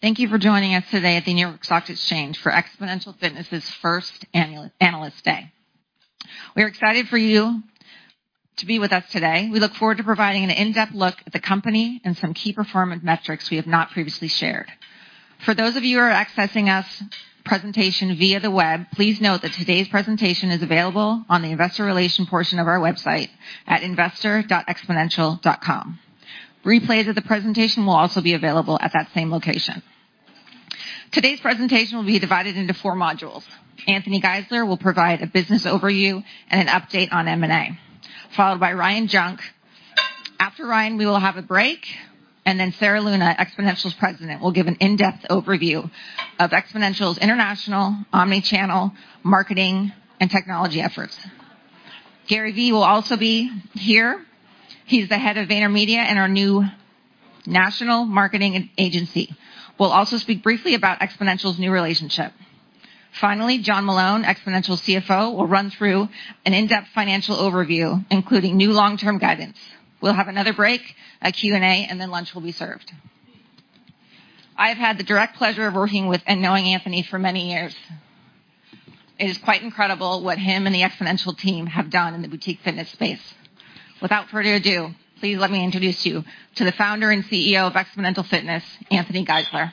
Thank you for joining us today at the New York Stock Exchange for Xponential Fitness's first annual Analyst Day. We are excited for you to be with us today. We look forward to providing an in-depth look at the company and some key performance metrics we have not previously shared. For those of you who are accessing our presentation via the web, please note that today's presentation is available on the investor relations portion of our website at investor.xponential.com. Replays of the presentation will also be available at that same location. Today's presentation will be divided into four modules. Anthony Geisler will provide a business overview and an update on M&A, followed by Ryan Junk. After Ryan, we will have a break, and then Sarah Luna, Xponential's President, will give an in-depth overview of Xponential's international, omni-channel, marketing, and technology efforts. Gary Vee will also be here. He's the head of VaynerMedia and our new national marketing agency. We'll also speak briefly about Xponential's new relationship. Finally, John Meloun, Xponential's CFO, will run through an in-depth financial overview, including new long-term guidance. We'll have another break, a Q&A, and then lunch will be served. I have had the direct pleasure of working with and knowing Anthony for many years. It is quite incredible what him and the Xponential team have done in the boutique fitness space. Without further ado, please let me introduce you to the founder and CEO of Xponential Fitness, Anthony Geisler.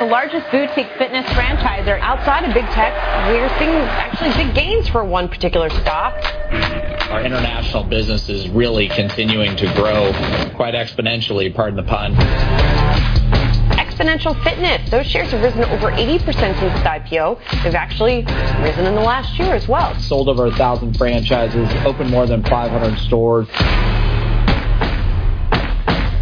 The largest boutique fitness franchisor outside of Big Tech, we are seeing actually big gains for one particular stock. Our international business is really continuing to grow quite exponentially, pardon the pun. Xponential Fitness, those shares have risen over 80% since the IPO, has actually risen in the last year as well. Sold over 1,000 franchises, opened more than 500 stores.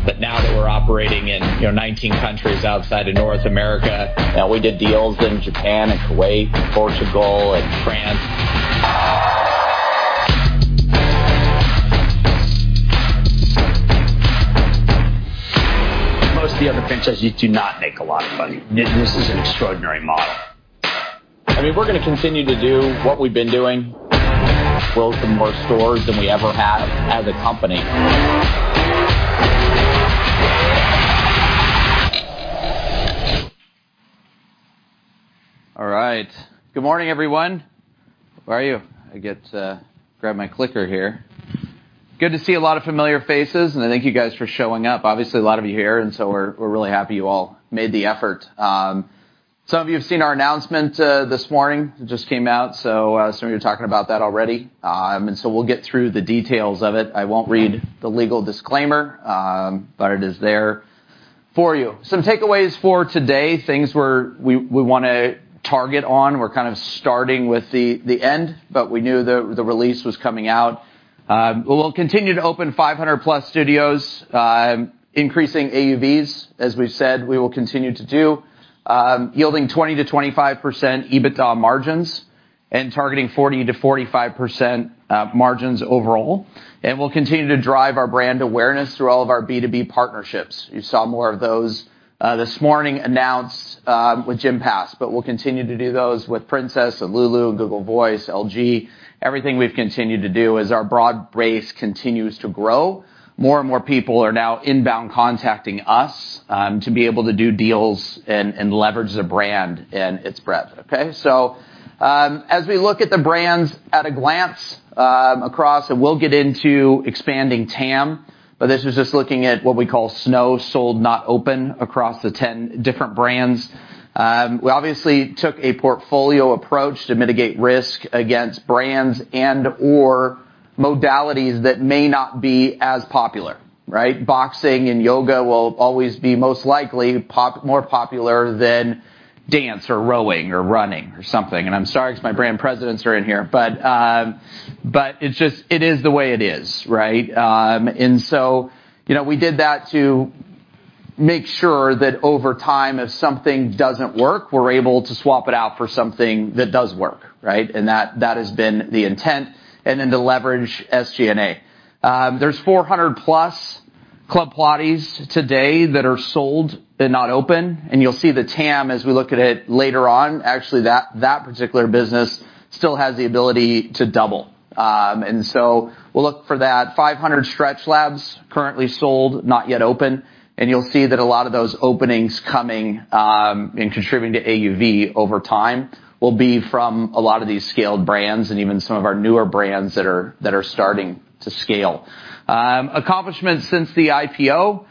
But now that we're operating in, you know, 19 countries outside of North America, now we did deals in Japan and Kuwait, Portugal and France. Most of the other franchises do not make a lot of money. This is an extraordinary model. I mean, we're gonna continue to do what we've been doing, open more stores than we ever have as a company. All right. Good morning, everyone. How are you? I get to grab my clicker here. Good to see a lot of familiar faces, and thank you guys for showing up. Obviously, a lot of you here, and so we're really happy you all made the effort. Some of you have seen our announcement this morning. It just came out, so some of you are talking about that already. And so we'll get through the details of it. I won't read the legal disclaimer, but it is there for you. Some takeaways for today, things we wanna target on. We're kind of starting with the end, but we knew the release was coming out. We'll continue to open 500+ studios, increasing AUVs, as we've said, we will continue to do, yielding 20%-25% EBITDA margins and targeting 40%-45% margins overall. And we'll continue to drive our brand awareness through all of our B2B partnerships. You saw more of those this morning announced with Gympass, but we'll continue to do those with Princess, Lulu, Google Voice, LG. Everything we've continued to do as our broad base continues to grow, more and more people are now inbound, contacting us to be able to do deals and leverage the brand and its breadth, okay? As we look at the brands at a glance across, and we'll get into expanding TAM, but this is just looking at what we call SNO, Sold Not Opened, across the 10 different brands. We obviously took a portfolio approach to mitigate risk against brands and or modalities that may not be as popular, right? Boxing and yoga will always be most likely more popular than dance or rowing or running or something. And I'm sorry, because my brand presidents are in here, but, but it's just. It is the way it is, right? And so, you know, we did that to make sure that over time, if something doesn't work, we're able to swap it out for something that does work, right? And that, that has been the intent, and then to leverage SG&A. There's 400+ Club Pilates today that are sold and not open, and you'll see the TAM as we look at it later on. Actually, that, that particular business still has the ability to double. And so we'll look for that 500 StretchLabs currently sold, not yet open, and you'll see that a lot of those openings coming and contributing to AUV over time will be from a lot of these scaled brands and even some of our newer brands that are starting to scale. Accomplishments since the IPO,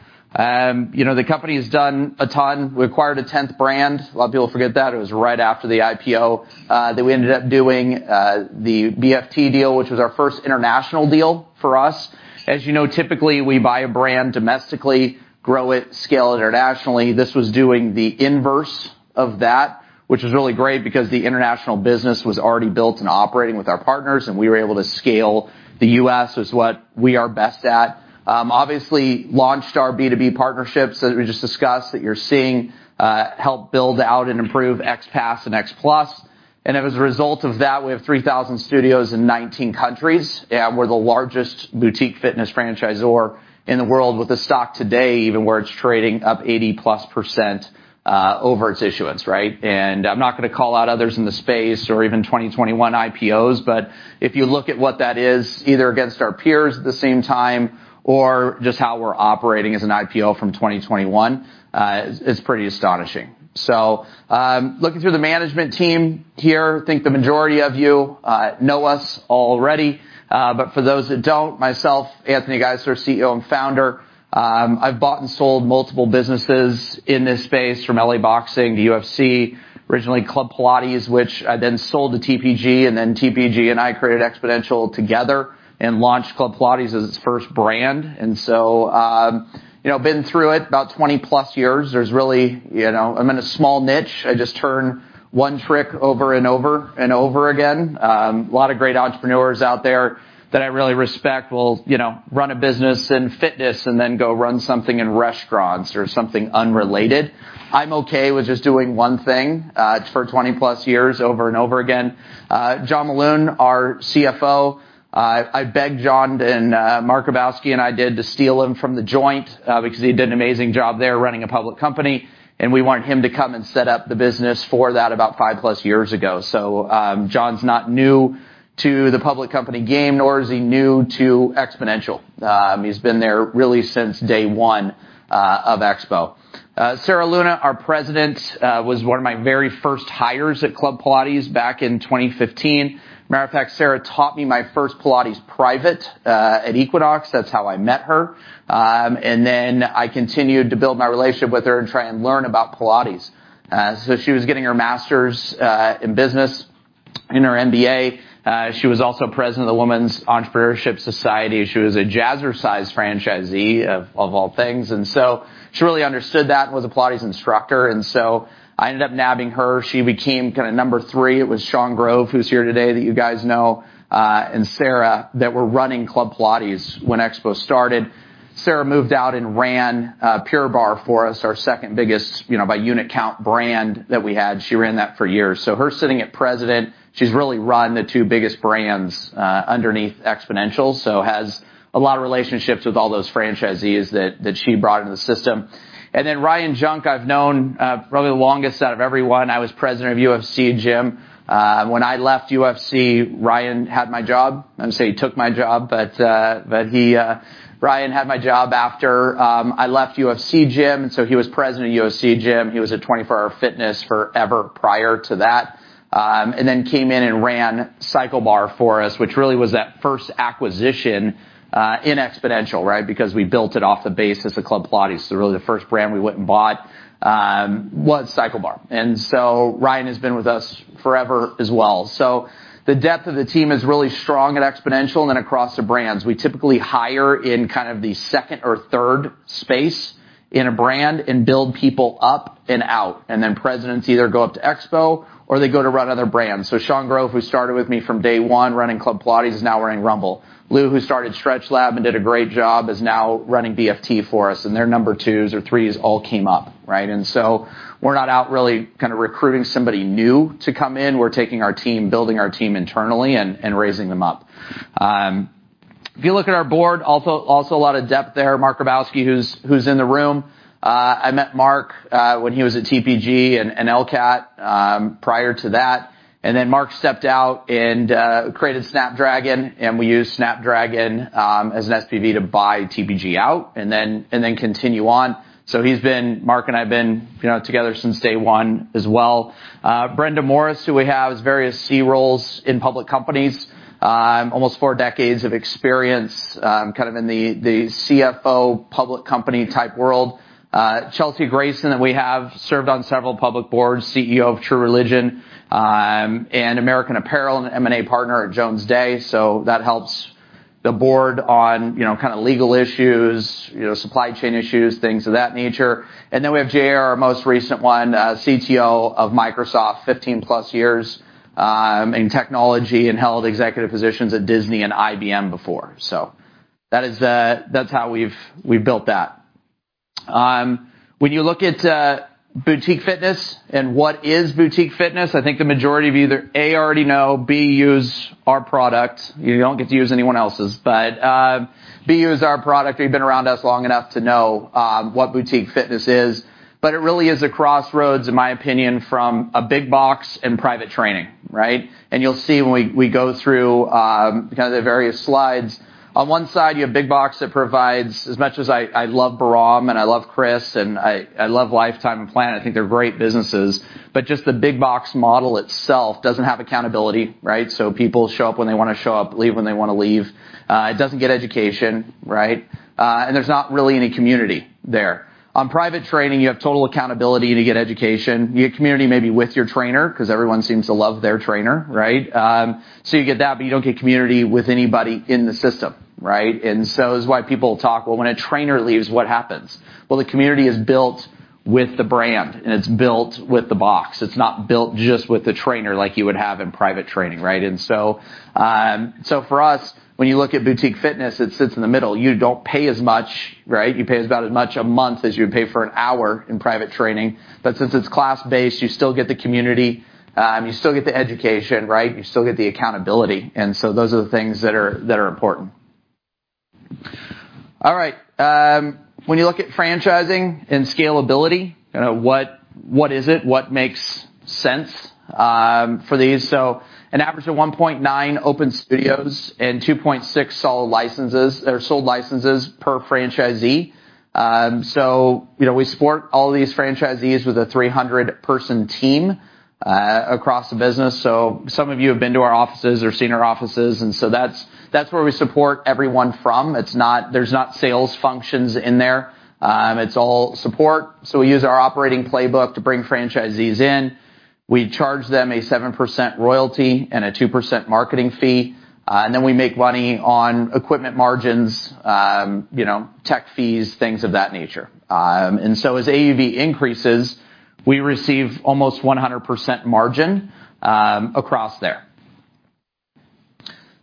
you know, the company has done a ton. We acquired a 10th brand. A lot of people forget that. It was right after the IPO that we ended up doing the BFT deal, which was our first international deal for us. As you know, typically, we buy a brand domestically, grow it, scale it internationally. This was doing the inverse of that, which is really great because the international business was already built and operating with our partners, and we were able to scale. The U.S. is what we are best at. Obviously, launched our B2B partnerships, as we just discussed, that you're seeing help build out and improve XPASS and XPLU.S. And as a result of that, we have 3,000 studios in 19 countries, and we're the largest boutique fitness franchisor in the world, with the stock today, even where it's trading up 80+% over its issuance, right? And I'm not gonna call out others in the space or even 2021 IPOs, but if you look at what that is, either against our peers at the same time or just how we're operating as an IPO from 2021, it's pretty astonishing. So, looking through the management team here, I think the majority of you know us already, but for those that don't, myself, Anthony Geisler, CEO and founder, I've bought and sold multiple businesses in this space, from L.A. Boxing to UFC, originally Club Pilates, which I then sold to TPG, and then TPG and I created Xponential together and launched Club Pilates as its first brand. And so, you know, been through it about 20+ years. There's really. You know, I'm in a small niche. I just turn one trick over and over and over again. A lot of great entrepreneurs out there that I really respect will, you know, run a business in fitness and then go run something in restaurants or something unrelated. I'm okay with just doing one thing, for 20+ years over and over again. John Meloun, our CFO, I begged John and Mark Grabowski, and I did, to steal him from The Joint, because he did an amazing job there running a public company, and we wanted him to come and set up the business for that about 5+ years ago. So, John's not new to the public company game, nor is he new to Xponential. He's been there really since day one of Expo. Sarah Luna, our president, was one of my very first hires at Club Pilates back in 2015. Matter of fact, Sarah taught me my first Pilates private at Equinox. That's how I met her. And then I continued to build my relationship with her and try and learn about Pilates. So she was getting her master's in business, in her MBA. She was also President of the Women's Entrepreneurship Society. She was a Jazzercise franchisee, of, of all things. And so she really understood that and was a Pilates instructor, and so I ended up nabbing her. She became kinda number three. It was Shaun Grove, who's here today, that you guys know, and Sarah, that were running Club Pilates when Xponential started. Sarah moved out and ran, Pure Barre for us, our second biggest, you know, by unit count, brand that we had. She ran that for years. So her sitting at president, she's really run the two biggest brands, underneath Xponential, so has a lot of relationships with all those franchisees that, that she brought into the system. And then Ryan Junk, I've known, probably the longest out of everyone. I was President of UFC Gym. When I left UFC, Ryan had my job. I don't want to say he took my job, but, but he, Ryan had my job after, I left UFC Gym, and so he was president of UFC Gym. He was at 24 Hour Fitness forever prior to that, and then came in and ran CycleBar for us, which really was that first acquisition, in Xponential, right? Because we built it off the base as a Club Pilates. So really, the first brand we went and bought, was CycleBar. And so Ryan has been with us forever as well. So the depth of the team is really strong at Xponential and then across the brands. We typically hire in kind of the second or third space in a brand and build people up and out, and then presidents either go up to Xpo, or they go to run other brands. So Shaun Grove, who started with me from day one, running Club Pilates, is now running Rumble. Lou, who started StretchLab and did a great job, is now running BFT for us, and their number twos or threes all came up, right? And so we're not out really kinda recruiting somebody new to come in. We're taking our team, building our team internally, and raising them up. If you look at our board, also a lot of depth there. Mark Grabowski, who's in the room. I met Mark when he was at TPG and LCAT, prior to that. And then Mark stepped out and created Snapdragon, and we used Snapdragon as an SPV to buy TPG out and then continue on. So he's been. Mark and I have been, you know, together since day one as well. Brenda Morris, who we have, has various C roles in public companies, almost four decades of experience, kind of in the CFO, public company-type world. Chelsea Grayson, that we have, served on several public boards, CEO of True Religion, and American Apparel, and an M&A partner at Jones Day. So that helps the board on, you know, kinda legal issues, you know, supply chain issues, things of that nature. And then we have Jay, our most recent one, CTO of Microsoft, 15+ years in technology and held executive positions at Disney and IBM before. So that is, that's how we've, we've built that. When you look at, boutique fitness and what is boutique fitness, I think the majority of you either, A, already know, B, use our product. You don't get to use anyone else's, but, B, use our product, or you've been around us long enough to know, what boutique fitness is. But it really is a crossroads, in my opinion, from a big box and private training, right? And you'll see when we, we go through, kind of the various slides. On one side, you have big box that provides. As much as I, I love Bahram and I love Chris, and I, I love Life Time and Planet Fitness, I think they're great businesses, but just the big box model itself doesn't have accountability, right? So people show up when they wanna show up, leave when they wanna leave. It doesn't get education, right? And there's not really any community there. On private training, you have total accountability to get education. You get community maybe with your trainer, 'cause everyone seems to love their trainer, right? So you get that, but you don't get community with anybody in the system, right? And so this is why people talk, "Well, when a trainer leaves, what happens?" Well, the community is built with the brand, and it's built with the box. It's not built just with the trainer, like you would have in private training, right? So for us, when you look at boutique fitness, it sits in the middle. You don't pay as much, right? You pay about as much a month as you would pay for an hour in private training, but since it's class-based, you still get the community, you still get the education, right? You still get the accountability, and so those are the things that are important. All right. When you look at franchising and scalability, you know, what, what is it? What makes sense, for these? So an average of 1.9 open studios and 2.6 sold licenses or sold licenses per franchisee. So, you know, we support all these franchisees with a 300-person team, across the business. So some of you have been to our offices or seen our offices, and so that's, that's where we support everyone from. It's not. There's not sales functions in there. It's all support. So we use our operating playbook to bring franchisees in. We charge them a 7% royalty and a 2% marketing fee, and then we make money on equipment margins, you know, tech fees, things of that nature. And so as AUV increases, we receive almost 100% margin across there.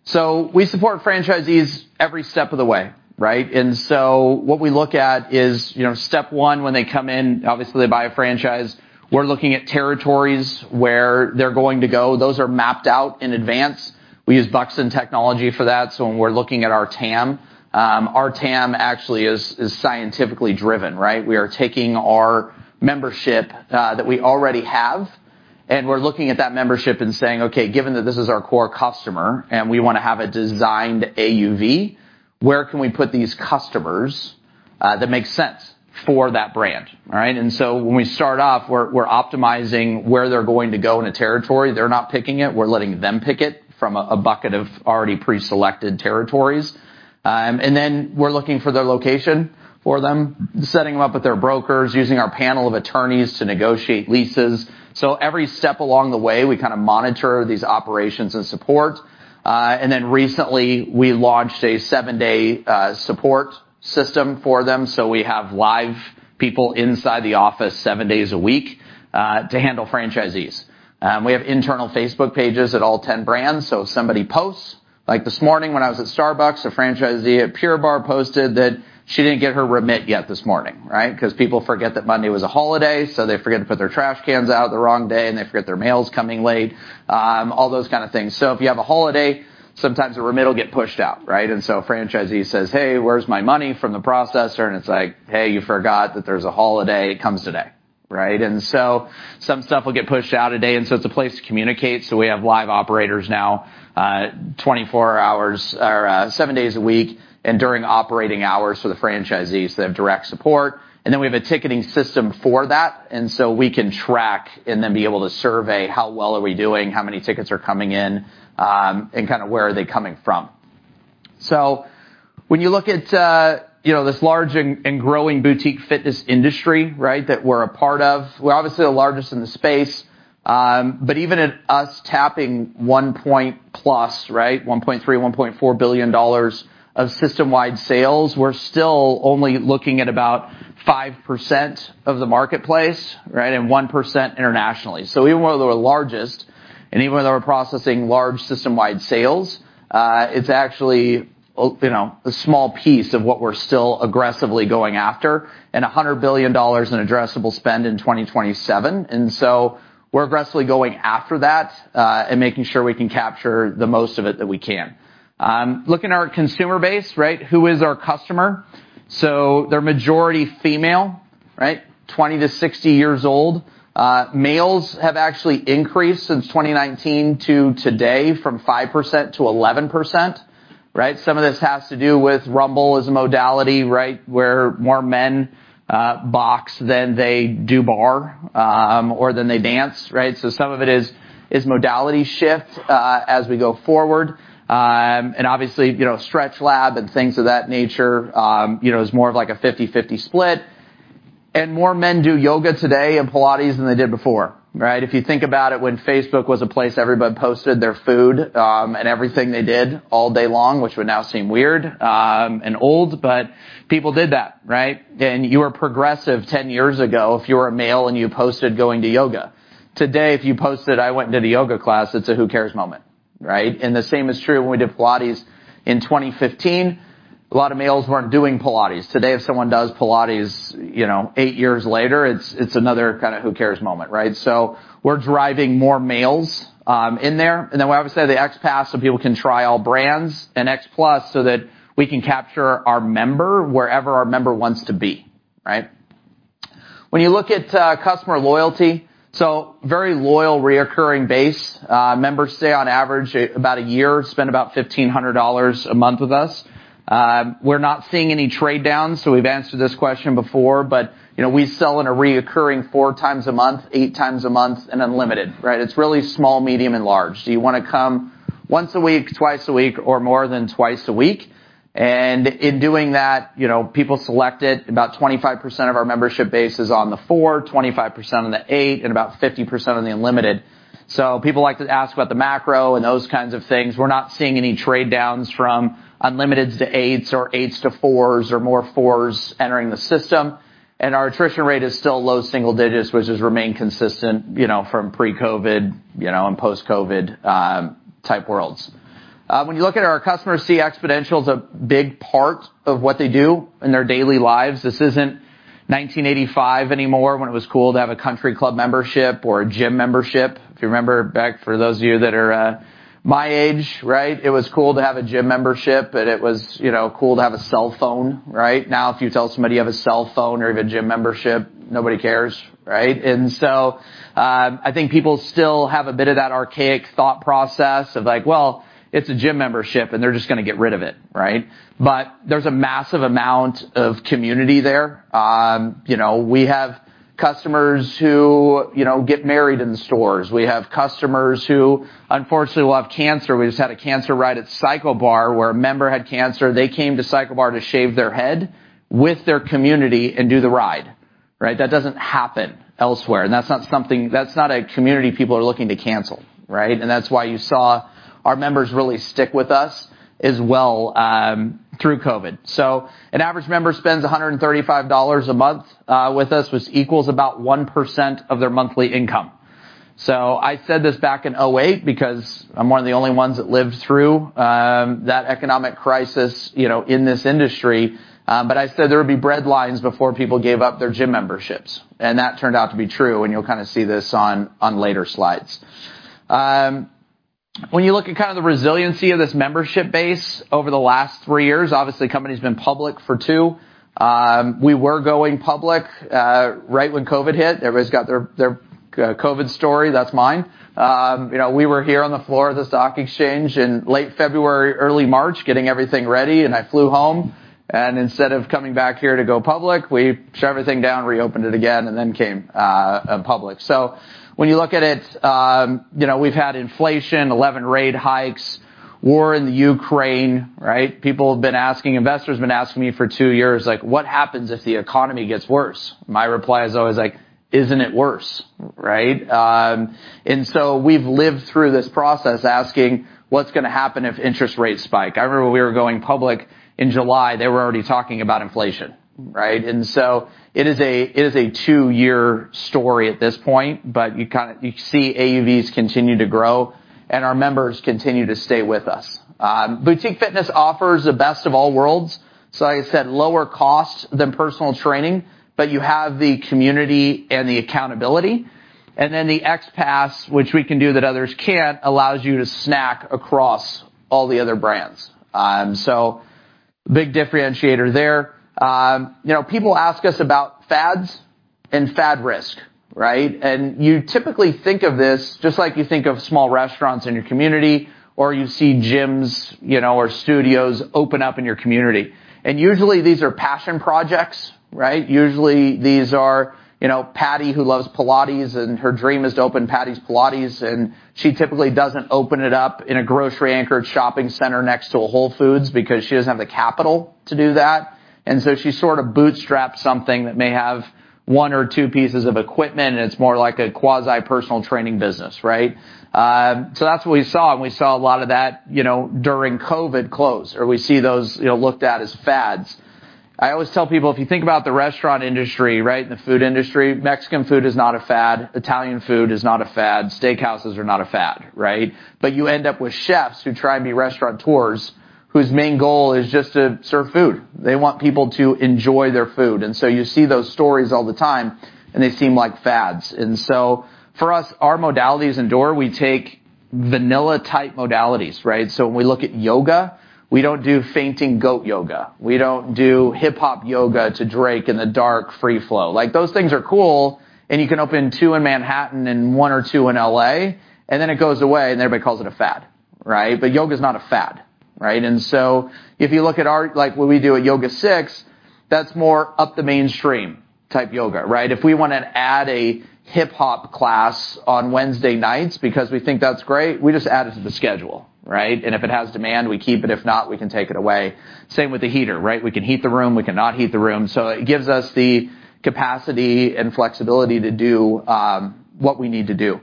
So we support franchisees every step of the way, right? And so what we look at is, you know, step one, when they come in, obviously, they buy a franchise. We're looking at territories where they're going to go. Those are mapped out in advance. We use Buxton for that. So when we're looking at our TAM, our TAM actually is scientifically driven, right? We are taking our membership that we already have, and we're looking at that membership and saying, "Okay, given that this is our core customer, and we want to have a designed AUV, where can we put these customers that make sense for that brand?" All right? And so when we start off, we're optimizing where they're going to go in a territory. They're not picking it. We're letting them pick it from a bucket of already preselected territories. And then we're looking for their location for them, setting them up with their brokers, using our panel of attorneys to negotiate leases. So every step along the way, we kind of monitor these operations and support. And then recently, we launched a 7-day support system for them, so we have live people inside the office 7 days a week to handle franchisees. We have internal Facebook pages at all 10 brands, so if somebody posts. Like this morning when I was at Starbucks, a franchisee at Pure Barre posted that she didn't get her remit yet this morning, right? Because people forget that Monday was a holiday, so they forget to put their trash cans out the wrong day, and they forget their mail's coming late, all those kind of things. So if you have a holiday, sometimes the remit will get pushed out, right? And so a franchisee says, "Hey, where's my money from the processor?" And it's like, "Hey, you forgot that there's a holiday. It comes today," right? And so some stuff will get pushed out a day, and so it's a place to communicate. So we have live operators now, 24 hours, seven days a week, and during operating hours for the franchisees, they have direct support. Then we have a ticketing system for that, and so we can track and then be able to survey how well are we doing, how many tickets are coming in, and kind of where are they coming from. So when you look at, you know, this large and growing boutique fitness industry, right, that we're a part of, we're obviously the largest in the space. But even at us tapping 1% plus, right, $1.3-$1.4 billion of system-wide sales, we're still only looking at about 5% of the marketplace, right, and 1% internationally. So even though we're the largest, and even though we're processing large system-wide sales, it's actually, you know, a small piece of what we're still aggressively going after, and $100 billion in addressable spend in 2027. So we're aggressively going after that, and making sure we can capture the most of it that we can. Looking at our consumer base, right, who is our customer? So they're majority female, right? 20-60 years old. Males have actually increased since 2019 to today from 5% to 11%, right? Some of this has to do with Rumble as a modality, right, where more men box than they do barre, or than they dance, right? So some of it is modality shift as we go forward. And obviously, you know, StretchLab and things of that nature, you know, is more of like a 50/50 split. And more men do yoga today and Pilates than they did before, right? If you think about it, when Facebook was a place everybody posted their food, and everything they did all day long, which would now seem weird, and old, but people did that, right? And you were progressive 10 years ago if you were a male and you posted going to yoga. Today, if you posted, "I went to the yoga class," it's a who cares moment, right? And the same is true when we did Pilates in 2015. A lot of males weren't doing Pilates. Today, if someone does Pilates, you know, 8 years later, it's, it's another kind of who cares moment, right? So we're driving more males in there. And then we obviously have the XPASS, so people can try all brands, and XPLU.S., so that we can capture our member wherever our member wants to be, right? When you look at customer loyalty, so very loyal, recurring base. Members stay on average about a year, spend about $1,500 a month with us. We're not seeing any trade downs, so we've answered this question before. But, you know, we sell in a recurring 4 times a month, 8 times a month, and unlimited, right? It's really small, medium, and large. Do you wanna come once a week, twice a week, or more than twice a week? And in doing that, you know, people select it. About 25% of our membership base is on the 4, 25% on the 8, and about 50% on the unlimited. So people like to ask about the macro and those kinds of things. We're not seeing any trade downs from unlimited to eights or eights to fours or more fours entering the system. Our attrition rate is still low single digits, which has remained consistent, you know, from pre-COVID, you know, and post-COVID type worlds. When you look at our customers see Xponential as a big part of what they do in their daily lives. This isn't 1985 anymore, when it was cool to have a country club membership or a gym membership. If you remember back, for those of you that are my age, right, it was cool to have a gym membership, but it was, you know, cool to have a cell phone, right? Now, if you tell somebody you have a cell phone or even a gym membership, nobody cares, right? I think people still have a bit of that archaic thought process of like, well, it's a gym membership, and they're just gonna get rid of it, right? But there's a massive amount of community there. You know, we have customers who, you know, get married in the stores. We have customers who, unfortunately, will have cancer. We just had a cancer ride at CycleBar, where a member had cancer. They came to CycleBar to shave their head with their community and do the ride, right? That doesn't happen elsewhere, and that's not something, that's not a community people are looking to cancel, right? And that's why you saw our members really stick with us as well, through COVID. So an average member spends $135 a month with us, which equals about 1% of their monthly income. So I said this back in 2008, because I'm one of the only ones that lived through that economic crisis, you know, in this industry. But I said there would be breadlines before people gave up their gym memberships, and that turned out to be true, and you'll kinda see this on, on later slides. When you look at kind of the resiliency of this membership base over the last three years, obviously, the company's been public for two. We were going public right when COVID hit. Everybody's got their, their COVID story. That's mine. You know, we were here on the floor of the stock exchange in late February, early March, getting everything ready, and I flew home, and instead of coming back here to go public, we shut everything down, reopened it again, and then came public. So when you look at it, you know, we've had inflation, 11 rate hikes, war in the Ukraine, right? People have been asking. investors have been asking me for two years, like, "What happens if the economy gets worse?" My reply is always like: Isn't it worse, right? And so we've lived through this process, asking, "What's gonna happen if interest rates spike?" I remember when we were going public in July, they were already talking about inflation, right? And so it is a, it is a two-year story at this point, but you kind of- you see AUVs continue to grow, and our members continue to stay with us. Boutique fitness offers the best of all worlds. So like I said, lower costs than personal training, but you have the community and the accountability, and then the XPASS, which we can do that others can't, allows you to access across all the other brands. So big differentiator there. You know, people ask us about fads and fad risk, right? And you typically think of this just like you think of small restaurants in your community, or you see gyms, you know, or studios open up in your community. And usually these are passion projects, right? Usually, these are, you know, Patty, who loves Pilates, and her dream is to open Patty's Pilates, and she typically doesn't open it up in a grocery-anchored shopping center next to a Whole Foods because she doesn't have the capital to do that. And so she sort of bootstraps something that may have one or two pieces of equipment, and it's more like a quasi-personal training business, right? So that's what we saw, and we saw a lot of that, you know, during COVID close, or we see those, you know, looked at as fads. I always tell people, if you think about the restaurant industry, right, and the food industry, Mexican food is not a fad, Italian food is not a fad, steakhouses are not a fad, right? But you end up with chefs who try and be restaurateurs, whose main goal is just to serve food. They want people to enjoy their food, and so you see those stories all the time, and they seem like fads. And so for us, our modalities indoor, we take vanilla-type modalities, right? So when we look at yoga, we don't do fainting goat yoga. We don't do hip-hop yoga to Drake in the dark, free flow. Like, those things are cool, and you can open 2 in Manhattan and 1 or 2 in L.A., and then it goes away, and everybody calls it a fad, right? But yoga is not a fad, right? And so if you look at our—like, when we do a YogaSix, that's more up the mainstream type yoga, right? If we wanna add a hip-hop class on Wednesday nights because we think that's great, we just add it to the schedule, right? And if it has demand, we keep it. If not, we can take it away. Same with the heater, right? We can heat the room, we can not heat the room. So it gives us the capacity and flexibility to do what we need to do.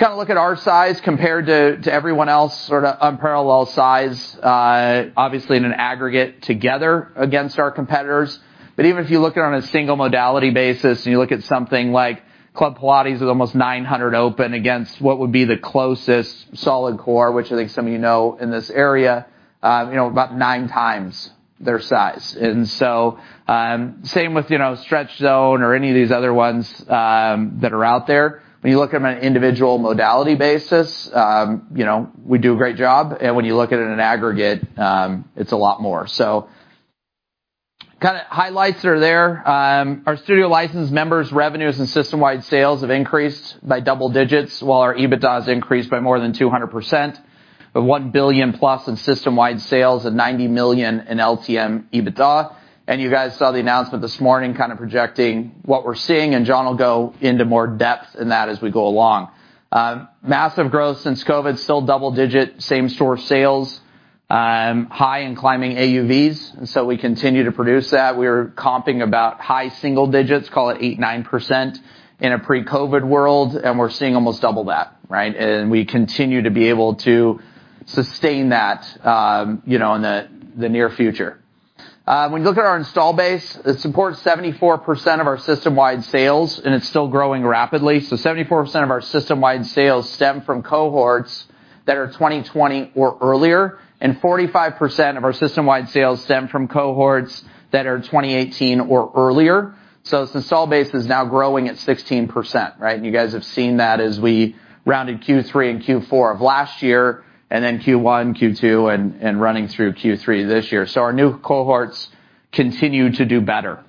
Kinda look at our size compared to everyone else, sort of unparalleled size, obviously in an aggregate together against our competitors. But even if you look at it on a single modality basis, and you look at something like Club Pilates with almost 900 open against what would be the closest Solidcore, which I think some of you know in this area, you know, about 9 times their size. And so, same with, you know, Stretch Zone or any of these other ones, that are out there. When you look at them on an individual modality basis, you know, we do a great job, and when you look at it in an aggregate, it's a lot more. So kinda highlights are there. Our studio licensed members, revenues, and system-wide sales have increased by double digits, while our EBITDA has increased by more than 200%, with $1 billion+ in system-wide sales and $90 million in LTM EBITDA. You guys saw the announcement this morning, kind of projecting what we're seeing, and John will go into more depth in that as we go along. Massive growth since COVID, still double-digit same-store sales, high and climbing AUVs, and so we continue to produce that. We are comping about high single digits, call it 8%-9% in a pre-COVID world, and we're seeing almost double that, right? We continue to be able to sustain that, you know, in the near future. When you look at our install base, it supports 74% of our system-wide sales, and it's still growing rapidly. So 74% of our system-wide sales stem from cohorts that are 2020 or earlier, and 45% of our system-wide sales stem from cohorts that are 2018 or earlier. So this install base is now growing at 16%, right? And you guys have seen that as we rounded Q3 and Q4 of last year, and then Q1, Q2, and running through Q3 this year. So our new cohorts continue to do better.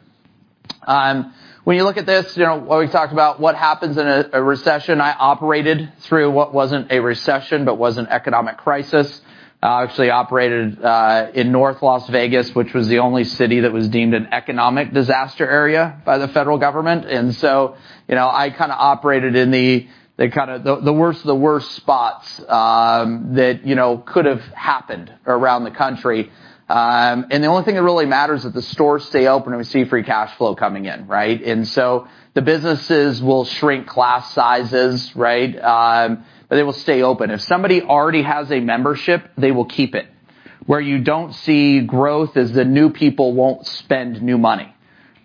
When you look at this, you know, when we talked about what happens in a recession, I operated through what wasn't a recession, but was an economic crisis. I actually operated in North Las Vegas, which was the only city that was deemed an economic disaster area by the federal government. And so, you know, I kinda operated in the worst spots that you know could have happened around the country. And the only thing that really matters is that the stores stay open, and we see free cash flow coming in, right? And so the businesses will shrink class sizes, right, but they will stay open. If somebody already has a membership, they will keep it. Where you don't see growth is the new people won't spend new money,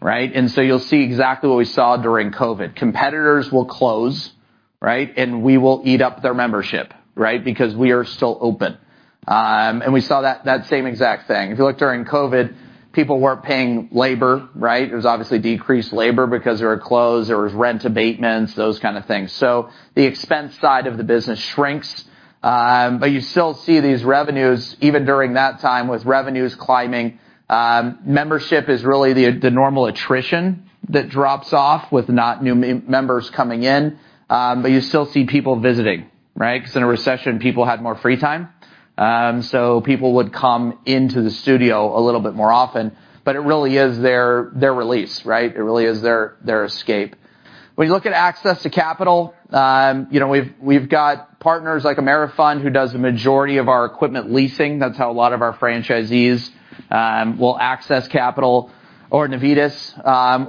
right? And so you'll see exactly what we saw during COVID. Competitors will close, right? And we will eat up their membership, right? Because we are still open. And we saw that same exact thing. If you look during COVID, people weren't paying labor, right? There was obviously decreased labor because they were closed. There was rent abatements, those kind of things. So the expense side of the business shrinks, but you still see these revenues, even during that time, with revenues climbing. Membership is really the, the normal attrition that drops off with not new members coming in, but you still see people visiting, right? Because in a recession, people had more free time. So people would come into the studio a little bit more often, but it really is their, their release, right? It really is their, their escape. When you look at access to capital, you know, we've got partners like Amerifund, who does the majority of our equipment leasing. That's how a lot of our franchisees will access capital or Navitas,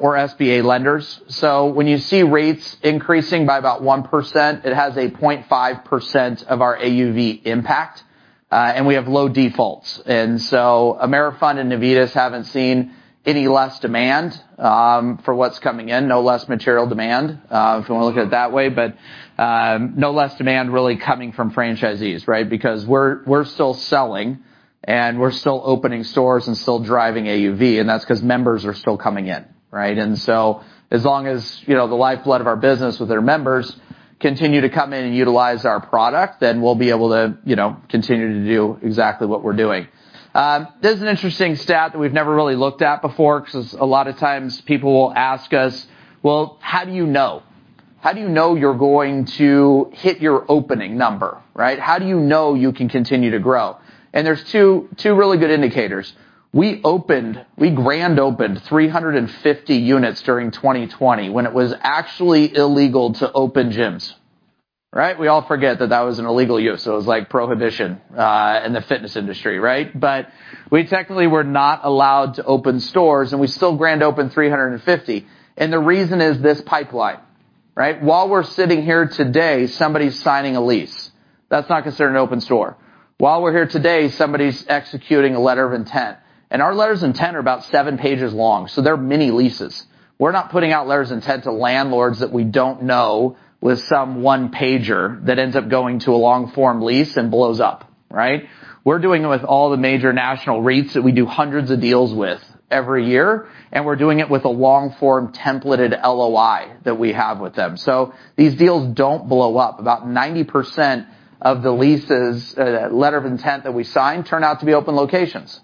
or SBA lenders. So when you see rates increasing by about 1%, it has a 0.5% of our AUV impact, and we have low defaults. And so Amerifund and Navitas haven't seen any less demand for what's coming in, no less material demand, if you wanna look at it that way. But, no less demand really coming from franchisees, right? Because we're, we're still selling, and we're still opening stores and still driving AUV, and that's 'cause members are still coming in, right? And so as long as, you know, the lifeblood of our business with our members continue to come in and utilize our product, then we'll be able to, you know, continue to do exactly what we're doing. This is an interesting stat that we've never really looked at before, 'cause a lot of times people will ask us: "Well, how do you know? How do you know you're going to hit your opening number, right? How do you know you can continue to grow?" And there's two, two really good indicators. We grand opened 350 units during 2020, when it was actually illegal to open gyms, right? We all forget that that was an illegal use, so it was like prohibition in the fitness industry, right? But we technically were not allowed to open stores, and we still grand opened 350. And the reason is this pipeline, right? While we're sitting here today, somebody's signing a lease. That's not considered an open store. While we're here today, somebody's executing a letter of intent, and our letters of intent are about 7 pages long, so they're mini leases. We're not putting out letters of intent to landlords that we don't know with some 1-pager that ends up going to a long-form lease and blows up, right? We're doing it with all the major national rates that we do hundreds of deals with every year, and we're doing it with a long-form templated LOI that we have with them. So these deals don't blow up. About 90% of the leases, letter of intent that we sign, turn out to be open locations.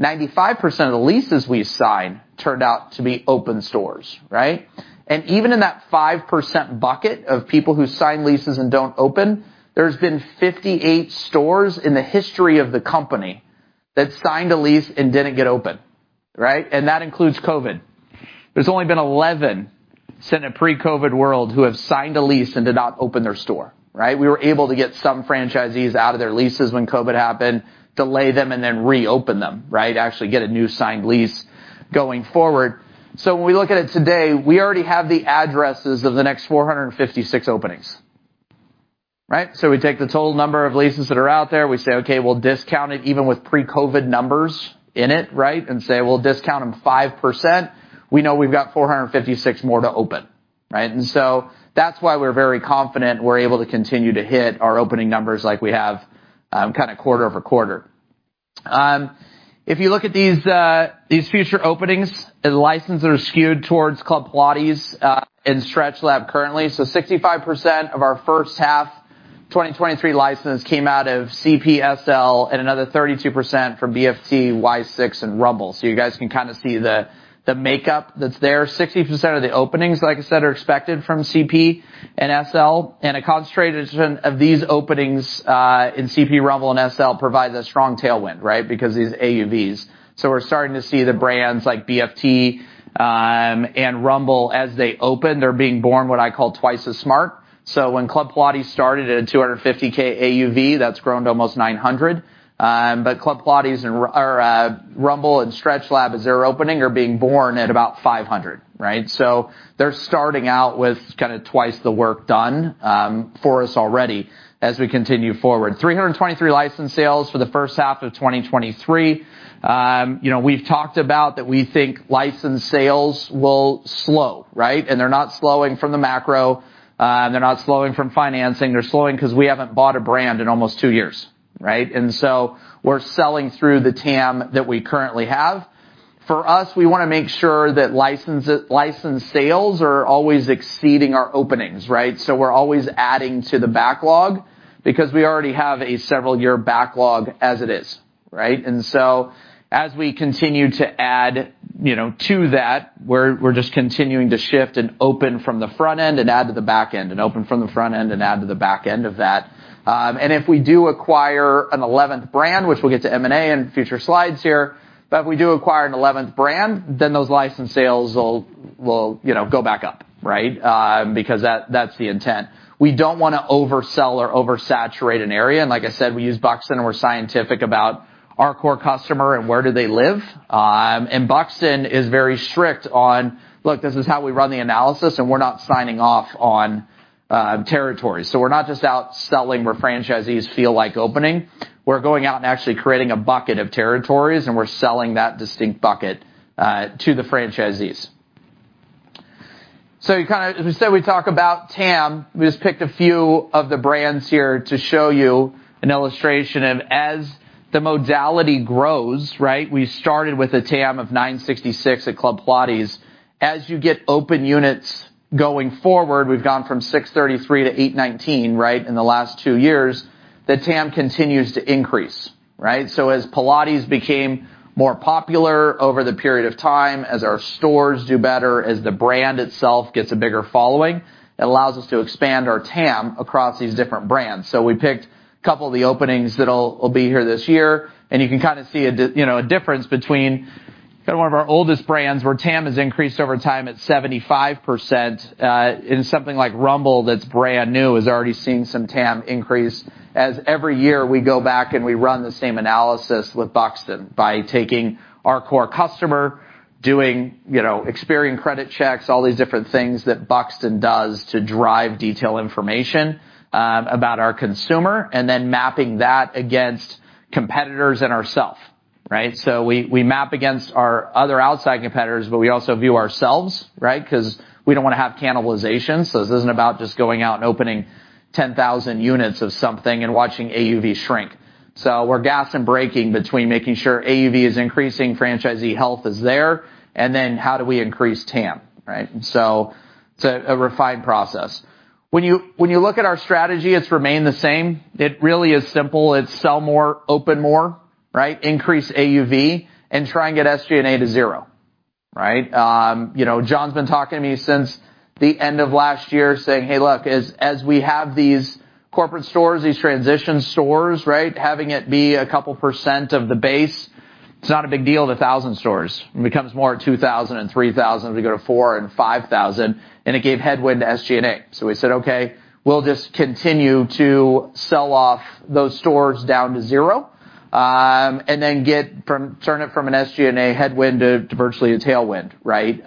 95% of the leases we sign turned out to be open stores, right? And even in that 5% bucket of people who sign leases and don't open, there's been 58 stores in the history of the company that signed a lease and didn't get open, right? And that includes COVID. There's only been 11 since in a pre-COVID world who have signed a lease and did not open their store, right? We were able to get some franchisees out of their leases when COVID happened, delay them, and then reopen them, right? Actually, get a new signed lease going forward. So when we look at it today, we already have the addresses of the next 456 openings, right? So we take the total number of leases that are out there. We say, "Okay, we'll discount it even with pre-COVID numbers in it, right?" And say, "We'll discount them 5%." We know we've got 456 more to open, right? And so that's why we're very confident we're able to continue to hit our opening numbers like we have, kinda quarter-over-quarter. If you look at these future openings, the licenses are skewed towards Club Pilates and StretchLab currently. So 65% of our first half 2023 license came out of CPSL, and another 32% from BFT, Y-6, and Rumble. So you guys can kinda see the makeup that's there. 60% of the openings, like I said, are expected from CP and SL, and a concentration of these openings in CP, Rumble, and SL provides a strong tailwind, right? Because of these AUVs. So we're starting to see the brands like BFT, and Rumble as they open. They're being born, what I call twice as smart. So when Club Pilates started at a $250,000 AUV, that's grown to almost $900,000. But Club Pilates and Rumble and StretchLab, as they're opening, are being born at about $500,000, right? So they're starting out with kinda twice the work done, for us already as we continue forward. 323 license sales for the first half of 2023. You know, we've talked about that we think license sales will slow, right? And they're not slowing from the macro, they're not slowing from financing. They're slowing 'cause we haven't bought a brand in almost two years, right? And so we're selling through the TAM that we currently have. For us, we wanna make sure that license sales are always exceeding our openings, right? So we're always adding to the backlog. because we already have a several year backlog as it is, right? And so as we continue to add, you know, to that, we're just continuing to shift and open from the front end and add to the back end, and open from the front end and add to the back end of that. And if we do acquire an 11th brand, which we'll get to M&A in future slides here, but if we do acquire an 11th brand, then those license sales will, you know, go back up, right? Because that, that's the intent. We don't wanna oversell or oversaturate an area, and like I said, we use Buxton, and we're scientific about our core customer and where do they live. And Buxton is very strict on, "Look, this is how we run the analysis, and we're not signing off on territories." So we're not just out selling where franchisees feel like opening. We're going out and actually creating a bucket of territories, and we're selling that distinct bucket to the franchisees. So you kinda, as we said, we talk about TAM. We just picked a few of the brands here to show you an illustration of as the modality grows, right? We started with a TAM of $966 at Club Pilates. As you get open units going forward, we've gone from $633 to $819, right, in the last two years, the TAM continues to increase, right? So as Pilates became more popular over the period of time, as our stores do better, as the brand itself gets a bigger following, it allows us to expand our TAM across these different brands. So we picked a couple of the openings that'll be here this year, and you can kind of see you know, a difference between kind of one of our oldest brands, where TAM has increased over time at 75%, in something like Rumble that's brand new, is already seeing some TAM increase. As every year, we go back and we run the same analysis with Buxton by taking our core customer, doing, you know, Experian credit checks, all these different things that Buxton does to drive detailed information, about our consumer, and then mapping that against competitors and ourselves, right? So we map against our other outside competitors, but we also view ourselves, right? Because we don't wanna have cannibalization, so this isn't about just going out and opening 10,000 units of something and watching AUV shrink. So we're gas and braking between making sure AUV is increasing, franchisee health is there, and then how do we increase TAM, right? So it's a refined process. When you look at our strategy, it's remained the same. It really is simple. It's sell more, open more, right? Increase AUV and try and get SG&A to zero, right? You know, John's been talking to me since the end of last year, saying: Hey, look, as we have these corporate stores, these transition stores, right, having it be a couple percent of the base, it's not a big deal to 1,000 stores. It becomes more 2,000 and 3,000 as we go to 4,000 and 5,000, and it gave headwind to SG&A. So we said, "Okay, we'll just continue to sell off those stores down to zero, and then turn it from an SG&A headwind to virtually a tailwind, right,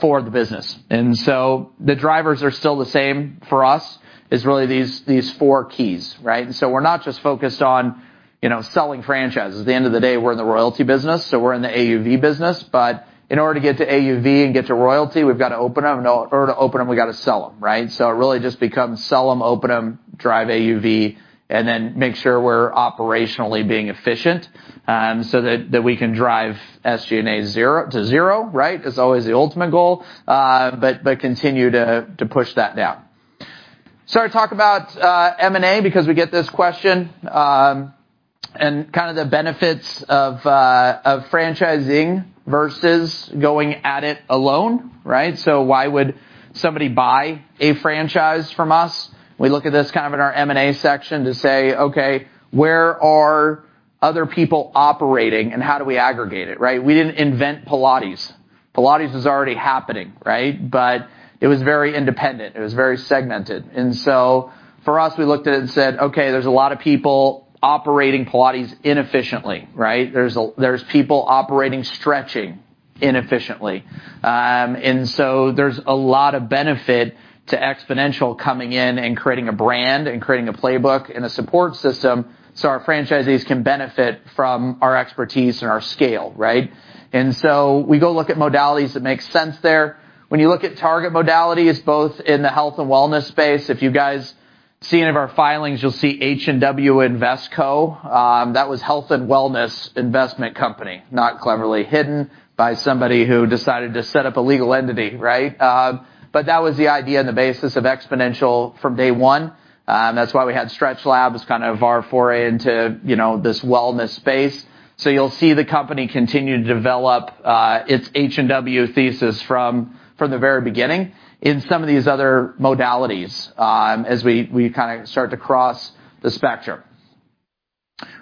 for the business." And so the drivers are still the same for us, is really these four keys, right? And so we're not just focused on, you know, selling franchises. At the end of the day, we're in the royalty business, so we're in the AUV business, but in order to get to AUV and get to royalty, we've got to open them, and in order to open them, we've got to sell them, right? So it really just becomes sell them, open them, drive AUV, and then make sure we're operationally being efficient, so that, that we can drive SG&A zero to zero, right? It's always the ultimate goal, but, but continue to, to push that down. So I talk about M&A because we get this question, and kind of the benefits of, of franchising versus going at it alone, right? So why would somebody buy a franchise from us? We look at this kind of in our M&A section to say, okay, where are other people operating, and how do we aggregate it, right? We didn't invent Pilates. Pilates was already happening, right? But it was very independent. It was very segmented. And so for us, we looked at it and said, "Okay, there's a lot of people operating Pilates inefficiently, right? There's people operating stretching inefficiently. And so there's a lot of benefit to Xponential coming in and creating a brand and creating a playbook and a support system, so our franchisees can benefit from our expertise and our scale, right? And so we go look at modalities that make sense there. When you look at target modalities, both in the health and wellness space, if you guys see any of our filings, you'll see H&W Investco. That was Health and Wellness Investment Company, not cleverly hidden by somebody who decided to set up a legal entity, right? But that was the idea and the basis of Xponential from day one. That's why we had StretchLab, as kind of our foray into, you know, this wellness space. So you'll see the company continue to develop its H&W thesis from the very beginning in some of these other modalities, as we kinda start to cross the spectrum.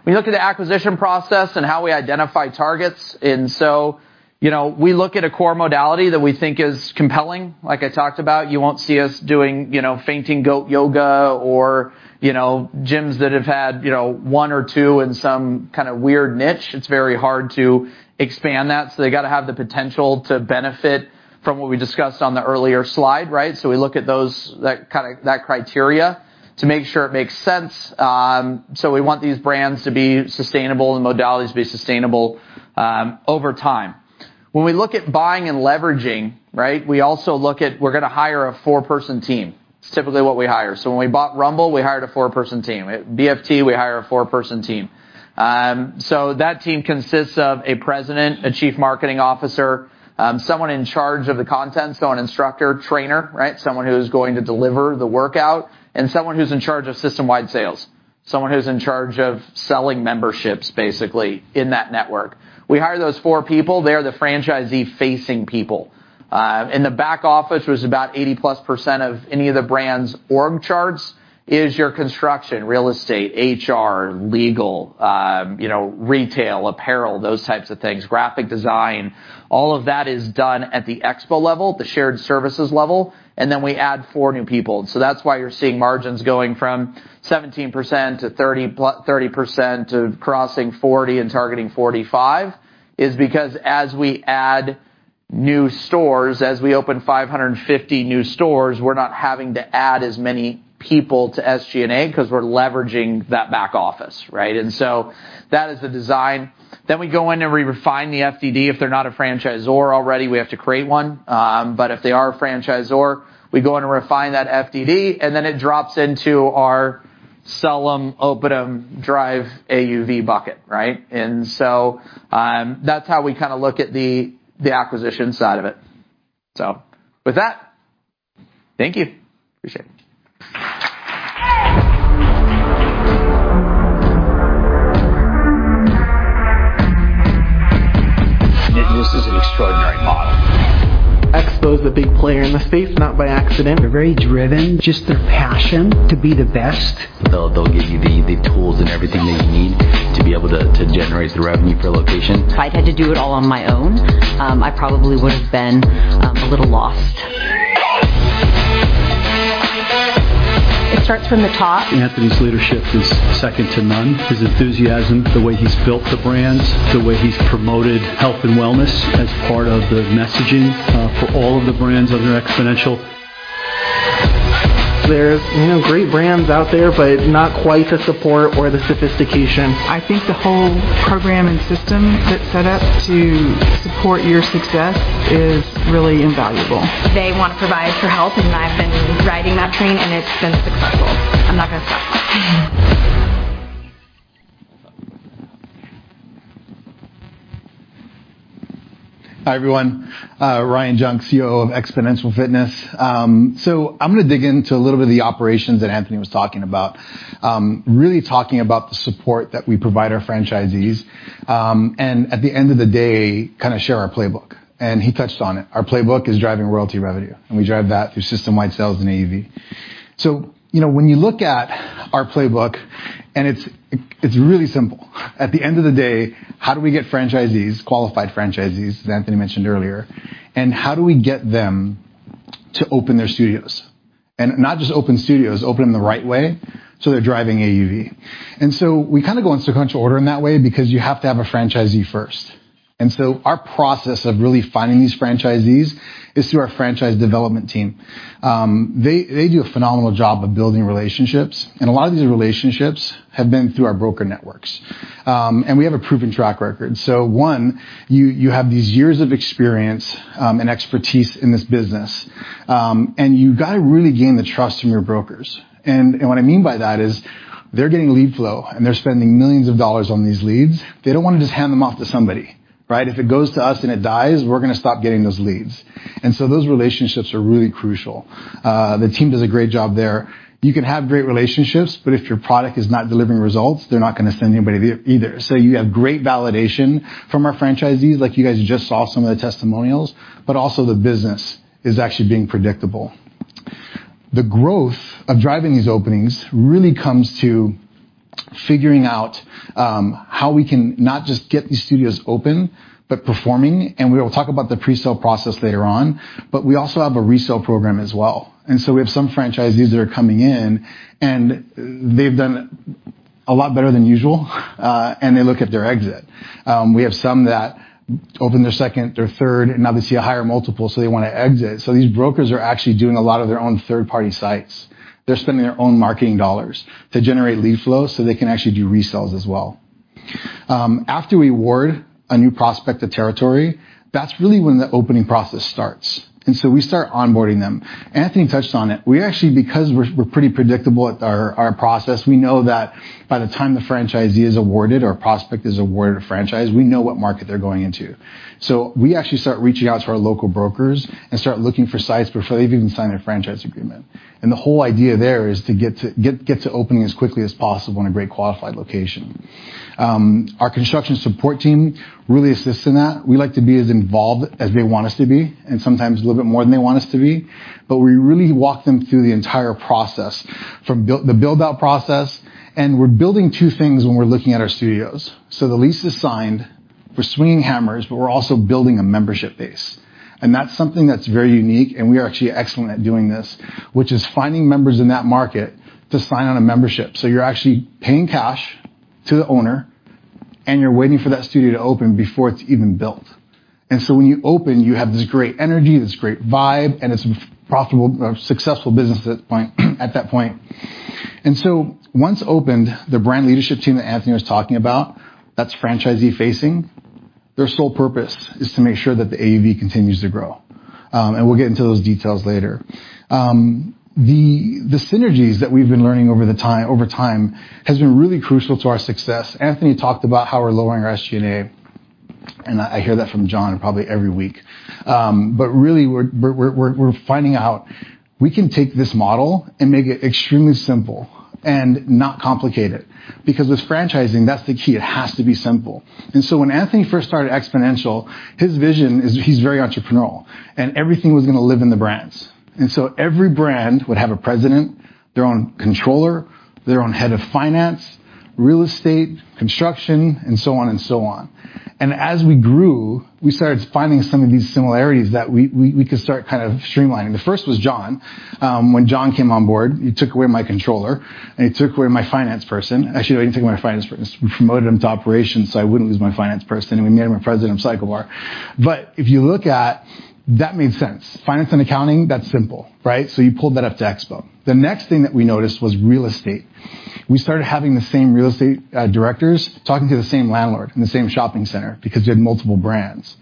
We look at the acquisition process and how we identify targets, and so, you know, we look at a core modality that we think is compelling. Like I talked about, you won't see us doing, you know, fainting goat yoga or, you know, gyms that have had, you know, one or two in some kind of weird niche. It's very hard to expand that, so they got to have the potential to benefit from what we discussed on the earlier slide, right? So we look at that kind of criteria to make sure it makes sense. So we want these brands to be sustainable and modalities to be sustainable over time. When we look at buying and leveraging, right, we also look at. We're gonna hire a four-person team. It's typically what we hire. So when we bought Rumble, we hired a four-person team. BFT, we hire a four-person team. So that team consists of a president, a chief marketing officer, someone in charge of the content, so an instructor, trainer, right? Someone who's going to deliver the workout and someone who's in charge of system-wide sales. someone who's in charge of selling memberships, basically, in that network. We hire those four people, they are the franchisee-facing people. In the back office, was about 80%+ of any of the brand's org charts, is your construction, real estate, HR, legal, you know, retail, apparel, those types of things, graphic design. All of that is done at the expo level, the shared services level, and then we add four new people. So that's why you're seeing margins going from 17% to 30%, to crossing 40% and targeting 45%, is because as we add new stores, as we open 550 new stores, we're not having to add as many people to SG&A because we're leveraging that back office, right? And so that is the design. Then we go in and we refine the FDD. If they're not a franchisor already, we have to create one. But if they are a franchisor, we go in and refine that FDD, and then it drops into our sell them, open them, drive AUV bucket, right? And so, that's how we kinda look at the, the acquisition side of it. So with that, thank you. Appreciate it. This is an extraordinary model. XPO's a big player in the space, not by accident. They're very driven. Just their passion to be the best. They'll give you the tools and everything that you need to be able to generate the revenue per location. If I'd had to do it all on my own, I probably would have been a little lost. It starts from the top. Anthony's leadership is second to none. His enthusiasm, the way he's built the brands, the way he's promoted health and wellness as part of the messaging, for all of the brands under Xponential. There's, you know, great brands out there, but not quite the support or the sophistication. I think the whole program and system that's set up to support your success is really invaluable. They want to provide for health, and I've been riding that train, and it's been successful. I'm not going to stop. Hi, everyone, Ryan Junk, COO of Xponential Fitness. So I'm gonna dig into a little bit of the operations that Anthony was talking about. Really talking about the support that we provide our franchisees, and at the end of the day, kinda share our playbook. And he touched on it. Our playbook is driving royalty revenue, and we drive that through system-wide sales and AUV. So, you know, when you look at our playbook, and it's really simple. At the end of the day, how do we get franchisees, qualified franchisees, as Anthony mentioned earlier, and how do we get them to open their studios? And not just open studios, open them the right way, so they're driving AUV. And so we kinda go in sequential order in that way because you have to have a franchisee first. So our process of really finding these franchisees is through our franchise development team. They do a phenomenal job of building relationships, and a lot of these relationships have been through our broker networks. We have a proven track record. So one, you have these years of experience and expertise in this business, and you've got to really gain the trust from your brokers. What I mean by that is, they're getting lead flow, and they're spending millions of dollars on these leads. They don't want to just hand them off to somebody, right? If it goes to us and it dies, we're gonna stop getting those leads. Those relationships are really crucial. The team does a great job there. You can have great relationships, but if your product is not delivering results, they're not gonna send anybody to you either. So you have great validation from our franchisees, like you guys just saw some of the testimonials, but also the business is actually being predictable. The growth of driving these openings really comes to figuring out how we can not just get these studios open, but performing, and we will talk about the presale process later on, but we also have a resale program as well. And so we have some franchisees that are coming in, and they've done a lot better than usual, and they look at their exit. We have some that open their second or third, and now they see a higher multiple, so they want to exit. So these brokers are actually doing a lot of their own third-party sites. They're spending their own marketing dollars to generate lead flow, so they can actually do resales as well. After we award a new prospect the territory, that's really when the opening process starts, and so we start onboarding them. Anthony touched on it. We actually, because we're pretty predictable at our process, we know that by the time the franchisee is awarded or a prospect is awarded a franchise, we know what market they're going into. So we actually start reaching out to our local brokers and start looking for sites before they've even signed a franchise agreement. And the whole idea there is to get to opening as quickly as possible in a great qualified location. Our construction support team really assists in that. We like to be as involved as they want us to be, and sometimes a little bit more than they want us to be, but we really walk them through the entire process, from the build-out process. We're building two things when we're looking at our studios. So the lease is signed, we're swinging hammers, but we're also building a membership base. And that's something that's very unique, and we are actually excellent at doing this, which is finding members in that market to sign on a membership. So you're actually paying cash to the owner, and you're waiting for that studio to open before it's even built. And so when you open, you have this great energy, this great vibe, and it's a profitable, successful business at that point, at that point. Once opened, the brand leadership team that Anthony was talking about, that's franchisee-facing, their sole purpose is to make sure that the AUV continues to grow. We'll get into those details later. The synergies that we've been learning over time has been really crucial to our success. Anthony talked about how we're lowering our SG&A. I hear that from John probably every week. But really, we're finding out we can take this model and make it extremely simple and not complicate it, because with franchising, that's the key. It has to be simple. When Anthony first started Xponential, his vision is he's very entrepreneurial, and everything was gonna live in the brands. So every brand would have a president, their own controller, their own head of finance, real estate, construction, and so on and so on. As we grew, we started finding some of these similarities that we could start kind of streamlining. The first was John. When John came on board, he took away my controller, and he took away my finance person. Actually, he didn't take my finance person. We promoted him to operations, so I wouldn't lose my finance person, and we made him a president of CycleBar. But if you look at. That made sense. Finance and accounting, that's simple, right? So you pulled that up to Expo. The next thing that we noticed was real estate. We started having the same real estate directors talking to the same landlord in the same shopping center because we had multiple brands.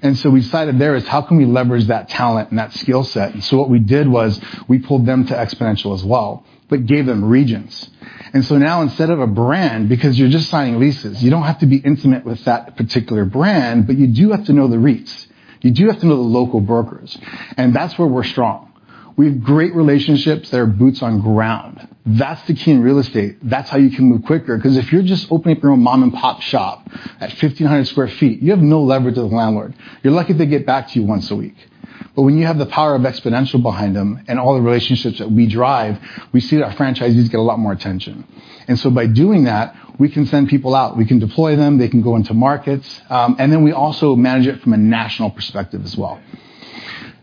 And so we decided, how can we leverage that talent and that skill set? And so what we did was we pulled them to Xponential as well, but gave them regions. And so now, instead of a brand, because you're just signing leases, you don't have to be intimate with that particular brand, but you do have to know the REITs. You do have to know the local brokers, and that's where we're strong. We have great relationships that are boots on ground. That's the key in real estate. That's how you can move quicker, because if you're just opening up your own mom-and-pop shop at 1,500 sq ft, you have no leverage with the landlord. You're lucky if they get back to you once a week. But when you have the power of Xponential behind them and all the relationships that we drive, we see that franchisees get a lot more attention. And so by doing that, we can send people out, we can deploy them, they can go into markets, and then we also manage it from a national perspective as well.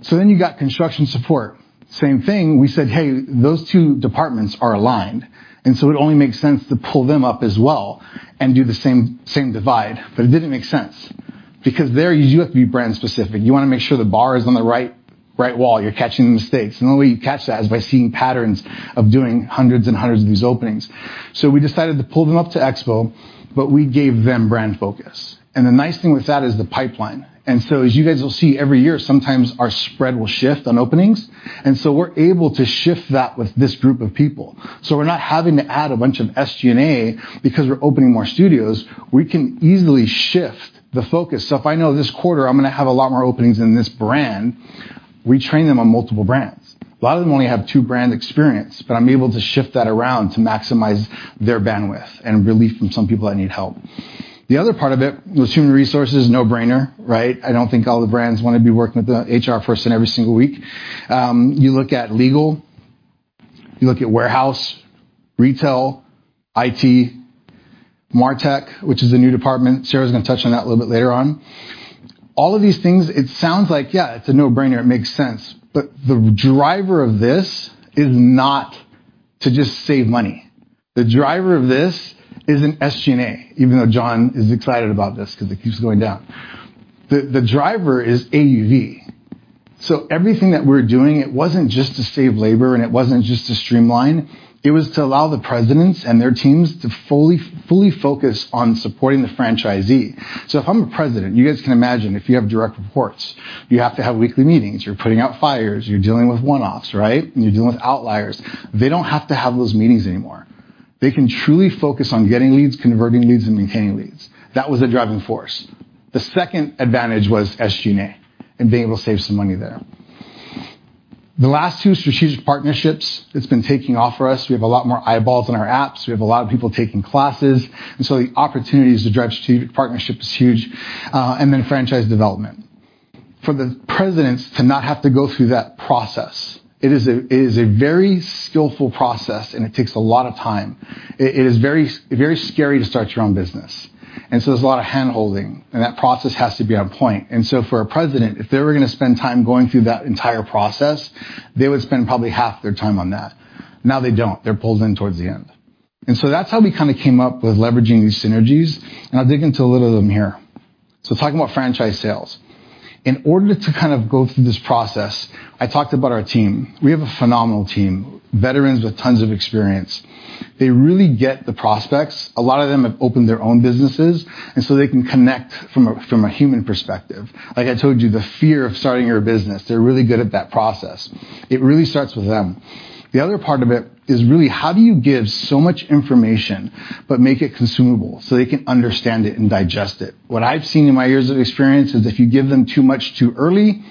So then you got construction support. Same thing, we said, "Hey, those two departments are aligned, and so it only makes sense to pull them up as well and do the same, same divide." But it didn't make sense because there you have to be brand specific. You wanna make sure the bar is on the right, right wall, you're catching the mistakes, and the only way you catch that is by seeing patterns of doing hundreds and hundreds of these openings. So we decided to pull them up to Expo, but we gave them brand focus. And the nice thing with that is the pipeline. And so as you guys will see, every year, sometimes our spread will shift on openings, and so we're able to shift that with this group of people. So we're not having to add a bunch of SG&A because we're opening more studios. We can easily shift the focus. So if I know this quarter, I'm gonna have a lot more openings in this brand, we train them on multiple brands. A lot of them only have two brand experience, but I'm able to shift that around to maximize their bandwidth and relief from some people that need help. The other part of it was human resources, no-brainer, right? I don't think all the brands wanna be working with the HR person every single week. You look at legal, you look at warehouse, retail, IT, MarTech, which is a new department. Sarah's gonna touch on that a little bit later on. All of these things, it sounds like, yeah, it's a no-brainer, it makes sense, but the driver of this is not to just save money. The driver of this isn't SG&A, even though John is excited about this because it keeps going down. The driver is AUV. So everything that we're doing, it wasn't just to save labor, and it wasn't just to streamline. It was to allow the presidents and their teams to fully, fully focus on supporting the franchisee. So if I'm a president, you guys can imagine, if you have direct reports, you have to have weekly meetings, you're putting out fires, you're dealing with one-offs, right? And you're dealing with outliers. They don't have to have those meetings anymore. They can truly focus on getting leads, converting leads, and maintaining leads. That was the driving force. The second advantage was SG&A and being able to save some money there. The last two, strategic partnerships. It's been taking off for us. We have a lot more eyeballs on our apps. We have a lot of people taking classes, and so the opportunities to drive strategic partnership is huge, and then franchise development. For the presidents to not have to go through that process, it is a, it is a very skillful process, and it takes a lot of time. It, it is very, very scary to start your own business, and so there's a lot of hand-holding, and that process has to be on point. And so for a president, if they were gonna spend time going through that entire process, they would spend probably half their time on that. Now they don't. They're pulled in towards the end. And so that's how we kind of came up with leveraging these synergies, and I'll dig into a little of them here. So talking about franchise sales. In order to kind of go through this process, I talked about our team. We have a phenomenal team, veterans with tons of experience. They really get the prospects. A lot of them have opened their own businesses, and so they can connect from a, from a human perspective. Like I told you, the fear of starting your own business, they're really good at that process. It really starts with them. The other part of it is really: how do you give so much information but make it consumable so they can understand it and digest it? What I've seen in my years of experience is, if you give them too much too early,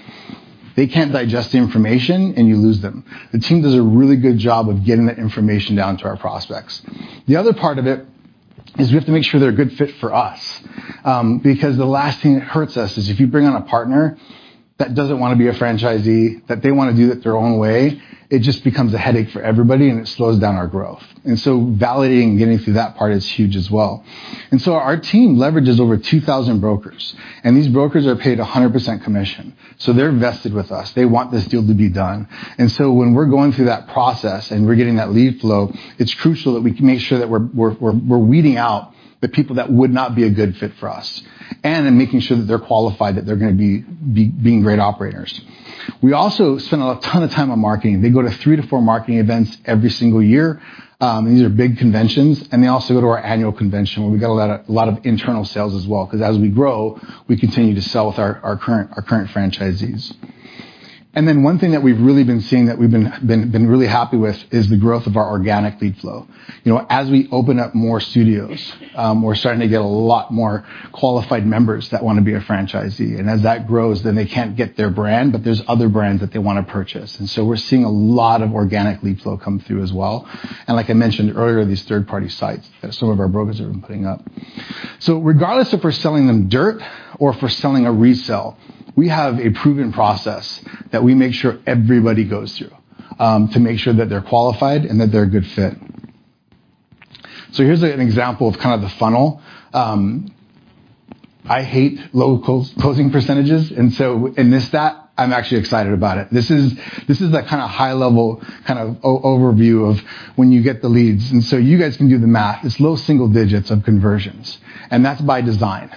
they can't digest the information, and you lose them. The team does a really good job of getting that information down to our prospects. The other part of it is we have to make sure they're a good fit for us, because the last thing that hurts us is if you bring on a partner that doesn't wanna be a franchisee, that they wanna do it their own way, it just becomes a headache for everybody, and it slows down our growth. And so validating and getting through that part is huge as well. Our team leverages over 2,000 brokers, and these brokers are paid 100% commission, so they're invested with us. They want this deal to be done. So when we're going through that process, and we're getting that lead flow, it's crucial that we can make sure that we're weeding out the people that would not be a good fit for us and in making sure that they're qualified, that they're gonna be great operators. We also spend a ton of time on marketing. They go to three to four marketing events every single year, and these are big conventions, and they also go to our annual convention, where we get a lot of internal sales as well, because as we grow, we continue to sell with our current franchisees. Then one thing that we've really been seeing, that we've been really happy with, is the growth of our organic lead flow. You know, as we open up more studios, we're starting to get a lot more qualified members that wanna be a franchisee. And as that grows, then they can't get their brand, but there's other brands that they wanna purchase. And so we're seeing a lot of organic lead flow come through as well, and like I mentioned earlier, these third-party sites that some of our brokers have been putting up. So regardless if we're selling them dirt or if we're selling a resale, we have a proven process that we make sure everybody goes through to make sure that they're qualified and that they're a good fit. So here's an example of kind of the funnel. I hate low closing percentages, and so in this stat, I'm actually excited about it. This is the kind of high-level overview of when you get the leads. And so you guys can do the math. It's low single digits of conversions, and that's by design.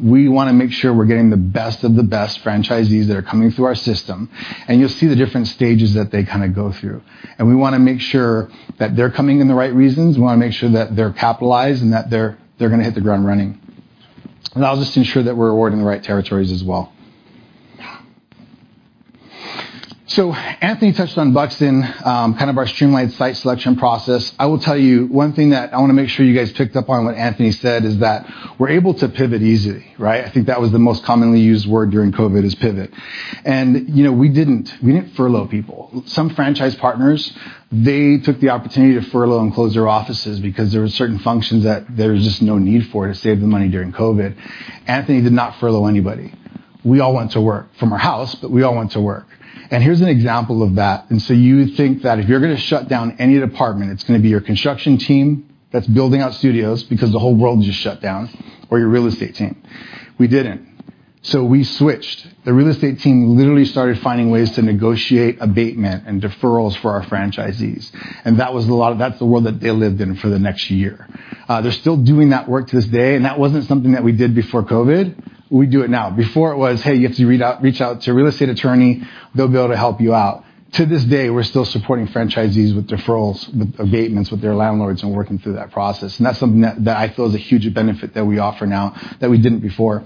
We wanna make sure we're getting the best of the best franchisees that are coming through our system, and you'll see the different stages that they kind of go through. We wanna make sure that they're coming in the right reasons. We wanna make sure that they're capitalized and that they're gonna hit the ground running. And that'll just ensure that we're awarding the right territories as well. So Anthony touched on Buxton, kind of our streamlined site selection process. I will tell you, one thing that I wanna make sure you guys picked up on what Anthony said, is that we're able to pivot easily, right? I think that was the most commonly used word during COVID, is pivot. And, you know, we didn't, we didn't furlough people. Some franchise partners, they took the opportunity to furlough and close their offices because there were certain functions that there was just no need for to save the money during COVID. Anthony did not furlough anybody. We all went to work, from our house, but we all went to work. And here's an example of that. And so you think that if you're gonna shut down any department, it's gonna be your construction team that's building out studios, because the whole world just shut down, or your real estate team. We didn't. So we switched. The real estate team literally started finding ways to negotiate abatement and deferrals for our franchisees, and that was a lot of. That's the world that they lived in for the next year. They're still doing that work to this day, and that wasn't something that we did before COVID; we do it now. Before it was, "Hey, you have to reach out to a real estate attorney, they'll be able to help you out." To this day, we're still supporting franchisees with deferrals, with abatements, with their landlords, and working through that process, and that's something that I feel is a huge benefit that we offer now that we didn't before.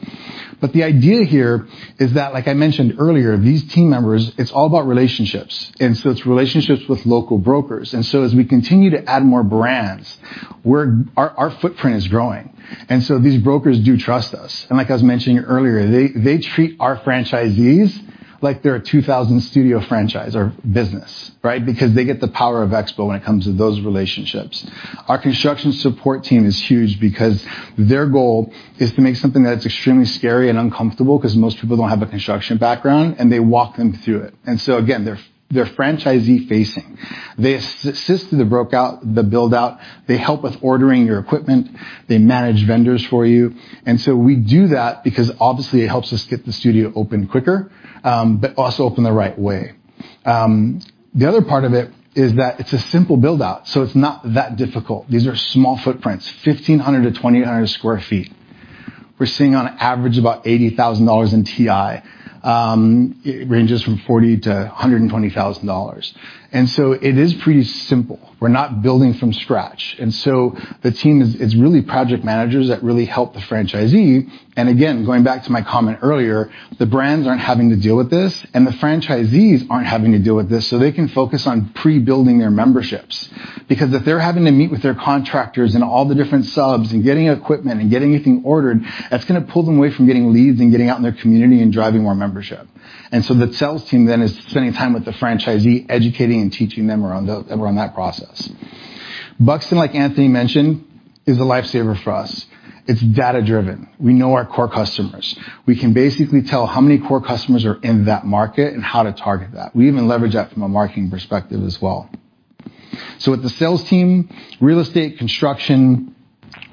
But the idea here is that, like I mentioned earlier, these team members, it's all about relationships, and so it's relationships with local brokers. And so as we continue to add more brands, our footprint is growing, and so these brokers do trust us. And like I was mentioning earlier, they treat our franchisees like they're a 2,000-studio franchise or business, right? Because they get the power of expo when it comes to those relationships. Our construction support team is huge because their goal is to make something that's extremely scary and uncomfortable, because most people don't have a construction background, and they walk them through it. So again, they're franchisee-facing. They assist with the build-out, they help with ordering your equipment, they manage vendors for you. So we do that because, obviously, it helps us get the studio open quicker, but also open the right way. The other part of it is that it's a simple build-out, so it's not that difficult. These are small footprints, 1,500-2,000 sq ft. We're seeing on average about $80,000 in TI. It ranges from $40,000-$120,000, and so it is pretty simple. We're not building from scratch, and so the team is; it's really project managers that really help the franchisee. And again, going back to my comment earlier, the brands aren't having to deal with this, and the franchisees aren't having to deal with this, so they can focus on pre-building their memberships. Because if they're having to meet with their contractors and all the different subs and getting equipment and getting everything ordered, that's gonna pull them away from getting leads and getting out in their community and driving more membership. And so the sales team then is spending time with the franchisee, educating and teaching them around that process. Buxton, like Anthony mentioned, is a lifesaver for us. It's data-driven. We know our core customers. We can basically tell how many core customers are in that market and how to target that. We even leverage that from a marketing perspective as well. So with the sales team, real estate, construction,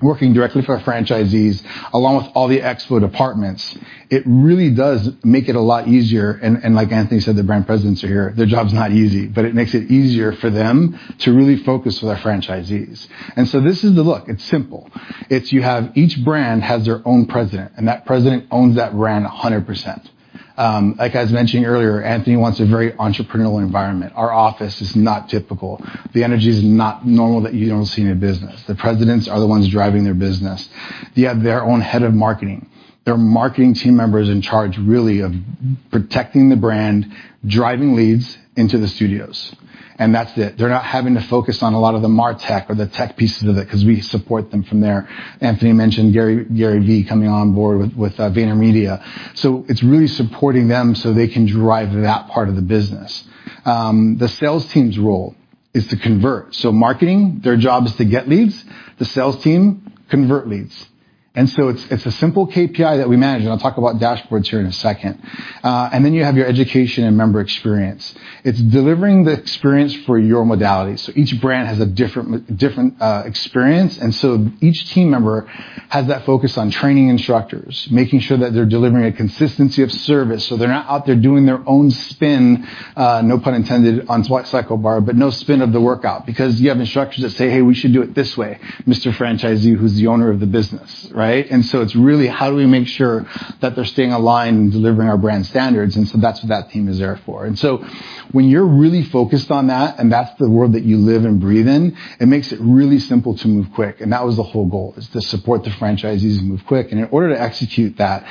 working directly with our franchisees, along with all the expo departments, it really does make it a lot easier. And like Anthony said, the brand presidents are here. Their job's not easy, but it makes it easier for them to really focus with our franchisees. And so this is the. Look, it's simple. It's you have each brand has their own president, and that president owns thaed percent brand a 100%. Like I was mentioning earlier, Anthony wants a very entrepreneurial environment. Our office is not typical. The energy is not normal that you don't see in a business. The presidents are the ones driving their business. They have their own head of marketing. Their marketing team member is in charge really of protecting the brand, driving leads into the studios, and that's it. They're not having to focus on a lot of the martech or the tech pieces of it, 'cause we support them from there. Anthony mentioned Gary, Gary Vee coming on board with, with, VaynerMedia. So it's really supporting them so they can drive that part of the business. The sales team's role is to convert. So marketing, their job is to get leads, the sales team, convert leads. And so it's, it's a simple KPI that we manage, and I'll talk about dashboards here in a second. And then you have your education and member experience. It's delivering the experience for your modality. So each brand has a different experience, and so each team member has that focus on training instructors, making sure that they're delivering a consistency of service, so they're not out there doing their own spin, no pun intended, on CycleBar, but no spin of the workout. Because you have instructors that say, "Hey, we should do it this way," Mr. Franchisee, who's the owner of the business, right? And so it's really how do we make sure that they're staying aligned and delivering our brand standards, and so that's what that team is there for. And so when you're really focused on that, and that's the world that you live and breathe in, it makes it really simple to move quick, and that was the whole goal, is to support the franchisees and move quick. In order to execute that,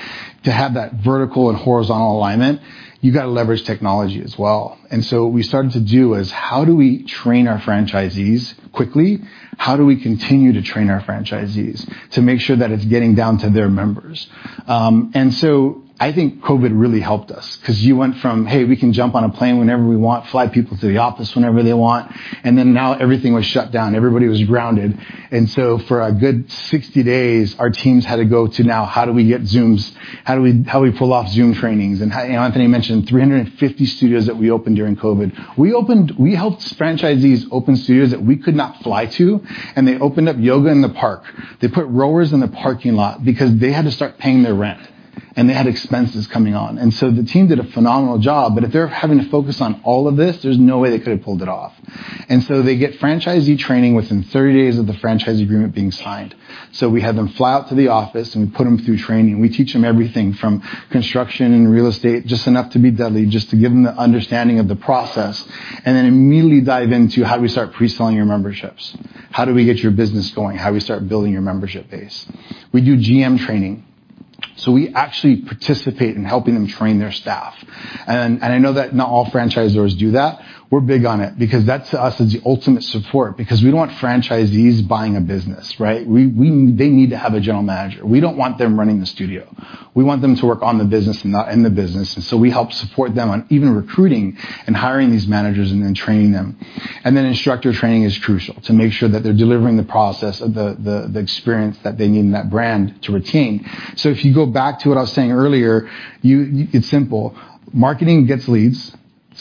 to have that vertical and horizontal alignment, you've got to leverage technology as well. So what we started to do is, how do we train our franchisees quickly? How do we continue to train our franchisees to make sure that it's getting down to their members? And so I think COVID really helped us because you went from, "Hey, we can jump on a plane whenever we want, fly people to the office whenever they want," and then now everything was shut down. Everybody was grounded. And so for a good 60 days, our teams had to go to now: how do we get Zooms? How do we pull off Zoom trainings? And Anthony mentioned 350 studios that we opened during COVID. We helped franchisees open studios that we could not fly to, and they opened up yoga in the park. They put rowers in the parking lot because they had to start paying their rent, and they had expenses coming on. The team did a phenomenal job, but if they're having to focus on all of this, there's no way they could have pulled it off. They get franchisee training within 30 days of the franchise agreement being signed. We had them fly out to the office, and we put them through training. We teach them everything from construction and real estate, just enough to be deadly, just to give them the understanding of the process, and then immediately dive into: how do we start pre-selling your memberships? How do we get your business going? How do we start building your membership base? We do GM training, so we actually participate in helping them train their staff. And I know that not all franchisors do that. We're big on it because that to us is the ultimate support, because we don't want franchisees buying a business, right? They need to have a general manager. We don't want them running the studio. We want them to work on the business, not in the business. And so we help support them on even recruiting and hiring these managers and then training them. And then instructor training is crucial to make sure that they're delivering the process of the experience that they need in that brand to retain. So if you go back to what I was saying earlier, it's simple. Marketing gets leads,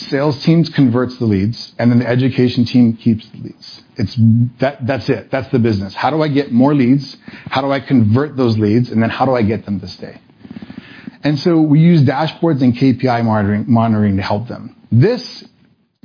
sales teams converts the leads, and then the education team keeps the leads. It's. That, that's it. That's the business. How do I get more leads? How do I convert those leads? And then how do I get them to stay? And so we use dashboards and KPI monitoring to help them. This,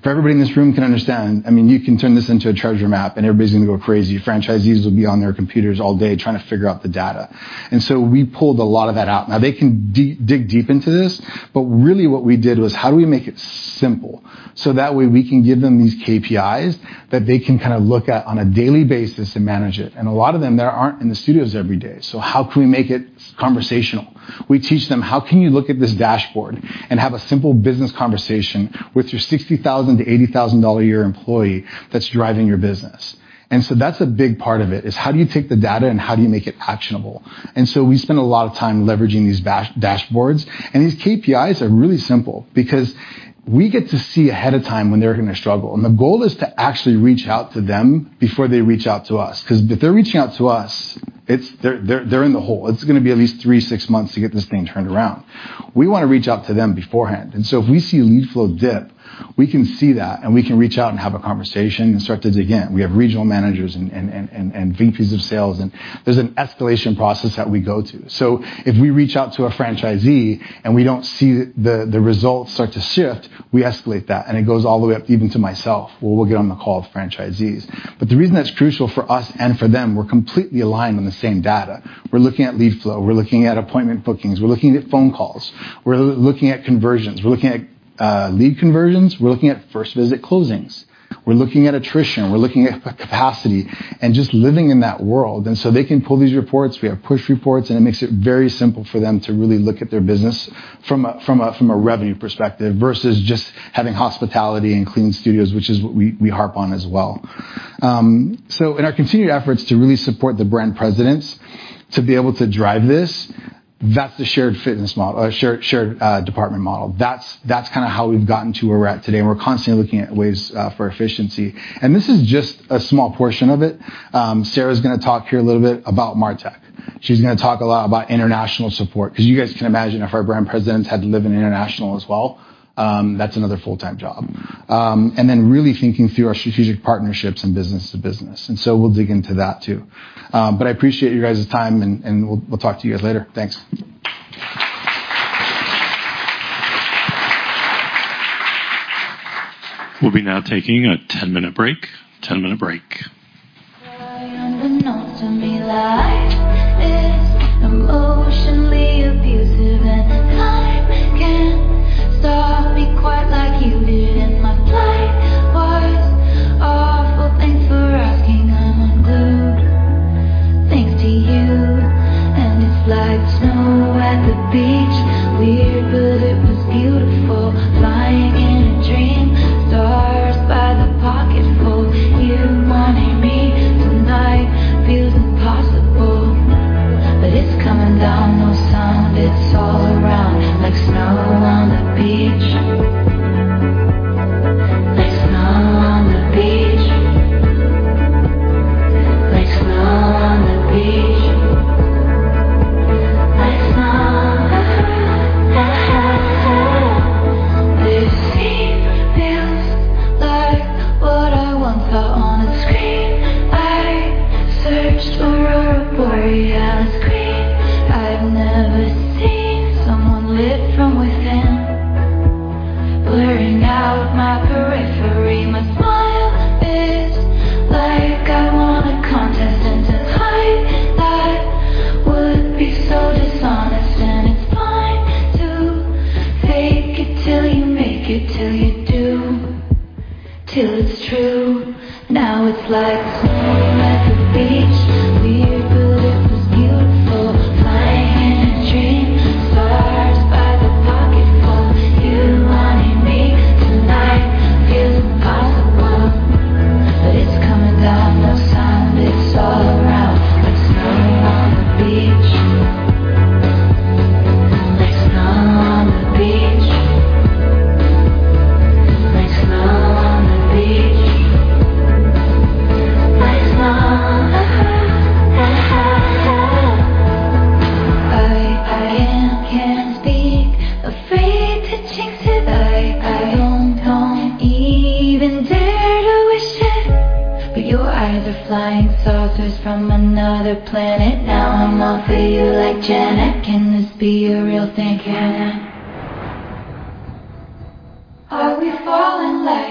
for everybody in this room can understand, I mean, you can turn this into a treasure map, and everybody's going to go crazy. Franchisees will be on their computers all day trying to figure out the data. And so we pulled a lot of that out. Now, they can dig deep into this, but really what we did was: how do we make it simple? So that way, we can give them these KPIs that they can kind of look at on a daily basis and manage it. And a lot of them, they aren't in the studios every day, so how can we make it conversational? We teach them, how can you look at this dashboard and have a simple business conversation with your $60,000-$80,000 a year employee that's driving your business? And so that's a big part of it, is how do you take the data, and how do you make it actionable? And so we spend a lot of time leveraging these dashboards, and these KPIs are really simple because we get to see ahead of time when they're going to struggle. And the goal is to actually reach out to them before they reach out to us, because if they're reaching out to us, it's—they're in the hole. It's going to be at least 3-6 months to get this thing turned around. We want to reach out to them beforehand. And so if we see a lead flow dip, we can see that, and we can reach out and have a conversation and start it again. We have regional managers and VPs of sales, and there's an escalation process that we go to. So if we reach out to a franchisee and we don't see the results start to shift, we escalate that, and it goes all the way up, even to myself, where we'll get on the call with franchisees. But the reason that's crucial for us and for them, we're completely aligned on the same data. We're looking at lead flow, we're looking at appointment bookings, we're looking at phone calls, we're looking at conversions, we're looking at lead conversions, we're looking at first visit closings, we're looking at attrition, we're looking at capacity and just living in that world. And so they can pull these reports. We have push reports, and it makes it very simple for them to really look at their business from a revenue perspective, versus just having hospitality and clean studios, which is what we harp on as well. So in our continued efforts to really support the brand presidents to be able to drive this, that's the shared fitness model, shared department model. That's kind of how we've gotten to where we're at today, and we're constantly looking at ways for efficiency. And this is just a small portion of it. Sarah's going to talk here a little bit about MarTech. She's going to talk a lot about international support, because you guys can imagine if our brand presidents had to live in international as well, that's another full-time job. And then really thinking through our strategic partnerships and business to business, and so we'll dig into that, too. But I appreciate your guys' time, and we'll talk to you guys later. Thanks. We'll be now taking a 10-minute break. 10-minute break. Can everyone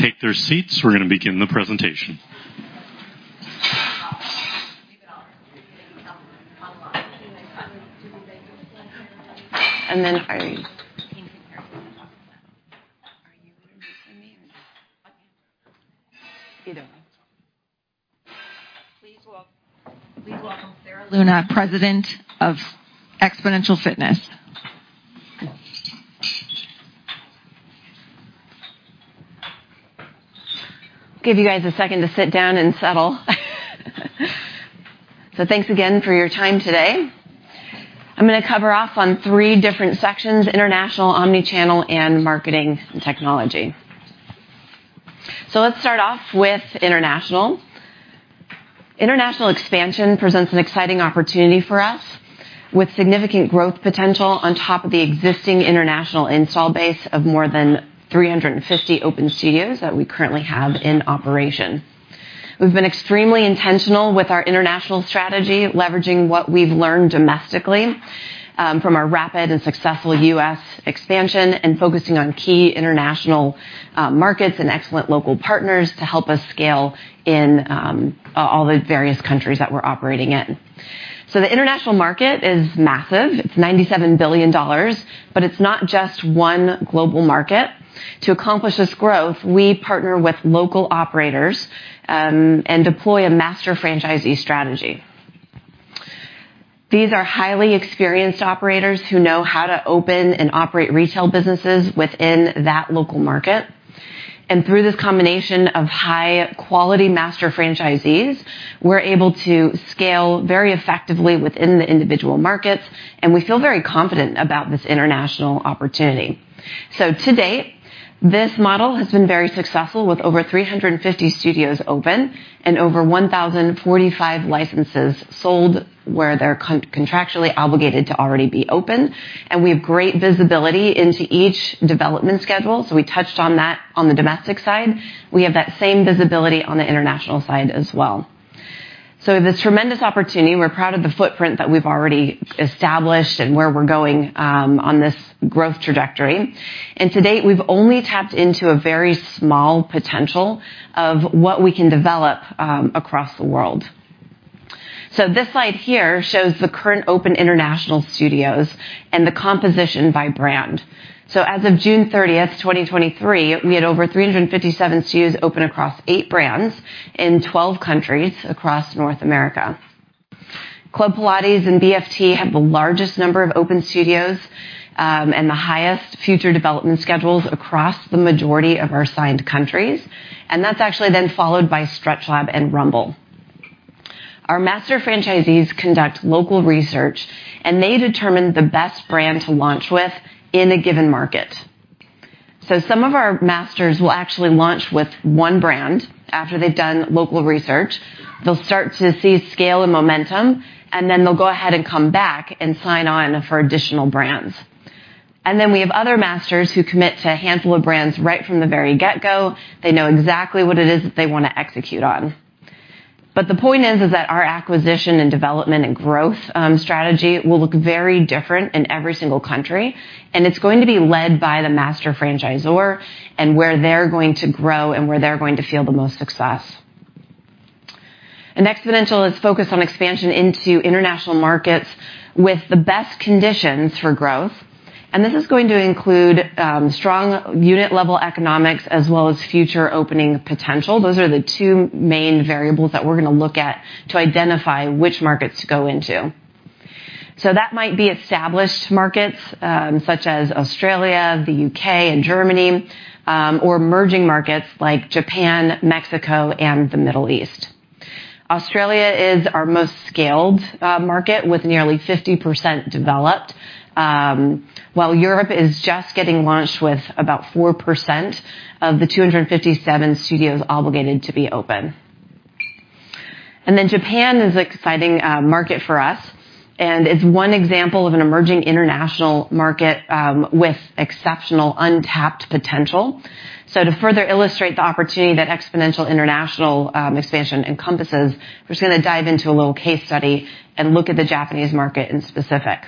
take their seats? We're going to begin the presentation. Please welcome Sarah Luna, President of Xponential Fitness. Give you guys a second to sit down and settle. So thanks again for your time today. I'm going to cover off on three different sections: international, omni-channel, and marketing and technology. So let's start off with international. International expansion presents an exciting opportunity for us, with significant growth potential on top of the existing international install base of more than 350 open studios that we currently have in operation. We've been extremely intentional with our international strategy, leveraging what we've learned domestically from our rapid and successful U.S. expansion, and focusing on key international markets and excellent local partners to help us scale in all the various countries that we're operating in. So the international market is massive. It's $97 billion, but it's not just one global market. To accomplish this growth, we partner with local operators and deploy a master franchisee strategy. These are highly experienced operators who know how to open and operate retail businesses within that local market. Through this combination of high-quality master franchisees, we're able to scale very effectively within the individual markets, and we feel very confident about this international opportunity. To date, this model has been very successful, with over 350 studios open and over 1,045 licenses sold, where they're contractually obligated to already be open. We have great visibility into each development schedule, so we touched on that on the domestic side. We have that same visibility on the international side as well. This tremendous opportunity, we're proud of the footprint that we've already established and where we're going on this growth trajectory. To date, we've only tapped into a very small potential of what we can develop across the world. This slide here shows the current open international studios and the composition by brand. As of June 30, 2023, we had over 357 studios open across 8 brands in 12 countries across North America. Club Pilates and BFT have the largest number of open studios, and the highest future development schedules across the majority of our signed countries, and that's actually then followed by StretchLab and Rumble. Our master franchisees conduct local research, and they determine the best brand to launch with in a given market. Some of our masters will actually launch with one brand after they've done local research. They'll start to see scale and momentum, and then they'll go ahead and come back and sign on for additional brands. Then we have other masters who commit to a handful of brands right from the very get-go. They know exactly what it is that they want to execute on. But the point is that our acquisition and development and growth strategy will look very different in every single country, and it's going to be led by the master franchisor and where they're going to grow and where they're going to feel the most success. Xponential is focused on expansion into international markets with the best conditions for growth. This is going to include strong unit-level economics as well as future opening potential. Those are the two main variables that we're going to look at to identify which markets to go into. So that might be established markets, such as Australia, the U.K., and Germany, or emerging markets like Japan, Mexico, and the Middle East. Australia is our most scaled market, with nearly 50% developed, while Europe is just getting launched, with about 4% of the 257 studios obligated to be open. Then Japan is an exciting market for us and is one example of an emerging international market, with exceptional, untapped potential. So to further illustrate the opportunity that Xponential international expansion encompasses, we're just going to dive into a little case study and look at the Japanese market in specific.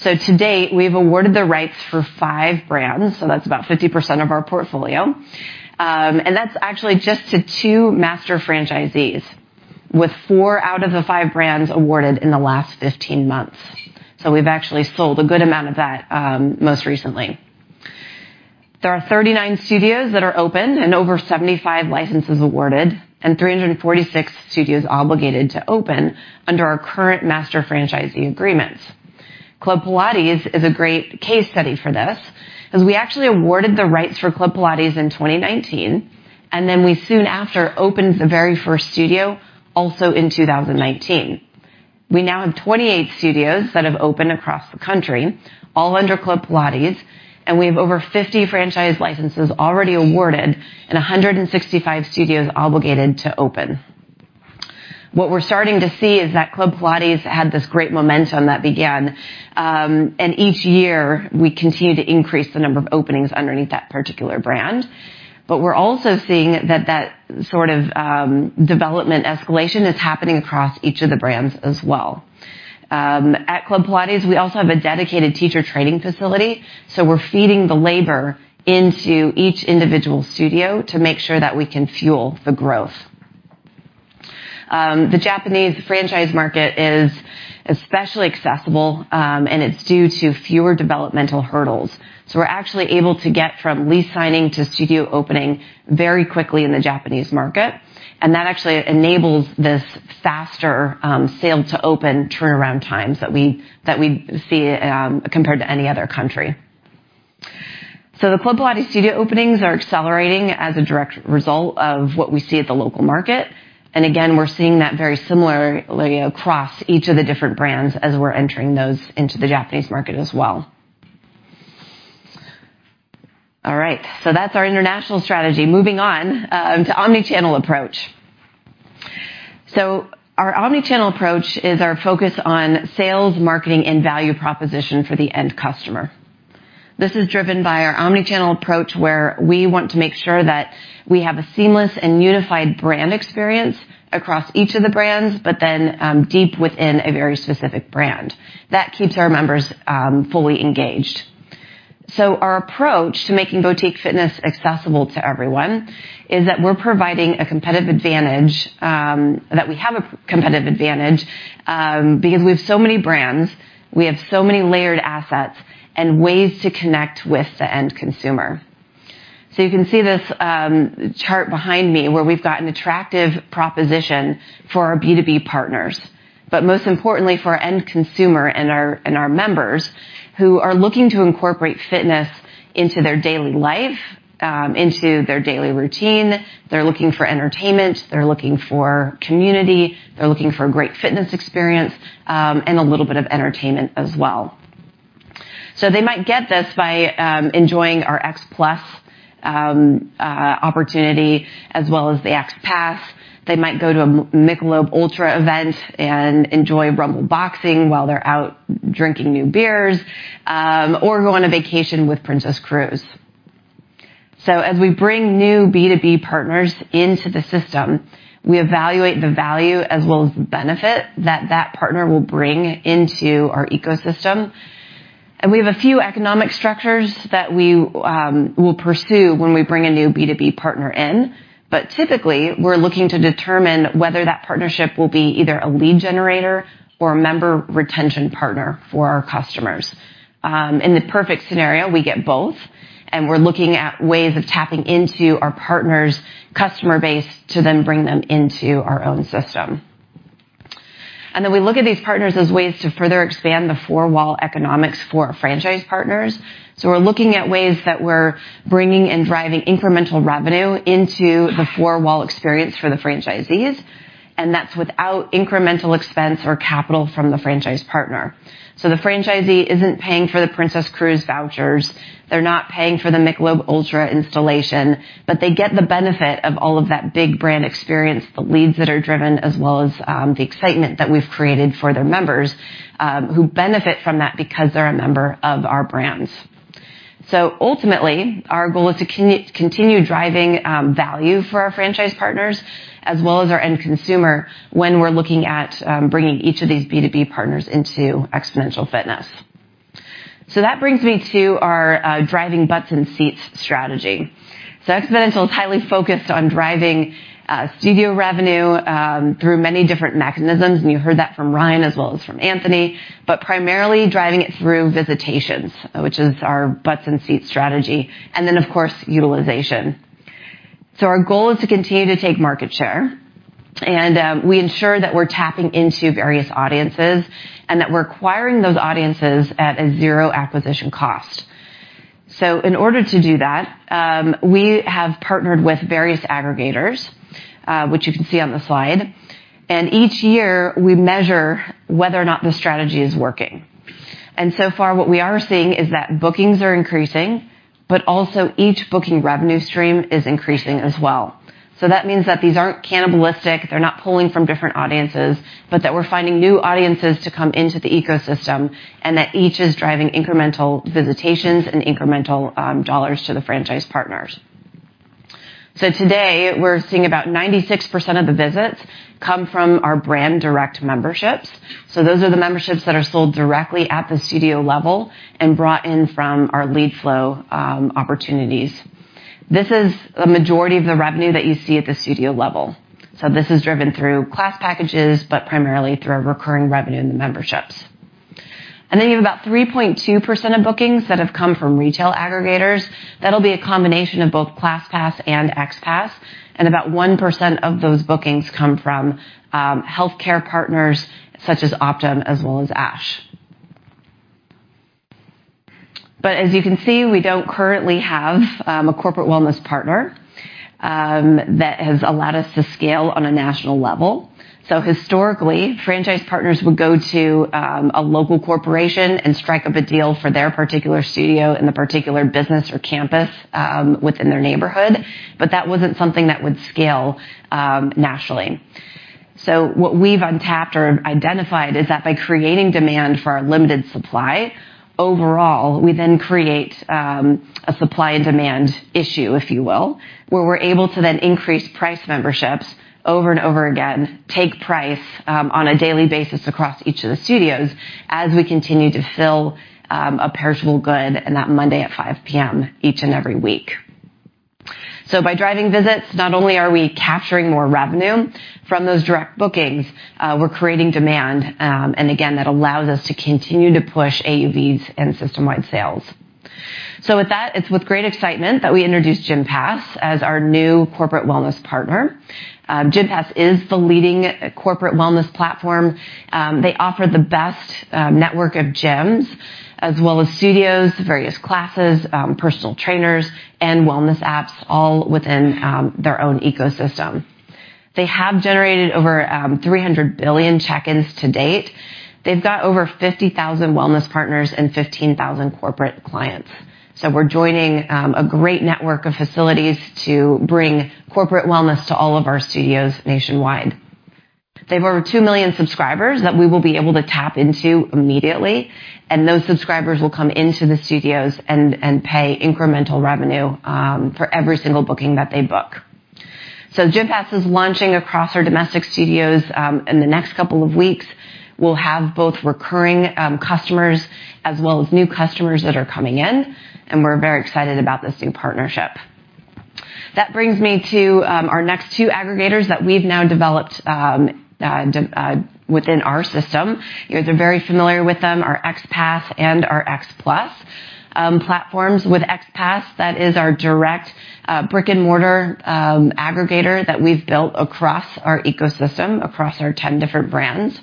So to date, we've awarded the rights for five brands, so that's about 50% of our portfolio. And that's actually just to 2 master franchisees, with 4 out of the 5 brands awarded in the last 15 months. So we've actually sold a good amount of that, most recently. There are 39 studios that are open and over 75 licenses awarded, and 346 studios obligated to open under our current master franchisee agreements. Club Pilates is a great case study for this, because we actually awarded the rights for Club Pilates in 2019, and then we soon after opened the very first studio, also in 2019. We now have 28 studios that have opened across the country, all under Club Pilates, and we have over 50 franchise licenses already awarded and 165 studios obligated to open. What we're starting to see is that Club Pilates had this great momentum that began, and each year, we continue to increase the number of openings underneath that particular brand. But we're also seeing that sort of development escalation is happening across each of the brands as well. At Club Pilates, we also have a dedicated teacher training facility, so we're feeding the labor into each individual studio to make sure that we can fuel the growth. The Japanese franchise market is especially accessible, and it's due to fewer developmental hurdles. So we're actually able to get from lease signing to studio opening very quickly in the Japanese market, and that actually enables this faster sale to open turnaround times that we see compared to any other country. So the Club Pilates studio openings are accelerating as a direct result of what we see at the local market. And again, we're seeing that very similarly across each of the different brands as we're entering those into the Japanese market as well. All right, so that's our international strategy. Moving on to omnichannel approach. So our omnichannel approach is our focus on sales, marketing, and value proposition for the end customer. This is driven by our omnichannel approach, where we want to make sure that we have a seamless and unified brand experience across each of the brands, but then deep within a very specific brand. That keeps our members fully engaged. So our approach to making boutique fitness accessible to everyone is that we're providing a competitive advantage, that we have a competitive advantage, because we have so many brands, we have so many layered assets and ways to connect with the end consumer. So you can see this, chart behind me, where we've got an attractive proposition for our B2B partners, but most importantly, for our end consumer and our, and our members who are looking to incorporate fitness into their daily life, into their daily routine. They're looking for entertainment, they're looking for community, they're looking for a great fitness experience, and a little bit of entertainment as well. So they might get this by, enjoying our XPLU.S., opportunity, as well as the XPASS. They might go to a Michelob ULTRA event and enjoy Rumble Boxing while they're out drinking new beers, or go on a vacation with Princess Cruises. So as we bring new B2B partners into the system, we evaluate the value as well as the benefit that that partner will bring into our ecosystem. And we have a few economic structures that we will pursue when we bring a new B2B partner in. But typically, we're looking to determine whether that partnership will be either a lead generator or a member retention partner for our customers. In the perfect scenario, we get both, and we're looking at ways of tapping into our partner's customer base to then bring them into our own system. And then we look at these partners as ways to further expand the four-wall economics for our franchise partners. So we're looking at ways that we're bringing and driving incremental revenue into the four-wall experience for the franchisees, and that's without incremental expense or capital from the franchise partner. So the franchisee isn't paying for the Princess Cruises vouchers, they're not paying for the Michelob ULTRA installation, but they get the benefit of all of that big brand experience, the leads that are driven, as well as the excitement that we've created for their members, who benefit from that because they're a member of our brands. So ultimately, our goal is to continue driving value for our franchise partners as well as our end consumer when we're looking at bringing each of these B2B partners into Xponential Fitness. So that brings me to our driving butts in seats strategy. So Xponential is highly focused on driving studio revenue through many different mechanisms, and you heard that from Ryan as well as from Anthony, but primarily driving it through visitations, which is our butts in seat strategy, and then, of course, utilization. So our goal is to continue to take market share, and we ensure that we're tapping into various audiences and that we're acquiring those audiences at a zero acquisition cost. So in order to do that, we have partnered with various aggregators, which you can see on the slide. And each year, we measure whether or not the strategy is working. And so far, what we are seeing is that bookings are increasing, but also each booking revenue stream is increasing as well. So that means that these aren't cannibalistic, they're not pulling from different audiences, but that we're finding new audiences to come into the ecosystem, and that each is driving incremental visitations and incremental dollars to the franchise partners. So today, we're seeing about 96% of the visits come from our brand direct memberships. So those are the memberships that are sold directly at the studio level and brought in from our lead flow opportunities. This is a majority of the revenue that you see at the studio level. So this is driven through class packages, but primarily through our recurring revenue and the memberships. And then you have about 3.2% of bookings that have come from retail aggregators. That'll be a combination of both ClassPass and XPASS, and about 1% of those bookings come from healthcare partners such as Optum as well as ASH. But as you can see, we don't currently have a corporate wellness partner that has allowed us to scale on a national level. So historically, franchise partners would go to a local corporation and strike up a deal for their particular studio in the particular business or campus within their neighborhood, but that wasn't something that would scale nationally. So what we've untapped or identified is that by creating demand for our limited supply, overall, we then create a supply and demand issue, if you will, where we're able to then increase price memberships over and over again, take price on a daily basis across each of the studios as we continue to fill a perishable good on that Monday at 5:00 P.M. each and every week. So by driving visits, not only are we capturing more revenue from those direct bookings, we're creating demand, and again, that allows us to continue to push AUVs and system-wide sales. So with that, it's with great excitement that we introduce Gympass as our new corporate wellness partner. Gympass is the leading corporate wellness platform. They offer the best network of gyms, as well as studios, various classes, personal trainers, and wellness apps, all within their own ecosystem. They have generated over 300 billion check-ins to date. They've got over 50,000 wellness partners and 15,000 corporate clients. So we're joining a great network of facilities to bring corporate wellness to all of our studios nationwide. They have over two million subscribers that we will be able to tap into immediately, and those subscribers will come into the studios and pay incremental revenue for every single booking that they book. So Gympass is launching across our domestic studios in the next couple of weeks. We'll have both recurring customers as well as new customers that are coming in, and we're very excited about this new partnership. That brings me to our next two aggregators that we've now developed within our system. You're very familiar with them, our XPASS and our XPLU.S. platforms. With XPASS, that is our direct brick-and-mortar aggregator that we've built across our ecosystem, across our 10 different brands.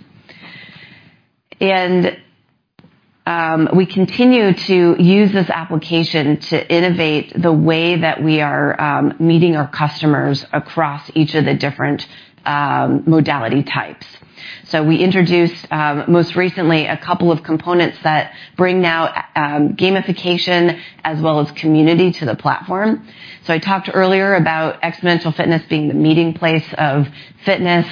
We continue to use this application to innovate the way that we are meeting our customers across each of the different modality types. So we introduced most recently a couple of components that bring now gamification as well as community to the platform. So I talked earlier about Xponential Fitness being the meeting place of fitness,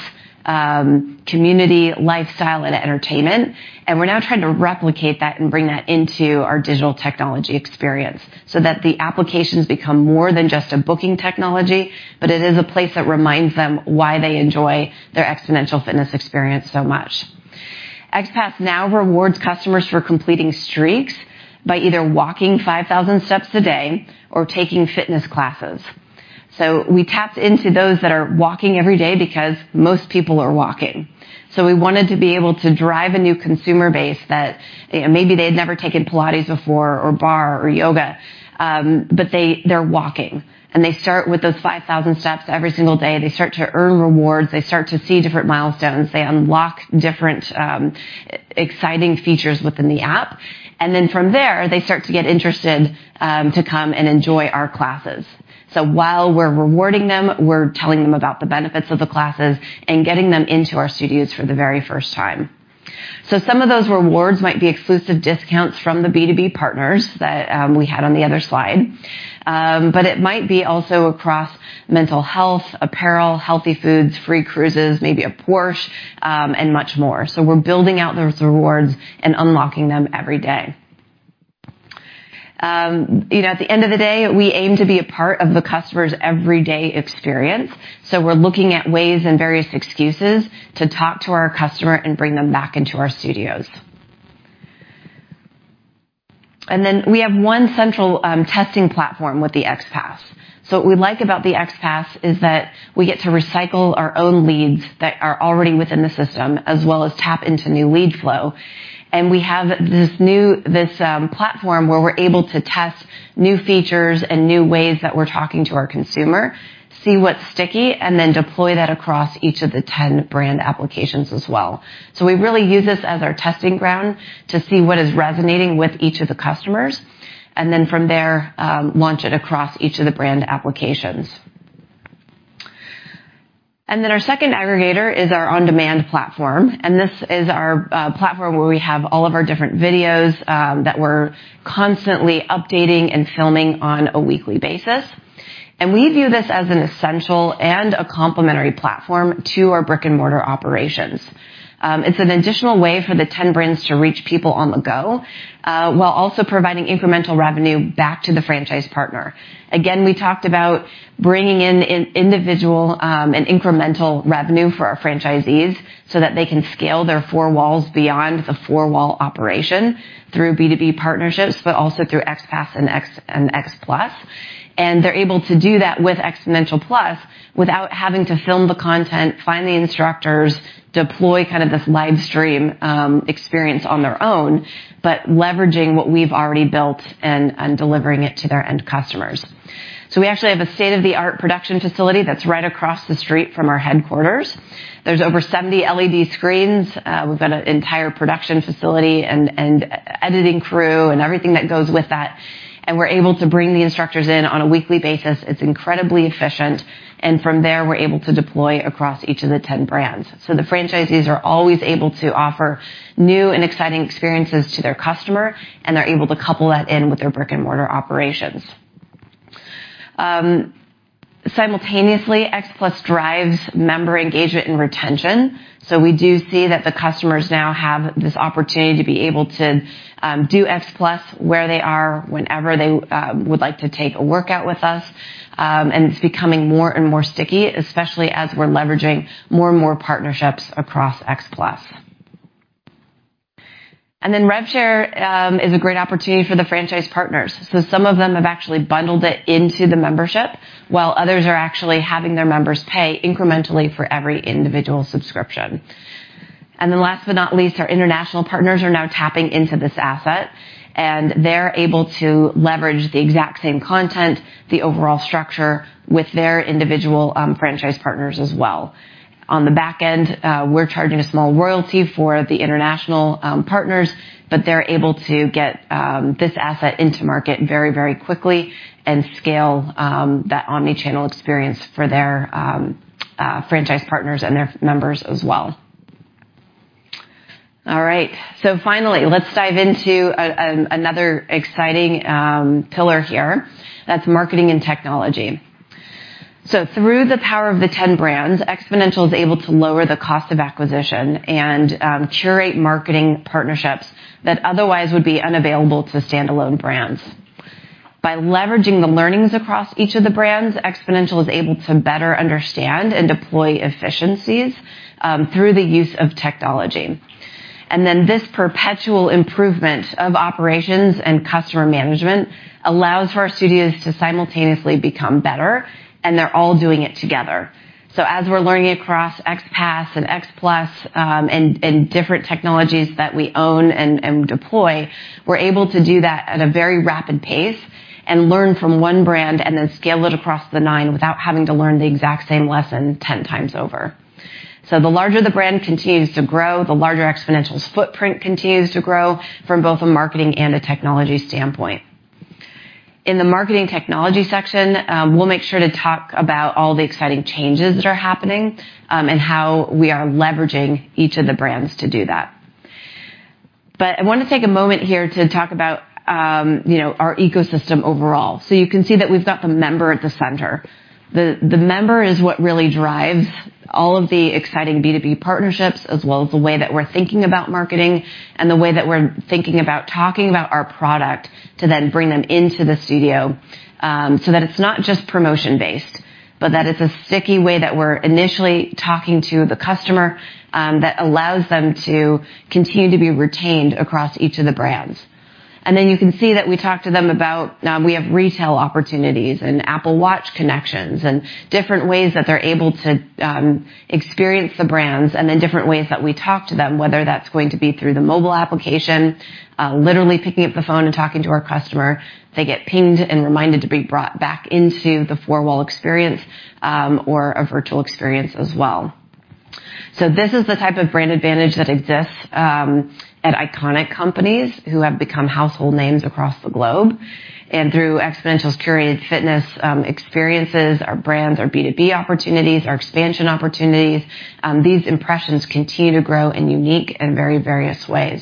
community, lifestyle, and entertainment, and we're now trying to replicate that and bring that into our digital technology experience so that the applications become more than just a booking technology, but it is a place that reminds them why they enjoy their Xponential Fitness experience so much. XPASS now rewards customers for completing streaks by either walking 5,000 steps a day or taking fitness classes. So we tapped into those that are walking every day because most people are walking. So we wanted to be able to drive a new consumer base that maybe they had never taken Pilates before or barre or yoga, but they're walking, and they start with those 5,000 steps every single day. They start to earn rewards, they start to see different milestones, they unlock different, exciting features within the app, and then from there, they start to get interested, to come and enjoy our classes. So while we're rewarding them, we're telling them about the benefits of the classes and getting them into our studios for the very first time. So some of those rewards might be exclusive discounts from the B2B partners that, we had on the other slide, but it might be also across mental health, apparel, healthy foods, free cruises, maybe a Porsche, and much more. So we're building out those rewards and unlocking them every day. You know, at the end of the day, we aim to be a part of the customer's everyday experience, so we're looking at ways and various excuses to talk to our customer and bring them back into our studios. And then we have one central testing platform with the XPASS. So what we like about the XPASS is that we get to recycle our own leads that are already within the system, as well as tap into new lead flow. And we have this new platform, where we're able to test new features and new ways that we're talking to our consumer, see what's sticky, and then deploy that across each of the 10 brand applications as well. So we really use this as our testing ground to see what is resonating with each of the customers, and then from there, launch it across each of the brand applications. Then our second aggregator is our on-demand platform, and this is our platform where we have all of our different videos that we're constantly updating and filming on a weekly basis. We view this as an essential and a complementary platform to our brick-and-mortar operations. It's an additional way for the ten brands to reach people on the go, while also providing incremental revenue back to the franchise partner. Again, we talked about bringing in individual and incremental revenue for our franchisees so that they can scale their four walls beyond the four-wall operation through B2B partnerships, but also through XPASS and X and XPLU.S. And they're able to do that with Xponential+ without having to film the content, find the instructors, deploy kind of this live stream experience on their own, but leveraging what we've already built and, and delivering it to their end customers. So we actually have a state-of-the-art production facility that's right across the street from our headquarters. There's over 70 LED screens. We've got an entire production facility and, and editing crew and everything that goes with that, and we're able to bring the instructors in on a weekly basis. It's incredibly efficient, and from there, we're able to deploy across each of the 10 brands. So the franchisees are always able to offer new and exciting experiences to their customer, and they're able to couple that in with their brick-and-mortar operations. Simultaneously, XPLU.S. drives member engagement and retention, so we do see that the customers now have this opportunity to be able to do XPLU.S. where they are, whenever they would like to take a workout with us. And it's becoming more and more sticky, especially as we're leveraging more and more partnerships across XPLU.S. And then rev share is a great opportunity for the franchise partners. So some of them have actually bundled it into the membership, while others are actually having their members pay incrementally for every individual subscription. And then last but not least, our international partners are now tapping into this asset, and they're able to leverage the exact same content, the overall structure, with their individual franchise partners as well. On the back end, we're charging a small royalty for the international partners, but they're able to get this asset into market very, very quickly and scale that omni-channel experience for their franchise partners and their members as well. All right, so finally, let's dive into another exciting pillar here, that's marketing and technology. So through the power of the 10 brands, Xponential is able to lower the cost of acquisition and curate marketing partnerships that otherwise would be unavailable to standalone brands. By leveraging the learnings across each of the brands, Xponential is able to better understand and deploy efficiencies through the use of technology. And then this perpetual improvement of operations and customer management allows for our studios to simultaneously become better, and they're all doing it together. So as we're learning across XPASS and XPLU.S., different technologies that we own and deploy, we're able to do that at a very rapid pace and learn from one brand and then scale it across the nine without having to learn the exact same lesson ten times over. So the larger the brand continues to grow, the larger Xponential's footprint continues to grow from both a marketing and a technology standpoint. In the marketing technology section, we'll make sure to talk about all the exciting changes that are happening, and how we are leveraging each of the brands to do that. But I want to take a moment here to talk about, you know, our ecosystem overall. So you can see that we've got the member at the center. The member is what really drives all of the exciting B2B partnerships, as well as the way that we're thinking about marketing and the way that we're thinking about talking about our product, to then bring them into the studio. So that it's not just promotion-based, but that it's a sticky way that we're initially talking to the customer, that allows them to continue to be retained across each of the brands. And then you can see that we talk to them about, we have retail opportunities and Apple Watch connections and different ways that they're able to, experience the brands, and then different ways that we talk to them, whether that's going to be through the mobile application, literally picking up the phone and talking to our customer. They get pinged and reminded to be brought back into the four-wall experience, or a virtual experience as well. This is the type of brand advantage that exists at iconic companies who have become household names across the globe. Through Xponential's curated fitness experiences, our brands, our B2B opportunities, our expansion opportunities, these impressions continue to grow in unique and very various ways.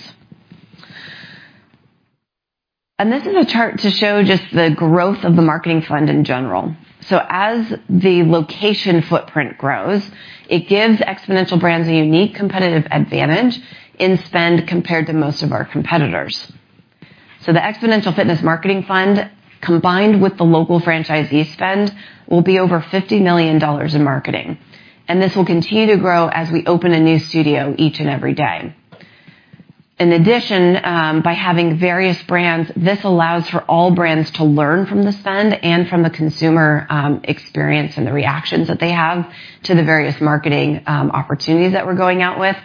This is a chart to show just the growth of the marketing fund in general. As the location footprint grows, it gives Xponential brands a unique competitive advantage in spend compared to most of our competitors. The Xponential Fitness Marketing Fund, combined with the local franchisee spend, will be over $50 million in marketing, and this will continue to grow as we open a new studio each and every day. In addition, by having various brands, this allows for all brands to learn from the spend and from the consumer, experience and the reactions that they have to the various marketing, opportunities that we're going out with.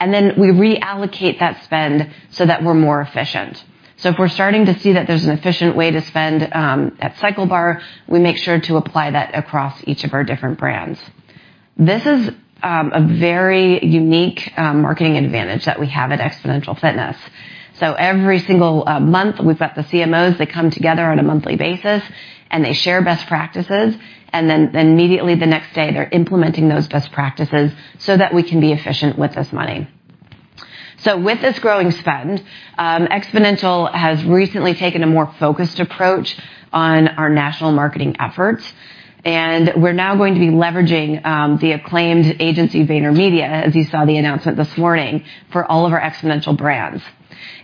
And then we reallocate that spend so that we're more efficient. So if we're starting to see that there's an efficient way to spend, at CycleBar, we make sure to apply that across each of our different brands. This is, a very unique, marketing advantage that we have at Xponential Fitness. So every single, month, we've got the CMOs, they come together on a monthly basis, and they share best practices, and then, then immediately the next day, they're implementing those best practices so that we can be efficient with this money. So with this growing spend, Xponential has recently taken a more focused approach on our national marketing efforts, and we're now going to be leveraging the acclaimed agency, VaynerMedia, as you saw the announcement this morning, for all of our Xponential brands.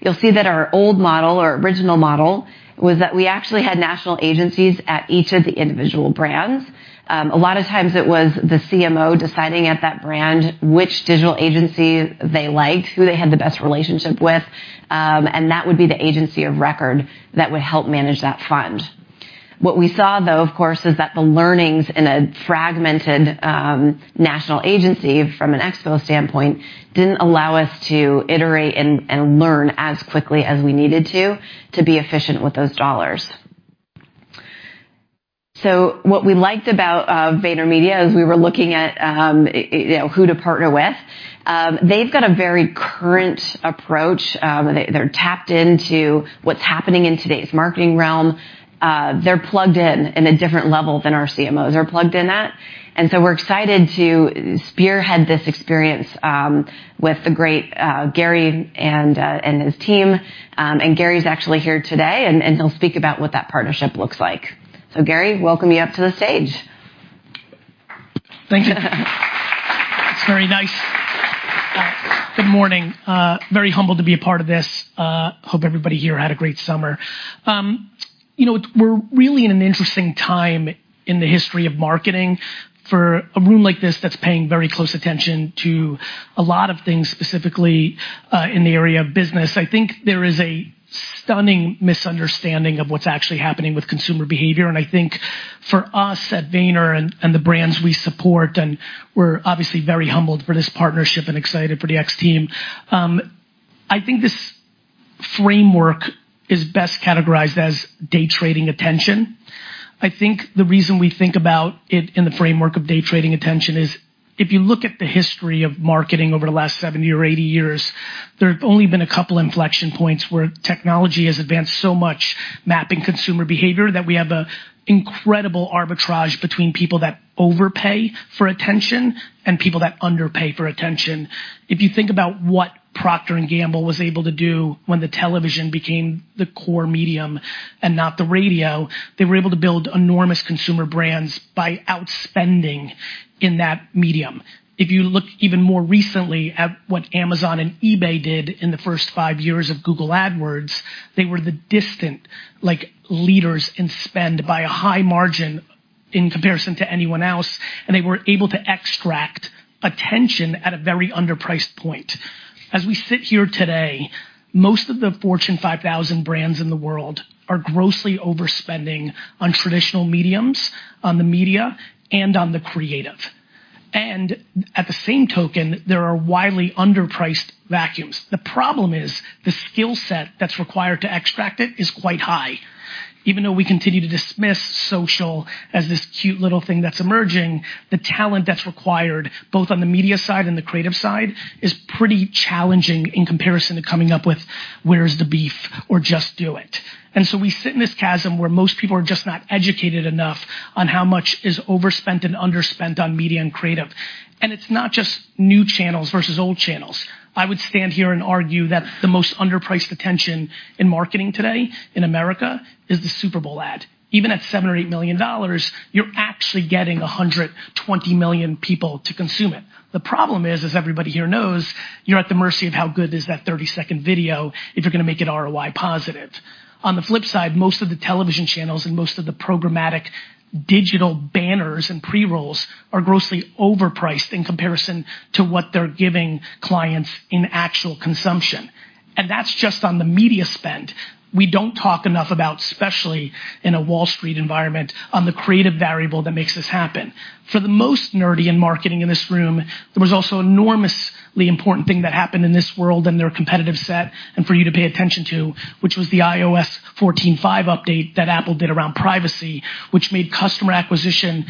You'll see that our old model or original model was that we actually had national agencies at each of the individual brands. A lot of times it was the CMO deciding at that brand which digital agency they liked, who they had the best relationship with, and that would be the agency of record that would help manage that fund. What we saw, though, of course, is that the learnings in a fragmented national agency from an Expo standpoint didn't allow us to iterate and learn as quickly as we needed to, to be efficient with those dollars. So what we liked about VaynerMedia, as we were looking at, you know, who to partner with, they've got a very current approach. They're tapped into what's happening in today's marketing realm. They're plugged in at a different level than our CMOs are plugged in at, and so we're excited to spearhead this experience with the great Gary and his team. And Gary's actually here today, and he'll speak about what that partnership looks like. So, Gary, welcome you up to the stage. Thank you. It's very nice. Good morning. Very humbled to be a part of this. Hope everybody here had a great summer. You know, we're really in an interesting time in the history of marketing. For a room like this that's paying very close attention to a lot of things, specifically in the area of business, I think there is a stunning misunderstanding of what's actually happening with consumer behavior, and I think for us at Vayner and the brands we support, and we're obviously very humbled for this partnership and excited for the X team. I think this framework is best categorized as day trading attention. I think the reason we think about it in the framework of day trading attention is, if you look at the history of marketing over the last 70 or 80 years, there have only been a couple inflection points where technology has advanced so much, mapping consumer behavior, that we have a incredible arbitrage between people that overpay for attention and people that underpay for attention. If you think about what Procter & Gamble was able to do when the television became the core medium and not the radio, they were able to build enormous consumer brands by outspending in that medium. If you look even more recently at what Amazon and eBay did in the first five years of Google AdWords, they were the distant, like, leaders in spend by a high margin in comparison to anyone else, and they were able to extract attention at a very underpriced point. As we sit here today, most of the Fortune 5,000 brands in the world are grossly overspending on traditional mediums, on the media, and on the creative. And at the same token, there are widely underpriced vacuums. The problem is, the skill set that's required to extract it is quite high. Even though we continue to dismiss social as this cute little thing that's emerging, the talent that's required, both on the media side and the creative side, is pretty challenging in comparison to coming up with, "Where's the beef?" Or, "Just do it." And so we sit in this chasm where most people are just not educated enough on how much is overspent and underspent on media and creative. And it's not just new channels versus old channels. I would stand here and argue that the most underpriced attention in marketing today in America is the Super Bowl ad. Even at $7-$8 million, you're actually getting 120 million people to consume it. The problem is, as everybody here knows, you're at the mercy of how good is that 30-second video if you're gonna make it ROI positive. On the flip side, most of the television channels and most of the programmatic digital banners and pre-rolls are grossly overpriced in comparison to what they're giving clients in actual consumption, and that's just on the media spend. We don't talk enough about, especially in a Wall Street environment, on the creative variable that makes this happen. For the most nerdy in marketing in this room, there was also enormously important thing that happened in this world and their competitive set, and for you to pay attention to, which was the iOS 14.5 update that Apple did around privacy, which made customer acquisition,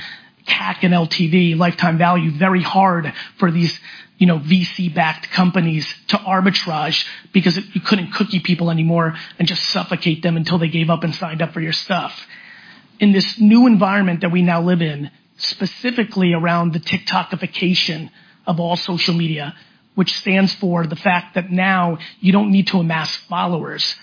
CAC, and LTV, lifetime value, very hard for these, you know, VC-backed companies to arbitrage because it. you couldn't cookie people anymore and just suffocate them until they gave up and signed up for your stuff. In this new environment that we now live in, specifically around the TikTokification of all social media, which stands for the fact that now you don't need to amass followers,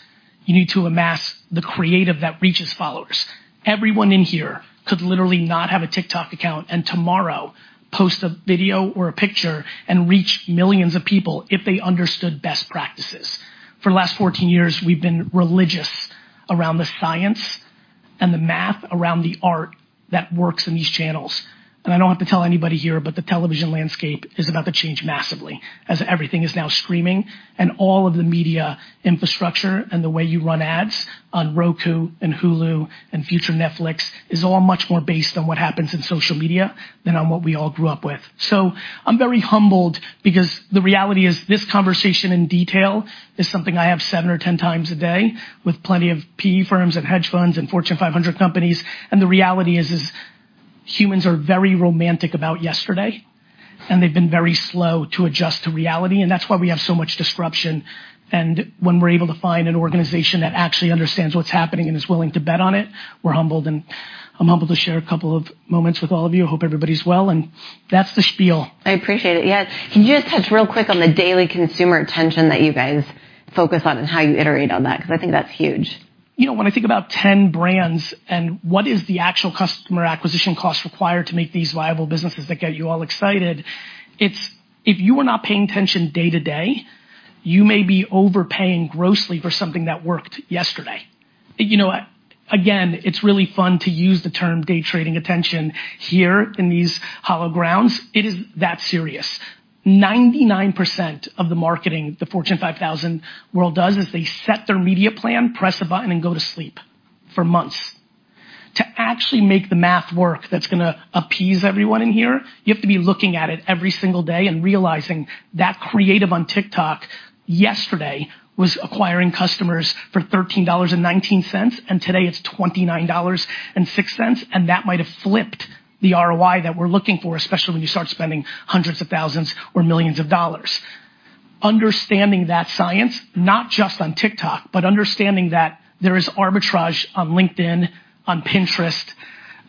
you need to amass the creative that reaches followers. Everyone in here could literally not have a TikTok account, and tomorrow, post a video or a picture and reach millions of people if they understood best practices. For the last 14 years, we've been religious around the science and the math, around the art that works in these channels. And I don't have to tell anybody here, but the television landscape is about to change massively, as everything is now streaming, and all of the media infrastructure and the way you run ads on Roku and Hulu and future Netflix, is all much more based on what happens in social media than on what we all grew up with. So I'm very humbled because the reality is, this conversation in detail is something I have 7x or 10x a day with plenty of PE firms and hedge funds and Fortune 500 companies. And the reality is, is humans are very romantic about yesterday, and they've been very slow to adjust to reality, and that's why we have so much disruption. And when we're able to find an organization that actually understands what's happening and is willing to bet on it, we're humbled, and I'm humbled to share a couple of moments with all of you. I hope everybody's well, and that's the spiel. I appreciate it. Yeah. Can you just touch real quick on the daily consumer attention that you guys focus on and how you iterate on that? Because I think that's huge. You know, when I think about 10 brands and what is the actual customer acquisition cost required to make these viable businesses that get you all excited, it's if you are not paying attention day-to-day, you may be overpaying grossly for something that worked yesterday. You know what? Again, it's really fun to use the term day trading attention here in these hallowed grounds. It is that serious. 99% of the marketing the Fortune 5,000 world does, is they set their media plan, press a button, and go to sleep for months. To actually make the math work that's gonna appease everyone in here, you have to be looking at it every single day and realizing that creative on TikTok yesterday was acquiring customers for $13.19, and today it's $29.06, and that might have flipped the ROI that we're looking for, especially when you start spending hundreds of thousands or millions of dollars. Understanding that science, not just on TikTok, but understanding that there is arbitrage on LinkedIn, on Pinterest,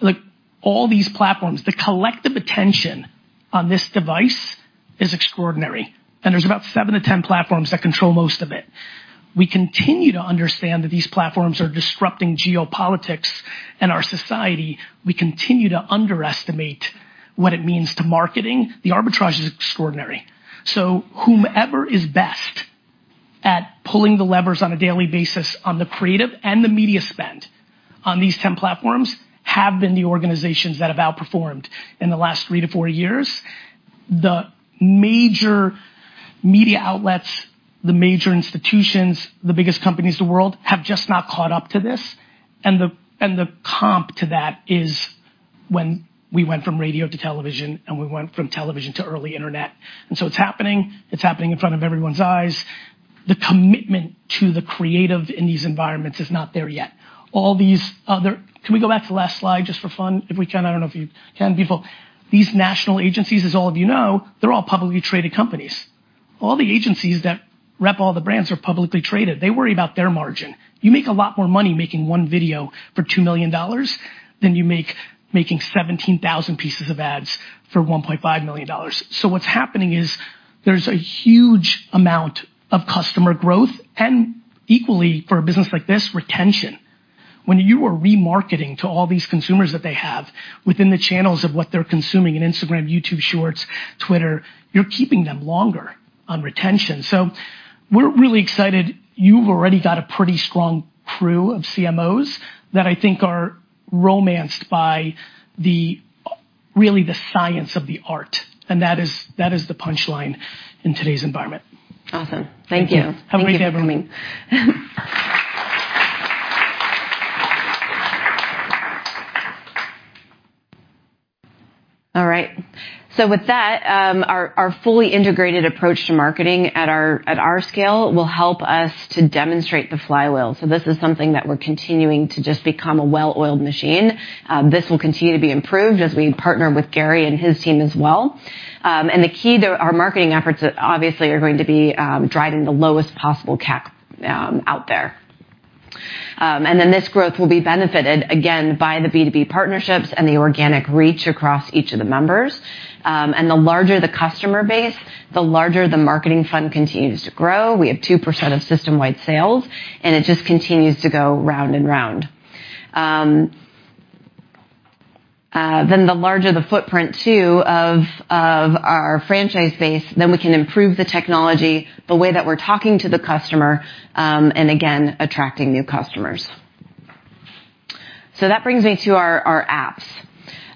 like, all these platforms, the collective attention on this device is extraordinary, and there's about 7-10 platforms that control most of it. We continue to understand that these platforms are disrupting geopolitics and our society. We continue to underestimate what it means to marketing. The arbitrage is extraordinary. So whomever is best at pulling the levers on a daily basis on the creative and the media spend on these 10 platforms, have been the organizations that have outperformed in the last 3-4 years. The major media outlets, the major institutions, the biggest companies in the world, have just not caught up to this. And the comp to that is when we went from radio to television, and we went from television to early internet. And so it's happening. It's happening in front of everyone's eyes. The commitment to the creative in these environments is not there yet. All these other-- Can we go back to the last slide just for fun? If we can. I don't know if you can, people. These national agencies, as all of you know, they're all publicly traded companies. All the agencies that rep all the brands are publicly traded. They worry about their margin. You make a lot more money making one video for $2 million than you make making 17,000 pieces of ads for $1.5 million. So what's happening is there's a huge amount of customer growth, and equally, for a business like this, retention. When you are remarketing to all these consumers that they have within the channels of what they're consuming in Instagram, YouTube Shorts, Twitter, you're keeping them longer on retention. So we're really excited. You've already got a pretty strong crew of CMOs that I think are romanced by the, really, the science of the art, and that is, that is the punchline in today's environment. Awesome. Thank you. How great to have you. All right, so with that, our fully integrated approach to marketing at our scale will help us to demonstrate the flywheel. So this is something that we're continuing to just become a well-oiled machine. This will continue to be improved as we partner with Gary and his team as well. And the key to our marketing efforts obviously are going to be driving the lowest possible CAC out there. And then this growth will be benefited, again, by the B2B partnerships and the organic reach across each of the members. And the larger the customer base, the larger the marketing fund continues to grow. We have 2% of system-wide sales, and it just continues to go round and round. Then the larger the footprint too, of our franchise base, then we can improve the technology, the way that we're talking to the customer, and again, attracting new customers. So that brings me to our apps.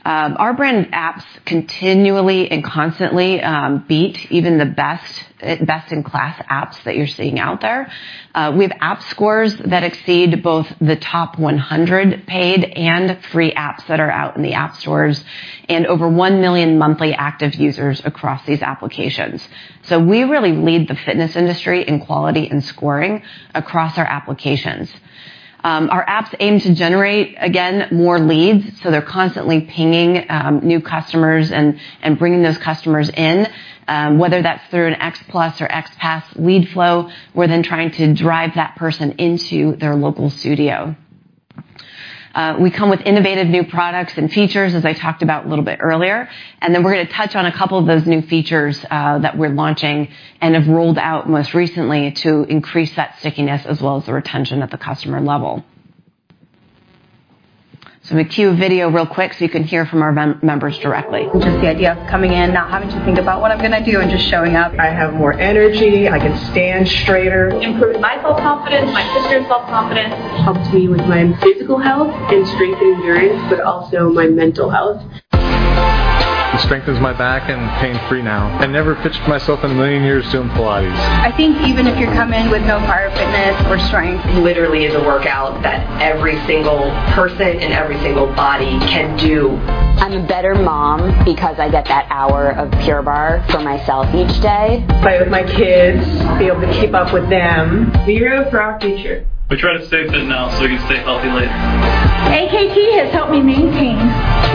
Our brand apps continually and constantly beat even the best best-in-class apps that you're seeing out there. We have app scores that exceed both the top 100 paid and free apps that are out in the app stores, and over 1 million monthly active users across these applications. So we really lead the fitness industry in quality and scoring across our applications. Our apps aim to generate, again, more leads, so they're constantly pinging new customers and bringing those customers in. Whether that's through an XPLU.S. or XPASS lead flow, we're then trying to drive that person into their local studio. We come with innovative new products and features, as I talked about a little bit earlier, and then we're going to touch on a couple of those new features that we're launching and have rolled out most recently to increase that stickiness as well as the retention at the customer level. So I'm going to cue a video real quick, so you can hear from our members directly. Just the idea of coming in, not having to think about what I'm going to do and just showing up. I have more energy. I can stand straighter. Improved my self-confidence, my sister's self-confidence. Helped me with my physical health and strength and endurance, but also my mental health. It strengthens my back and pain-free now. I never pictured myself in a million years doing Pilates. I think even if you come in with no prior fitness or strength- Pilates is a workout that every single person and every single body can do. I'm a better mom because I get that hour of Pure Barre for myself each day. Play with my kids, be able to keep up with them. Be a role for our future. We try to stay fit now, so we can stay healthy later. AKT has helped me maintain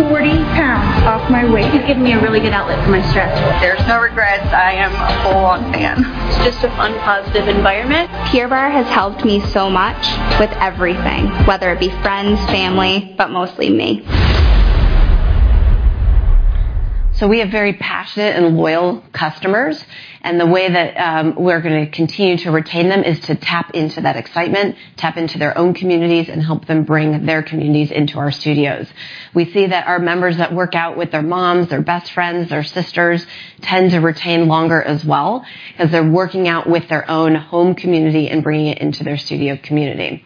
40 pounds off my weight. It's given me a really good outlet for my stress. There's no regrets. I am a full-on fan. It's just a fun, positive environment. Pure Barre has helped me so much with everything, whether it be friends, family, but mostly me. So we have very passionate and loyal customers, and the way that we're going to continue to retain them is to tap into that excitement, tap into their own communities, and help them bring their communities into our studios. We see that our members that work out with their moms, their best friends, their sisters, tend to retain longer as well, as they're working out with their own home community and bringing it into their studio community.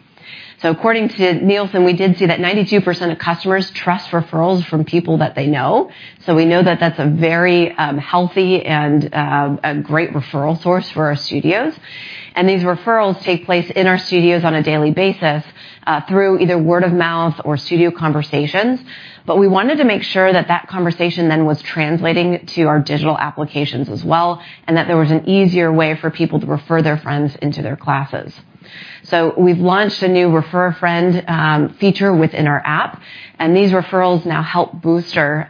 So according to Nielsen, we did see that 92% of customers trust referrals from people that they know. So we know that that's a very healthy and a great referral source for our studios. And these referrals take place in our studios on a daily basis through either word of mouth or studio conversations. But we wanted to make sure that that conversation then was translating to our digital applications as well, and that there was an easier way for people to refer their friends into their classes. So we've launched a new Refer a Friend feature within our app, and these referrals now help bolster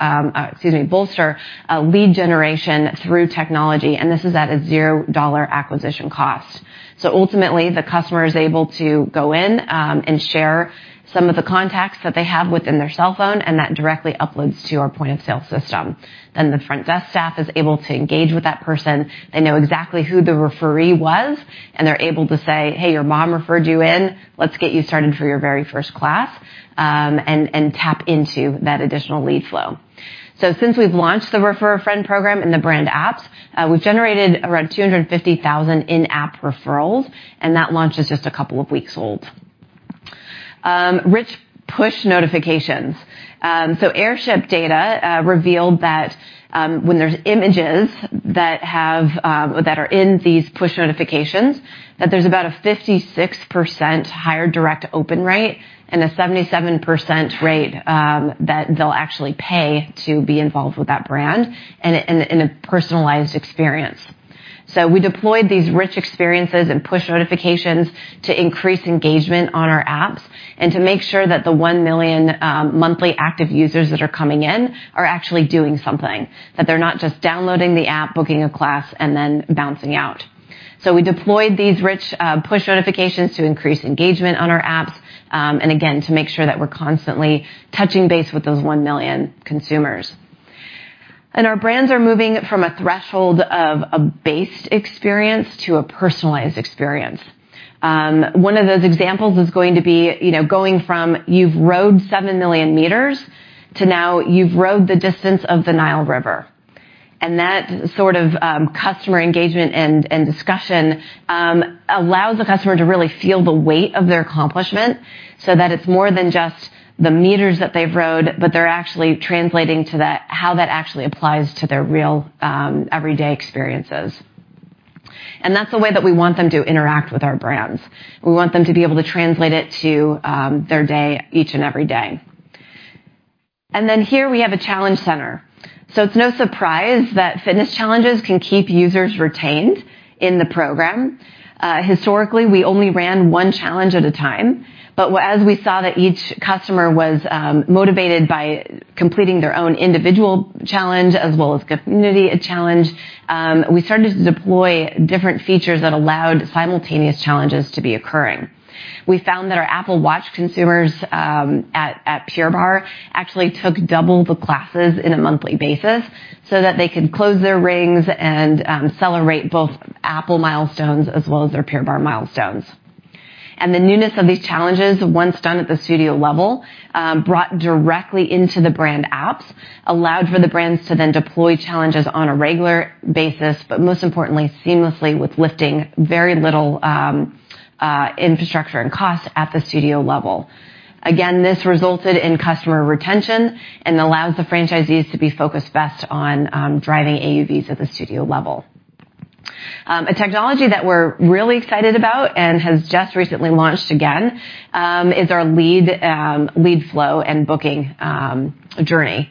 lead generation through technology, and this is at a $0 acquisition cost. So ultimately, the customer is able to go in and share some of the contacts that they have within their cell phone, and that directly uploads to our point-of-sale system. Then the front desk staff is able to engage with that person. They know exactly who the referee was, and they're able to say: "Hey, your mom referred you in. Let's get you started for your very first class," and tap into that additional lead flow. So since we've launched the Refer a Friend program in the brand apps, we've generated around 250,000 in-app referrals, and that launch is just a couple of weeks old. Rich push notifications. So Airship data revealed that, when there's images that have, that are in these push notifications, that there's about a 56% higher direct open rate and a 77% rate, that they'll actually pay to be involved with that brand and in a, in a personalized experience. So we deployed these rich experiences and push notifications to increase engagement on our apps and to make sure that the 1 million, monthly active users that are coming in are actually doing something, that they're not just downloading the app, booking a class, and then bouncing out. So we deployed these rich push notifications to increase engagement on our apps, and again, to make sure that we're constantly touching base with those 1 million consumers. Our brands are moving from a threshold of a based experience to a personalized experience. One of those examples is going to be, you know, going from, "You've rowed 7 million meters," to now, "You've rowed the distance of the Nile River." That sort of customer engagement and discussion allows the customer to really feel the weight of their accomplishment so that it's more than just the meters that they've rowed, but they're actually translating to that, how that actually applies to their real everyday experiences. That's the way that we want them to interact with our brands. We want them to be able to translate it to, their day, each and every day. And then here we have a challenge center. So it's no surprise that fitness challenges can keep users retained in the program. Historically, we only ran one challenge at a time, but as we saw that each customer was, motivated by completing their own individual challenge as well as community challenge, we started to deploy different features that allowed simultaneous challenges to be occurring. We found that our Apple Watch consumers, at, at Pure Barre actually took double the classes in a monthly basis so that they could close their rings and, celebrate both Apple milestones as well as their Pure Barre milestones. The newness of these challenges, once done at the studio level, brought directly into the brand apps, allowed for the brands to then deploy challenges on a regular basis, but most importantly, seamlessly, with lifting very little, infrastructure and cost at the studio level. Again, this resulted in customer retention and allows the franchisees to be focused best on driving AUVs at the studio level. A technology that we're really excited about and has just recently launched again is our lead flow and booking journey.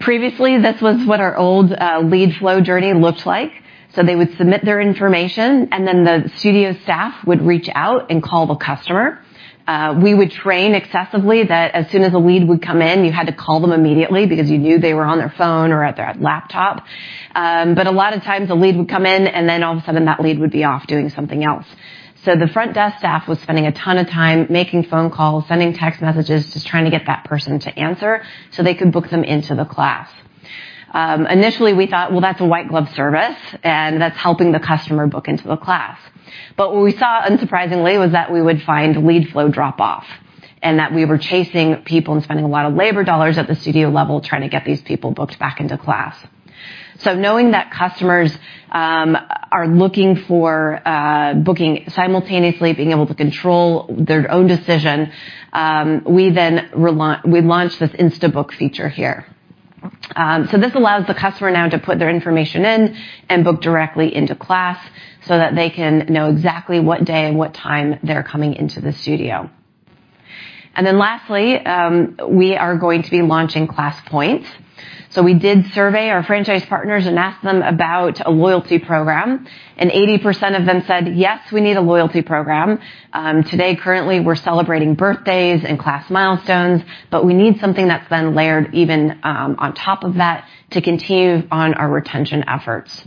Previously, this was what our old lead flow journey looked like. So they would submit their information, and then the studio staff would reach out and call the customer. We would train excessively that as soon as a lead would come in, you had to call them immediately because you knew they were on their phone or at their laptop. But a lot of times, a lead would come in, and then all of a sudden, that lead would be off doing something else. So the front desk staff was spending a ton of time making phone calls, sending text messages, just trying to get that person to answer so they could book them into the class. Initially, we thought, well, that's a white glove service, and that's helping the customer book into the class. But what we saw, unsurprisingly, was that we would find lead flow drop off, and that we were chasing people and spending a lot of labor dollars at the studio level, trying to get these people booked back into class. So knowing that customers are looking for booking simultaneously, being able to control their own decision, we launched this InstaBook feature here. So this allows the customer now to put their information in and book directly into class, so that they can know exactly what day and what time they're coming into the studio. And then lastly, we are going to be launching ClassPoints. So we did survey our franchise partners and asked them about a loyalty program, and 80% of them said, "Yes, we need a loyalty program. Today, currently, we're celebrating birthdays and class milestones, but we need something that's then layered even on top of that to continue on our retention efforts."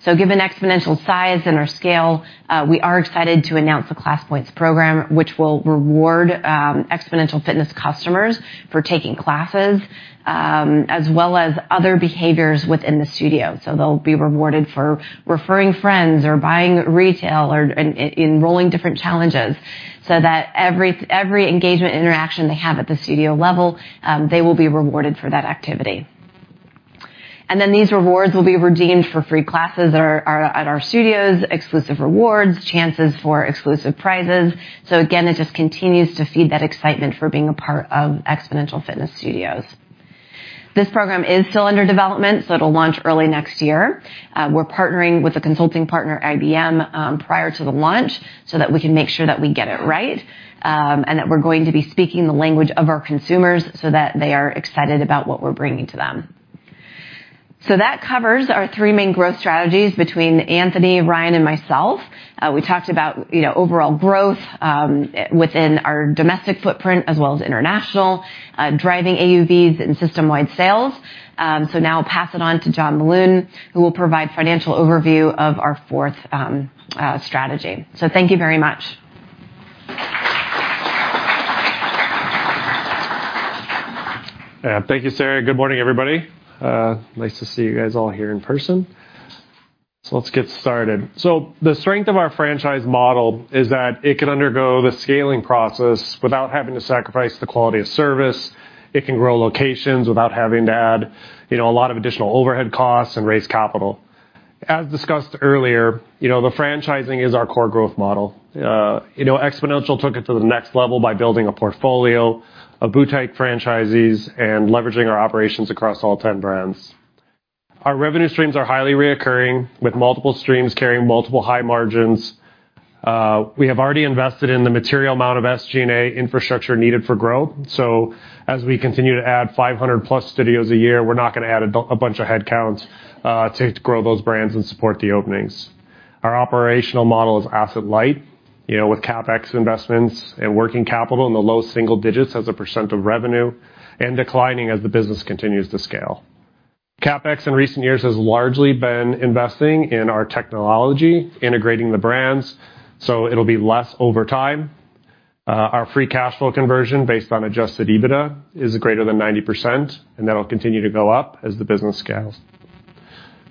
So given Xponential's size and our scale, we are excited to announce the ClassPoints program, which will reward Xponential Fitness customers for taking classes as well as other behaviors within the studio. So they'll be rewarded for referring friends or buying retail or in enrolling different challenges, so that every engagement interaction they have at the studio level, they will be rewarded for that activity. And then these rewards will be redeemed for free classes or at our studios, exclusive rewards, chances for exclusive prizes. So again, it just continues to feed that excitement for being a part of Xponential Fitness Studios. This program is still under development, so it'll launch early next year. We're partnering with a consulting partner, IBM, prior to the launch so that we can make sure that we get it right, and that we're going to be speaking the language of our consumers so that they are excited about what we're bringing to them. So that covers our three main growth strategies between Anthony, Ryan, and myself. We talked about, you know, overall growth, within our domestic footprint, as well as international, driving AUVs and system-wide sales. So now I'll pass it on to John Meloun, who will provide financial overview of our fourth, strategy. So thank you very much. Yeah. Thank you, Sarah. Good morning, everybody. Nice to see you guys all here in person. So let's get started. So the strength of our franchise model is that it can undergo the scaling process without having to sacrifice the quality of service. It can grow locations without having to add, you know, a lot of additional overhead costs and raise capital. As discussed earlier, you know, the franchising is our core growth model. You know, Xponential took it to the next level by building a portfolio of boutique type franchisees and leveraging our operations across all ten brands. Our revenue streams are highly recurring, with multiple streams carrying multiple high margins. We have already invested in the material amount of SG&A infrastructure needed for growth, so as we continue to add 500+ studios a year, we're not going to add a bunch of headcounts to grow those brands and support the openings. Our operational model is asset light, you know, with CapEx investments and working capital in the low single digits as a % of revenue, and declining as the business continues to scale. CapEx in recent years has largely been investing in our technology, integrating the brands, so it'll be less over time. Our free cash flow conversion, based on adjusted EBITDA, is greater than 90%, and that'll continue to go up as the business scales.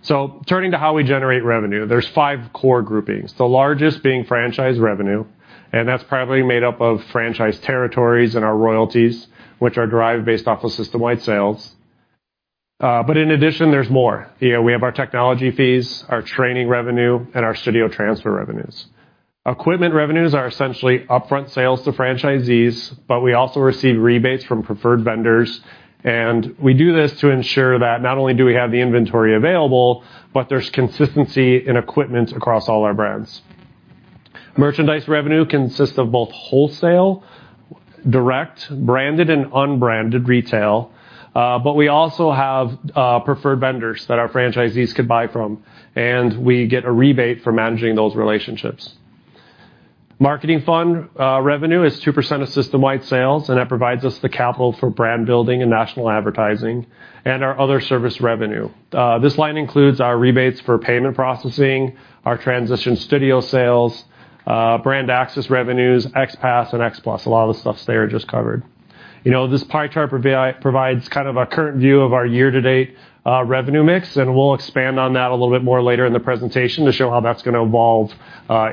So turning to how we generate revenue, there's five core groupings, the largest being franchise revenue, and that's primarily made up of franchise territories and our royalties, which are derived based off of system-wide sales. But in addition, there's more. You know, we have our technology fees, our training revenue, and our studio transfer revenues. Equipment revenues are essentially upfront sales to franchisees, but we also receive rebates from preferred vendors, and we do this to ensure that not only do we have the inventory available, but there's consistency in equipment across all our brands. Merchandise revenue consists of both wholesale, direct, branded and unbranded retail, but we also have preferred vendors that our franchisees could buy from, and we get a rebate for managing those relationships. Marketing fund revenue is 2% of system-wide sales, and that provides us the capital for brand building and national advertising and our other service revenue. This line includes our rebates for payment processing, our transition studio sales, brand access revenues, XPASS and XPLU.S. A lot of the stuff Sarah just covered. You know, this pie chart provides kind of a current view of our year-to-date revenue mix, and we'll expand on that a little bit more later in the presentation to show how that's gonna evolve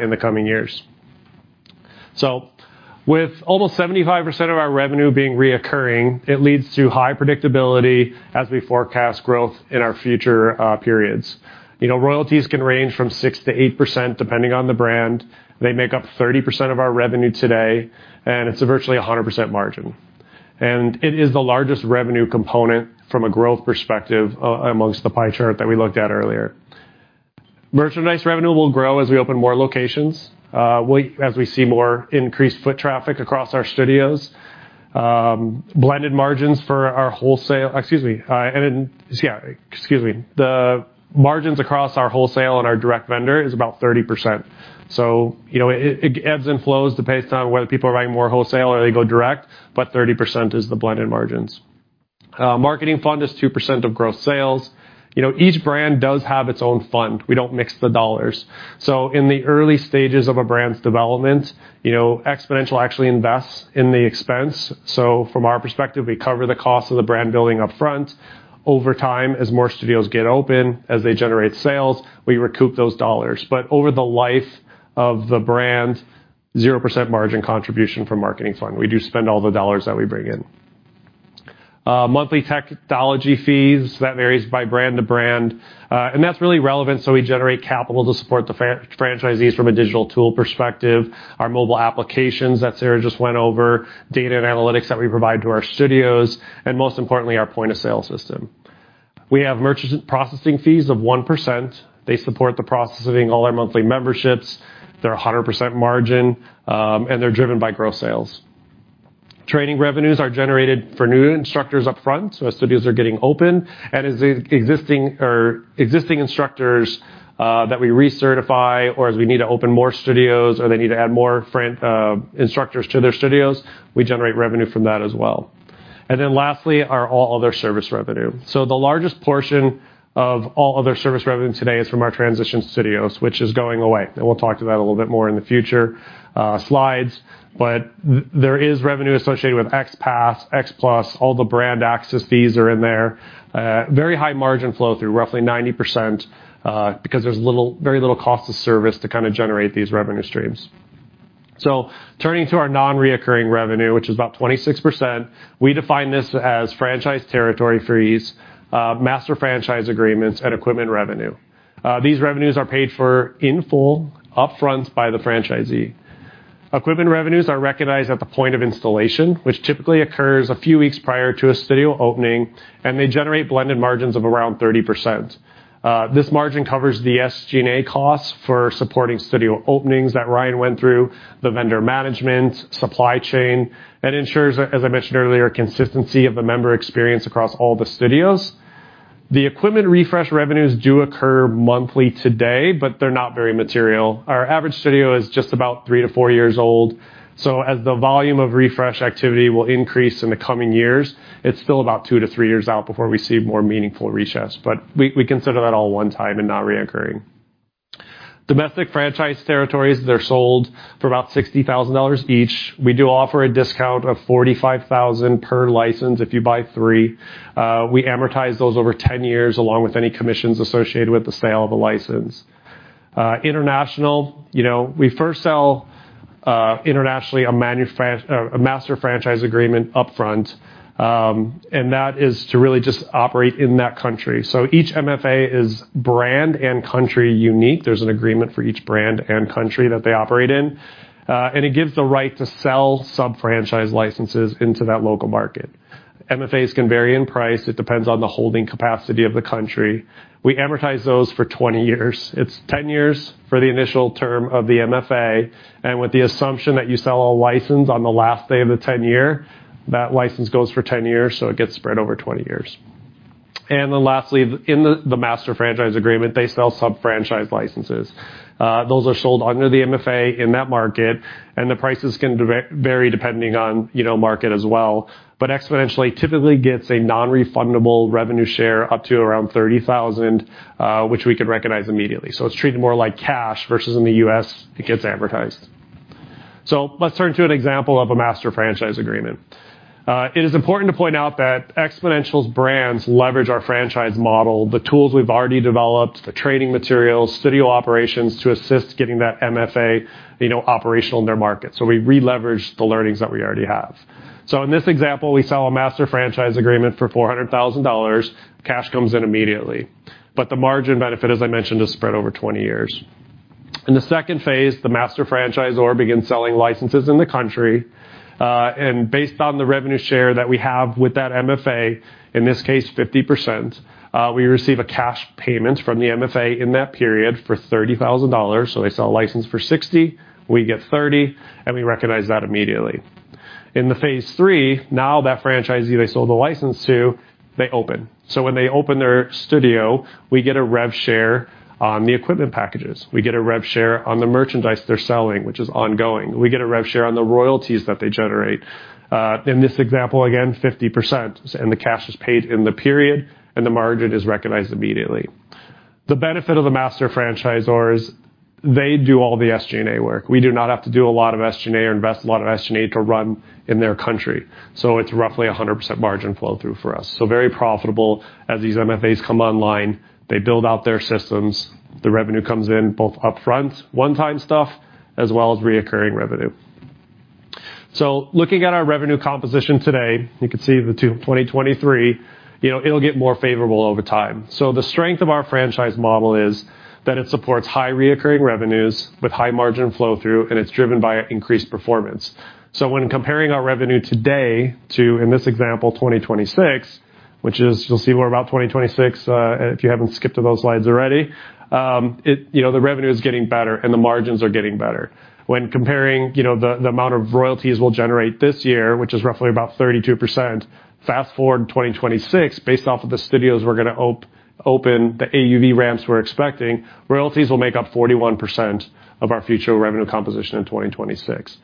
in the coming years. So with almost 75% of our revenue being recurring, it leads to high predictability as we forecast growth in our future periods. You know, royalties can range from 6%-8%, depending on the brand. They make up 30% of our revenue today, and it's virtually a 100% margin. It is the largest revenue component from a growth perspective, amongst the pie chart that we looked at earlier. Merchandise revenue will grow as we open more locations, as we see more increased foot traffic across our studios. Blended margins for our wholesale. Excuse me, and then, excuse me. The margins across our wholesale and our direct vendor is about 30%. So, you know, it, it ebbs and flows based on whether people are buying more wholesale or they go direct, but 30% is the blended margins. Marketing fund is 2% of gross sales. You know, each brand does have its own fund. We don't mix the dollars. So in the early stages of a brand's development, you know, Xponential actually invests in the expense. So from our perspective, we cover the cost of the brand building upfront. Over time, as more studios get open, as they generate sales, we recoup those dollars. But over the life of the brand, 0% margin contribution from marketing fund. We do spend all the dollars that we bring in. Monthly technology fees, that varies by brand to brand, and that's really relevant, so we generate capital to support the franchisees from a digital tool perspective. Our mobile applications that Sarah just went over, data and analytics that we provide to our studios, and most importantly, our point-of-sale system. We have merchant processing fees of 1%. They support the processing all our monthly memberships. They're 100% margin, and they're driven by gross sales. Training revenues are generated for new instructors upfront, so as studios are getting open and as the existing instructors that we recertify, or as we need to open more studios, or they need to add more instructors to their studios, we generate revenue from that as well. And then lastly, our all other service revenue. So the largest portion of all other service revenue today is from our Transition Studios, which is going away, and we'll talk to that a little bit more in the future slides. But there is revenue associated with XPASS, XPLU.S., all the brand access fees are in there. Very high margin flow through, roughly 90%, because there's very little cost of service to kinda generate these revenue streams. Turning to our nonrecurring revenue, which is about 26%, we define this as franchise territory fees, master franchise agreements, and equipment revenue. These revenues are paid for in full, upfront by the franchisee. Equipment revenues are recognized at the point of installation, which typically occurs a few weeks prior to a studio opening, and they generate blended margins of around 30%. This margin covers the SG&A costs for supporting studio openings that Ryan went through, the vendor management, supply chain, and ensures, as I mentioned earlier, consistency of the member experience across all the studios. The equipment refresh revenues do occur monthly today, but they're not very material. Our average studio is just about 3-4 years old, so as the volume of refresh activity will increase in the coming years, it's still about 2-3 years out before we see more meaningful resets. But we, we consider that all one time and not recurring. Domestic franchise territories, they're sold for about $60,000 each. We do offer a discount of $45,000 per license if you buy three. We amortize those over 10 years, along with any commissions associated with the sale of the license. International, you know, we first sell internationally a master franchise agreement upfront, and that is to really just operate in that country. So each MFA is brand and country unique. There's an agreement for each brand and country that they operate in, and it gives the right to sell sub-franchise licenses into that local market. MFAs can vary in price. It depends on the holding capacity of the country. We amortize those for 20 years. It's 10 years for the initial term of the MFA, and with the assumption that you sell all licenses on the last day of the 10-year, that license goes for 10 years, so it gets spread over 20 years. And then lastly, in the master franchise agreement, they sell sub-franchise licenses. Those are sold under the MFA in that market, and the prices can vary depending on, you know, market as well. But Xponential typically gets a nonrefundable revenue share up to around $30,000, which we could recognize immediately. So it's treated more like cash, versus in the U.S., it gets amortized. So let's turn to an example of a master franchise agreement. It is important to point out that Xponential's brands leverage our franchise model, the tools we've already developed, the training materials, studio operations, to assist getting that MFA, you know, operational in their market. So we re-leverage the learnings that we already have. So in this example, we sell a master franchise agreement for $400,000. Cash comes in immediately, but the margin benefit, as I mentioned, is spread over 20 years. In the second phase, the master franchisor begins selling licenses in the country, and based on the revenue share that we have with that MFA, in this case, 50%, we receive a cash payment from the MFA in that period for $30,000. So they sell a license for $60, we get $30, and we recognize that immediately. In the phase 3, now that franchisee they sold the license to, they open. So when they open their studio, we get a rev share on the equipment packages. We get a rev share on the merchandise they're selling, which is ongoing. We get a rev share on the royalties that they generate. In this example, again, 50%, and the cash is paid in the period, and the margin is recognized immediately. The benefit of the master franchisors, they do all the SG&A work. We do not have to do a lot of SG&A or invest a lot of SG&A to run in their country. So it's roughly a 100% margin flow through for us. So very profitable. As these MFAs come online, they build out their systems, the revenue comes in both upfront, one-time stuff, as well as recurring revenue. Looking at our revenue composition today, you can see the 2, 2023, you know, it'll get more favorable over time. The strength of our franchise model is that it supports high recurring revenues with high margin flow through, and it's driven by increased performance. When comparing our revenue today to, in this example, 2026, which is. You'll see more about 2026, if you haven't skipped to those slides already. It, you know, the revenue is getting better, and the margins are getting better. When comparing, you know, the amount of royalties we'll generate this year, which is roughly about 32%, fast-forward to 2026, based off of the studios we're gonna open, the AUV ramps we're expecting, royalties will make up 41% of our future revenue composition in 2026.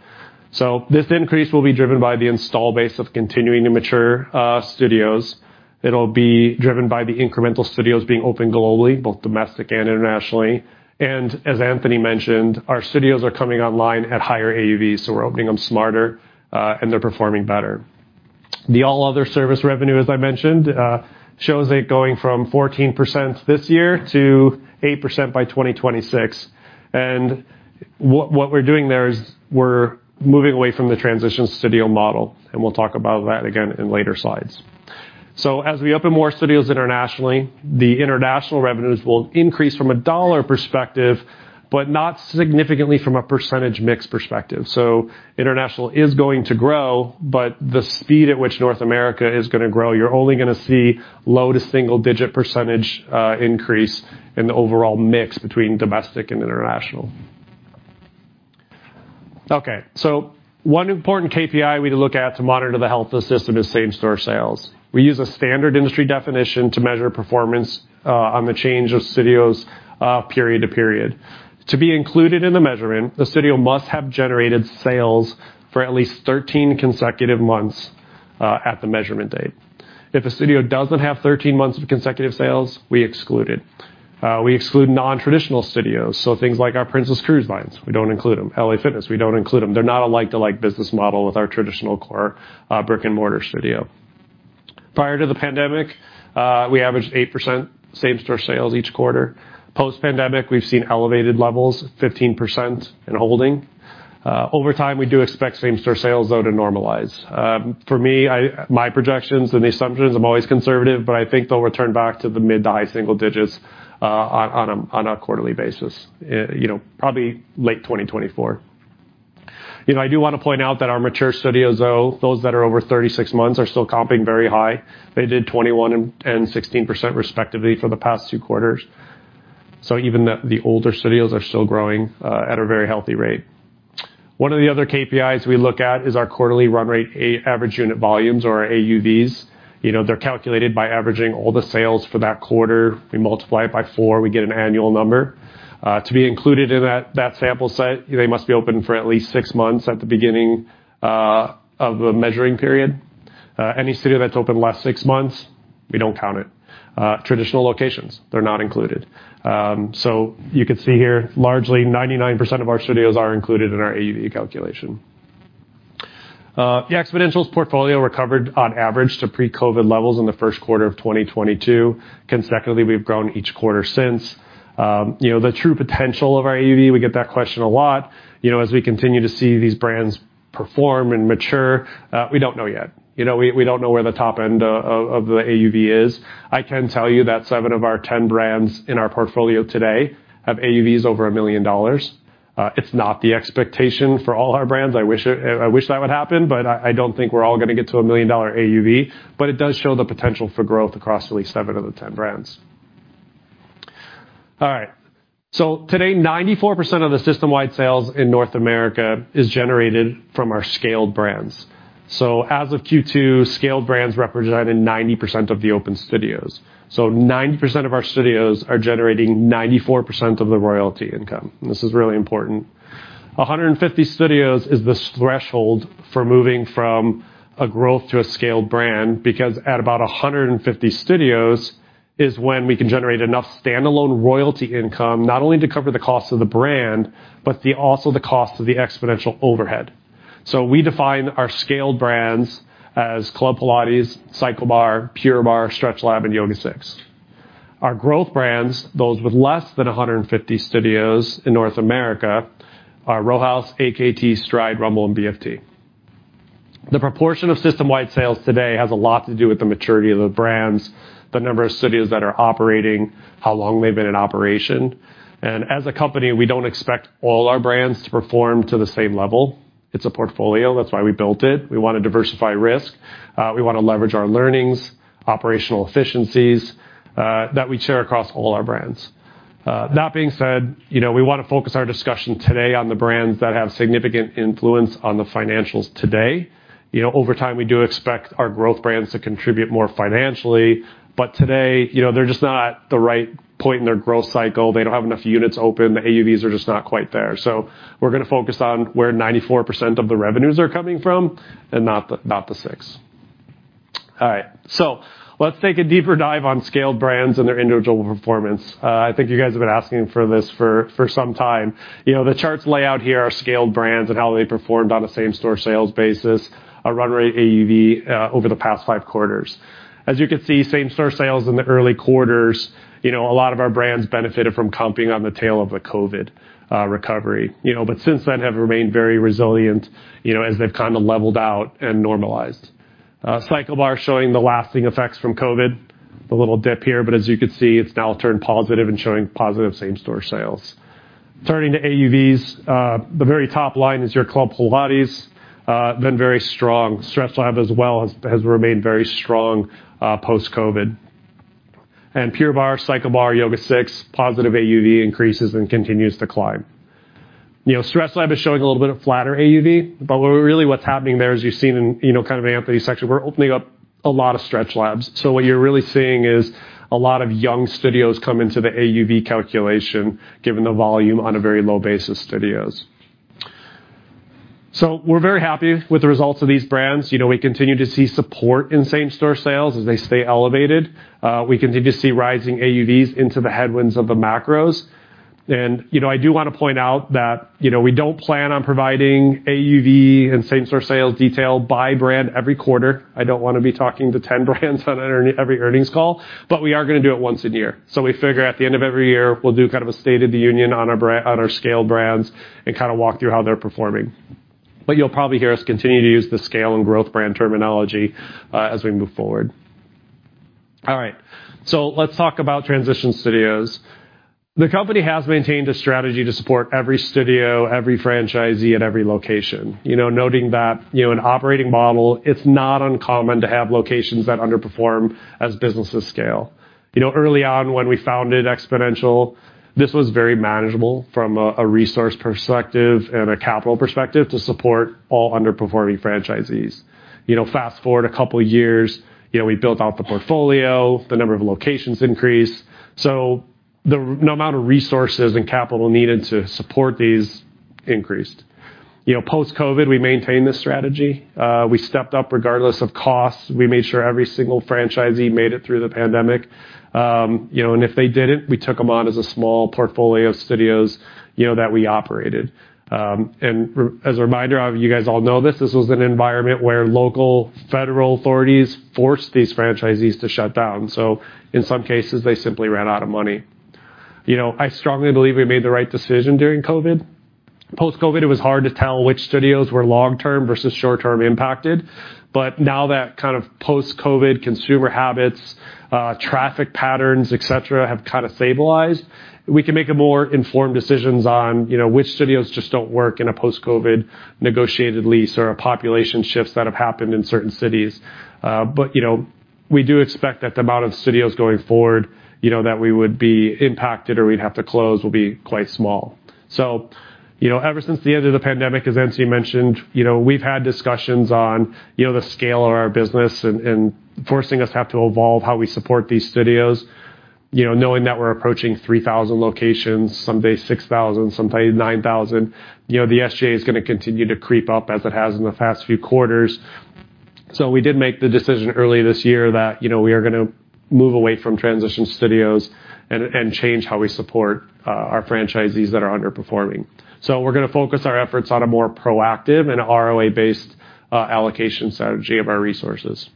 So this increase will be driven by the install base of continuing to mature studios. It'll be driven by the incremental studios being opened globally, both domestic and internationally. And as Anthony mentioned, our studios are coming online at higher AUV, so we're opening them smarter, and they're performing better. The all other service revenue, as I mentioned, shows it going from 14% this year to 8% by 2026. And what we're doing there is we're moving away from the transition studio model, and we'll talk about that again in later slides. So as we open more studios internationally, the international revenues will increase from a dollar perspective, but not significantly from a percentage mix perspective. So international is going to grow, but the speed at which North America is gonna grow, you're only gonna see low- to single-digit % increase in the overall mix between domestic and international. Okay, so one important KPI we look at to monitor the health of the system is same-store sales. We use a standard industry definition to measure performance on the change of studios period to period. To be included in the measurement, the studio must have generated sales for at least 13 consecutive months at the measurement date. If a studio doesn't have 13 months of consecutive sales, we exclude it. We exclude non-traditional studios, so things like our Princess Cruises, we don't include them. L.A. Fitness, we don't include them. They're not a like-to-like business model with our traditional core, brick-and-mortar studio. Prior to the pandemic, we averaged 8% same-store sales each quarter. Post-pandemic, we've seen elevated levels, 15% and holding. Over time, we do expect same-store sales, though, to normalize. For me, my projections and the assumptions, I'm always conservative, but I think they'll return back to the mid- to high-single digits, on a quarterly basis, you know, probably late 2024. You know, I do want to point out that our mature studios, though, those that are over 36 months, are still comping very high. They did 21% and 16% respectively for the past two quarters. So even the older studios are still growing at a very healthy rate. One of the other KPIs we look at is our quarterly run rate, average unit volumes or AUVs. You know, they're calculated by averaging all the sales for that quarter. We multiply it by four, we get an annual number. To be included in that sample set, they must be open for at least six months at the beginning of the measuring period. Any studio that's open the last six months, we don't count it. Traditional locations, they're not included. So you can see here, largely, 99% of our studios are included in our AUV calculation. The Xponential's portfolio recovered on average to pre-COVID levels in the first quarter of 2022. Consecutively, we've grown each quarter since. You know, the true potential of our AUV, we get that question a lot. You know, as we continue to see these brands perform and mature, we don't know yet. You know, we don't know where the top end of the AUV is. I can tell you that seven of our ten brands in our portfolio today have AUVs over $1 million. It's not the expectation for all our brands. I wish it. I wish that would happen, but I don't think we're all gonna get to a $1 million AUV, but it does show the potential for growth across at least seven of the ten brands. All right, so today, 94% of the system-wide sales in North America is generated from our scaled brands. So as of Q2, scaled brands represented 90% of the open studios. So 90% of our studios are generating 94% of the royalty income. This is really important. 150 studios is the scale threshold for moving from a growth to a scaled brand, because at about 150 studios is when we can generate enough standalone royalty income, not only to cover the cost of the brand, but also the cost of the Xponential overhead. So we define our scaled brands as Club Pilates, CycleBar, Pure Barre, StretchLab, and YogaSix. Our growth brands, those with less than 150 studios in North America, are Row House, AKT, Stride, Rumble, and BFT. The proportion of system-wide sales today has a lot to do with the maturity of the brands, the number of studios that are operating, how long they've been in operation. And as a company, we don't expect all our brands to perform to the same level. It's a portfolio. That's why we built it. We want to diversify risk. We want to leverage our learnings, operational efficiencies, that we share across all our brands. That being said, you know, we want to focus our discussion today on the brands that have significant influence on the financials today. You know, over time, we do expect our growth brands to contribute more financially, but today, you know, they're just not at the right point in their growth cycle. They don't have enough units open, the AUVs are just not quite there. So we're gonna focus on where 94% of the revenues are coming from and not the, not the six. All right, so let's take a deeper dive on scaled brands and their individual performance. I think you guys have been asking for this for some time. You know, the charts laid out here are scaled brands and how they performed on a same-store sales basis, a run rate AUV, over the past five quarters. As you can see, same-store sales in the early quarters, you know, a lot of our brands benefited from comping on the tail of the COVID recovery. You know, but since then, have remained very resilient, you know, as they've kind of leveled out and normalized. CycleBar showing the lasting effects from COVID, the little dip here, but as you can see, it's now turned positive and showing positive same-store sales. Turning to AUVs, the very top line is your Club Pilates, been very strong. StretchLab as well, has remained very strong, post-COVID. And Pure Barre, CycleBar, YogaSix, positive AUV increases and continues to climb. You know, StretchLab is showing a little bit of flatter AUV, but what's really happening there, as you've seen in, you know, kind of Anthony's section, we're opening up a lot of StretchLabs. So what you're really seeing is a lot of young studios come into the AUV calculation, given the volume on a very low basis studios. So we're very happy with the results of these brands. You know, we continue to see support in same-store sales as they stay elevated. We continue to see rising AUVs into the headwinds of the macros. And, you know, I do want to point out that, you know, we don't plan on providing AUV and same-store sales detail by brand every quarter. I don't want to be talking to 10 brands on every earnings call, but we are going to do it once a year. So we figure at the end of every year, we'll do kind of a state of the union on our scale brands and kind of walk through how they're performing. But you'll probably hear us continue to use the scale and growth brand terminology as we move forward. All right, so let's talk about transition studios. The company has maintained a strategy to support every studio, every franchisee, and every location. You know, noting that, you know, in operating model, it's not uncommon to have locations that underperform as businesses scale. You know, early on, when we founded Xponential, this was very manageable from a resource perspective and a capital perspective to support all underperforming franchisees. You know, fast-forward a couple of years, you know, we built out the portfolio, the number of locations increased, so the amount of resources and capital needed to support these increased. You know, post-COVID, we maintained this strategy. We stepped up regardless of costs. We made sure every single franchisee made it through the pandemic. You know, and if they didn't, we took them on as a small portfolio of studios, you know, that we operated. And, as a reminder, you guys all know this, this was an environment where local, federal authorities forced these franchisees to shut down. So in some cases, they simply ran out of money. You know, I strongly believe we made the right decision during COVID. Post-COVID, it was hard to tell which studios were long-term versus short-term impacted, but now that kind of post-COVID consumer habits, traffic patterns, et cetera, have kind of stabilized, we can make a more informed decisions on, you know, which studios just don't work in a post-COVID negotiated lease or population shifts that have happened in certain cities. But, you know, we do expect that the amount of studios going forward, you know, that we would be impacted or we'd have to close will be quite small. So, you know, ever since the end of the pandemic, as Anthony mentioned, you know, we've had discussions on, you know, the scale of our business and, and forcing us to have to evolve how we support these studios, you know, knowing that we're approaching 3,000 locations, someday 6,000, someday 9,000. You know, the SG&A is going to continue to creep up as it has in the past few quarters. So we did make the decision early this year that, you know, we are going to move away from transition studios and change how we support our franchisees that are underperforming. So we're going to focus our efforts on a more proactive and ROA-based allocation strategy of our resources.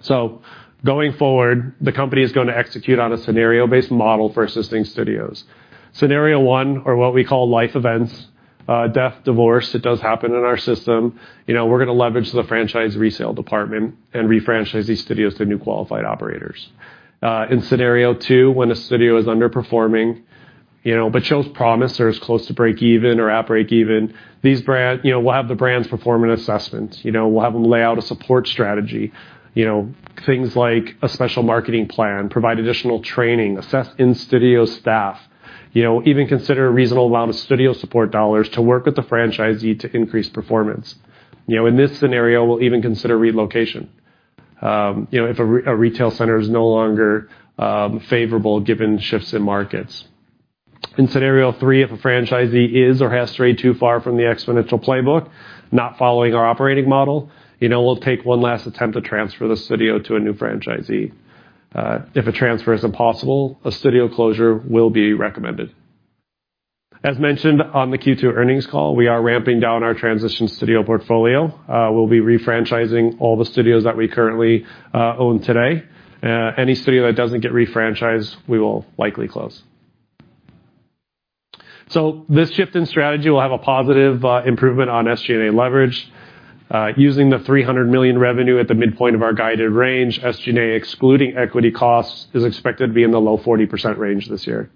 So going forward, the company is going to execute on a scenario-based model for assisting studios. Scenario one, or what we call life events, death, divorce, it does happen in our system. You know, we're going to leverage the franchise resale department and refranchise these studios to new qualified operators. In scenario two, when a studio is underperforming, you know, but shows promise or is close to breakeven or at breakeven, these brands, you know, we'll have the brands perform an assessment. You know, we'll have them lay out a support strategy. You know, things like a special marketing plan, provide additional training, assess in-studio staff, you know, even consider a reasonable amount of studio support dollars to work with the franchisee to increase performance. You know, in this scenario, we'll even consider relocation, you know, if a retail center is no longer favorable given shifts in markets. In scenario three, if a franchisee is or has strayed too far from the Xponential playbook, not following our operating model, you know, we'll take one last attempt to transfer the studio to a new franchisee. If a transfer is impossible, a studio closure will be recommended. As mentioned on the Q2 earnings call, we are ramping down our transition studio portfolio. We'll be refranchising all the studios that we currently own today. Any studio that doesn't get refranchised, we will likely close. So this shift in strategy will have a positive improvement on SG&A leverage. Using the $300 million revenue at the midpoint of our guided range, SG&A, excluding equity costs, is expected to be in the low 40% range this year.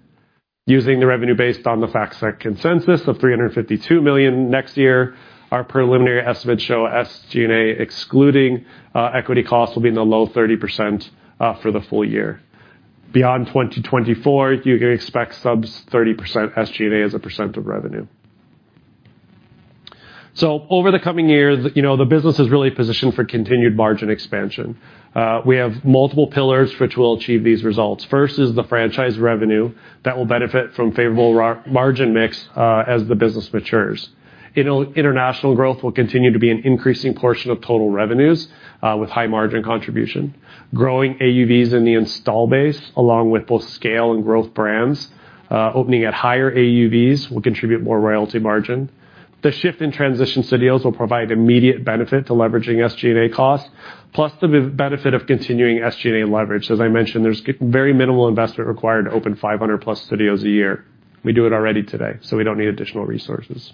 Using the revenue based on the FactSet consensus of $352 million next year, our preliminary estimates show SG&A, excluding equity costs, will be in the low 30% for the full year. Beyond 2024, you can expect sub-30% SG&A as a percent of revenue. So over the coming years, you know, the business is really positioned for continued margin expansion. We have multiple pillars which will achieve these results. First is the franchise revenue that will benefit from favorable margin mix, as the business matures. International growth will continue to be an increasing portion of total revenues, with high margin contribution. Growing AUVs in the install base, along with both scale and growth brands, opening at higher AUVs, will contribute more royalty margin. The shift in transition studios will provide immediate benefit to leveraging SG&A costs, plus the benefit of continuing SG&A leverage. As I mentioned, there's very minimal investment required to open 500+ studios a year. We do it already today, so we don't need additional resources.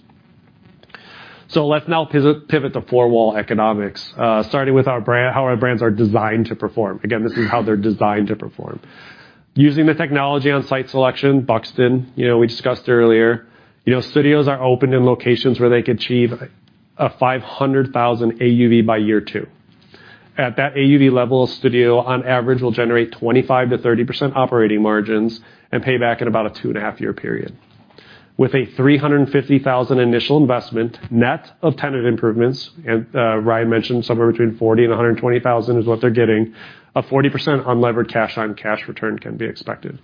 So let's now pivot to four-wall economics, starting with our brand—how our brands are designed to perform. Again, this is how they're designed to perform. Using the technology on site selection, Buxton, you know, we discussed earlier, you know, studios are opened in locations where they could achieve a $500,000 AUV by year two. At that AUV level, a studio, on average, will generate 25%-30% operating margins and pay back in about a 2.5-year period with a $350,000 initial investment, net of tenant improvements, and Ryan mentioned somewhere between $40,000 and $120,000 is what they're getting, a 40% unlevered cash on cash return can be expected.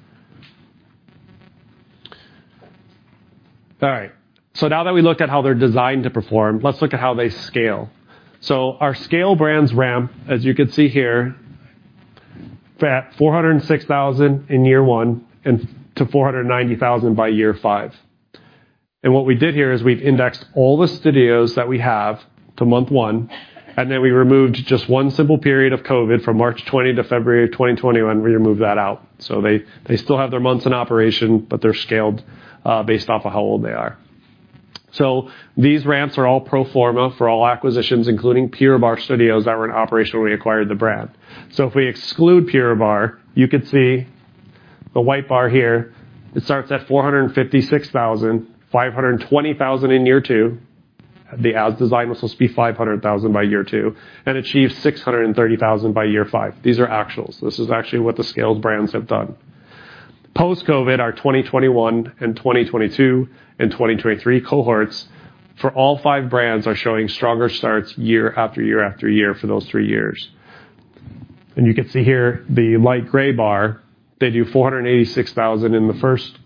All right, so now that we looked at how they're designed to perform, let's look at how they scale. So our scale brands ramp, as you can see here, at $406,000 in year one and to $490,000 by year five. And what we did here is we've indexed all the studios that we have to month one, and then we removed just one simple period of COVID from March 2020 to February 2021. We removed that out, so they, they still have their months in operation, but they're scaled based off of how old they are. So these ramps are all pro forma for all acquisitions, including Pure Barre studios that were in operation when we acquired the brand. So if we exclude Pure Barre, you can see the white bar here. It starts at $456,000, $520,000 in year two. The as designed was supposed to be $500,000 by year two, and achieve $630,000 by year five. These are actuals. This is actually what the scaled brands have done. Post-COVID, our 2021 and 2022 and 2023 cohorts for all five brands are showing stronger starts year after year after year for those three years. You can see here, the light gray bar, they do $486,000 in the first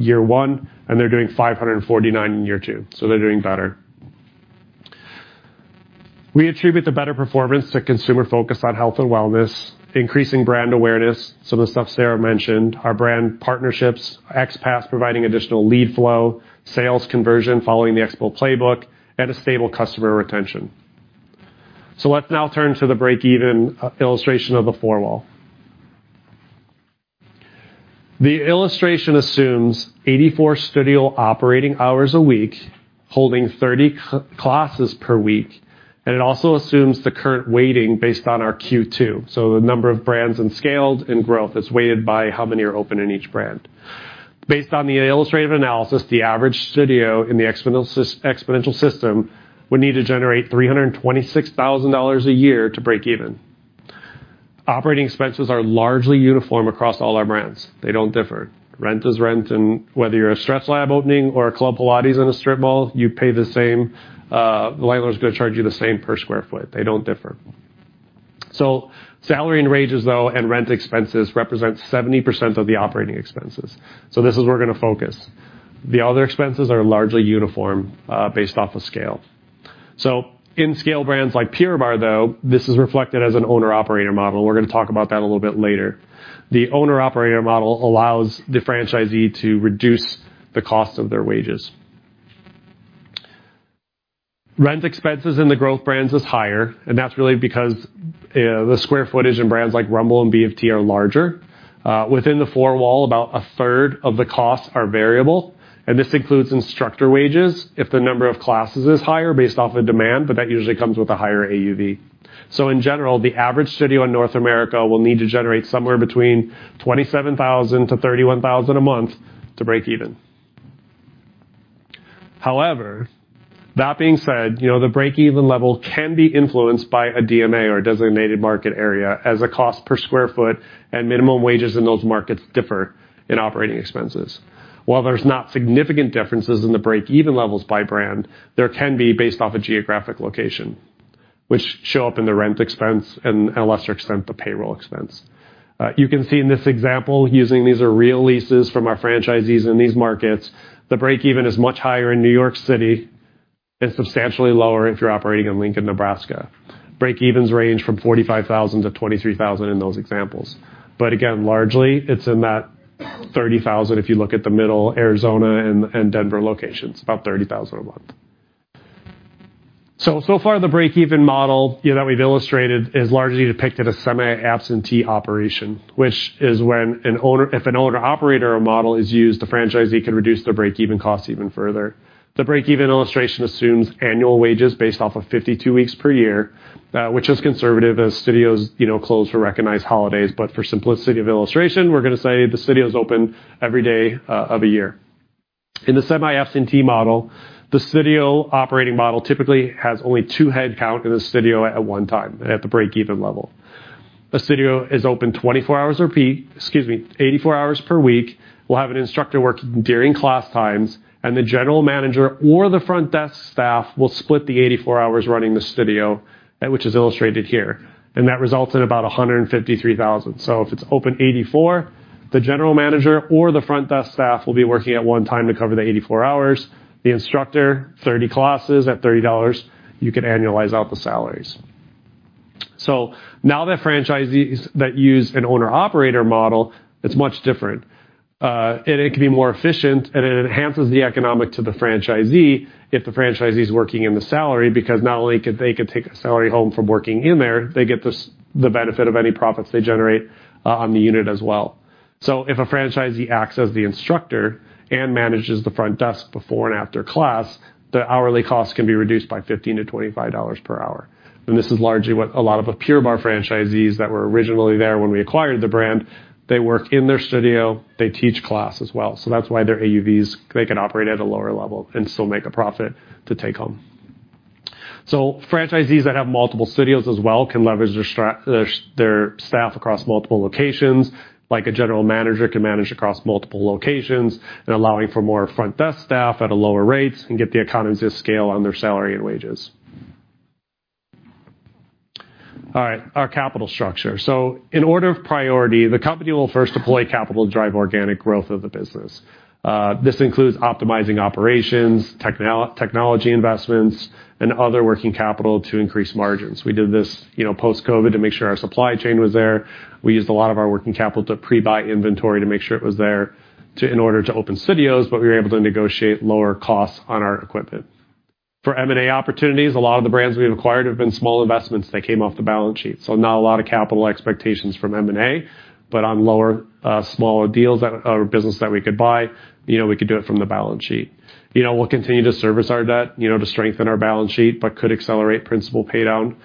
year one, and they're doing $549,000 in year two, so they're doing better. We attribute the better performance to consumer focus on health and wellness, increasing brand awareness, some of the stuff Sarah mentioned, our brand partnerships, XPASS providing additional lead flow, sales conversion following the XPO playbook, and a stable customer retention. So let's now turn to the break-even illustration of the four wall. The illustration assumes 84 studio operating hours a week, holding 30 classes per week, and it also assumes the current weighting based on our Q2. So the number of brands in scaled and growth is weighted by how many are open in each brand. Based on the illustrative analysis, the average studio in the Xponential system would need to generate $326,000 a year to break even. Operating expenses are largely uniform across all our brands. They don't differ. Rent is rent, and whether you're a StretchLab opening or a Club Pilates in a strip mall, you pay the same. The landlord's gonna charge you the same per square foot. They don't differ. So salary and wages, though, and rent expenses represent 70% of the operating expenses. So this is where we're gonna focus. The other expenses are largely uniform, based off of scale. So in scale brands like Pure Barre, though, this is reflected as an owner-operator model. We're gonna talk about that a little bit later. The owner-operator model allows the franchisee to reduce the cost of their wages. Rent expenses in the growth brands is higher, and that's really because the square footage in brands like Rumble and BFT are larger. Within the four wall, about a 1/3 of the costs are variable, and this includes instructor wages if the number of classes is higher based off of demand, but that usually comes with a higher AUV. So in general, the average studio in North America will need to generate somewhere between $27,000 to $31,000 a month to break even. However, that being said, you know, the break-even level can be influenced by a DMA, or a designated market area, as the cost per square foot and minimum wages in those markets differ in operating expenses. While there's not significant differences in the break-even levels by brand, there can be based off a geographic location, which show up in the rent expense and at a lesser extent, the payroll expense. You can see in this example, using these are real leases from our franchisees in these markets, the break-even is much higher in New York City and substantially lower if you're operating in Lincoln, Nebraska. Break-evens range from $45,000-$23,000 in those examples, but again, largely it's in that $30,000, if you look at the middle, Arizona and Denver locations, about $30,000 a month. So, so far, the break-even model, you know, that we've illustrated is largely depicted a semi-absentee operation, which is when an owner—if an owner-operator model is used, the franchisee can reduce the break-even cost even further. The break-even illustration assumes annual wages based off of 52 weeks per year, which is conservative, as studios, you know, close for recognized holidays, but for simplicity of illustration, we're gonna say the studio is open every day of a year. In the semi-absentee model, the studio operating model typically has only two headcount in the studio at one time, at the break-even level. A studio is open 24 hours a peak. Excuse me, 84 hours per week. We'll have an instructor working during class times, and the general manager or the front desk staff will split the 84 hours running the studio, which is illustrated here, and that results in about $153,000. So if it's open 84, the general manager or the front desk staff will be working at one time to cover the 84 hours. The instructor, 30 classes at $30, you can annualize out the salaries. So now that franchisees that use an owner-operator model, it's much different, and it can be more efficient, and it enhances the economic to the franchisee if the franchisee is working in the salary, because not only could they take a salary home from working in there, they get the benefit of any profits they generate, on the unit as well. So if a franchisee acts as the instructor and manages the front desk before and after class, the hourly cost can be reduced by $15-$25 per hour. And this is largely what a lot of the Pure Barre franchisees that were originally there when we acquired the brand, they work in their studio, they teach class as well. So that's why their AUVs, they can operate at a lower level and still make a profit to take home. So franchisees that have multiple studios as well can leverage their staff across multiple locations, like a general manager can manage across multiple locations, and allowing for more front desk staff at lower rates and get the economies of scale on their salary and wages. All right, our capital structure. So in order of priority, the company will first deploy capital to drive organic growth of the business. This includes optimizing operations, technology investments, and other working capital to increase margins. We did this, you know, post-COVID, to make sure our supply chain was there. We used a lot of our working capital to pre-buy inventory to make sure it was there in order to open studios, but we were able to negotiate lower costs on our equipment. For M&A opportunities, a lot of the brands we've acquired have been small investments that came off the balance sheet, so not a lot of capital expectations from M&A, but on lower, smaller deals that or business that we could buy, you know, we could do it from the balance sheet. You know, we'll continue to service our debt, you know, to strengthen our balance sheet, but could accelerate principal paydown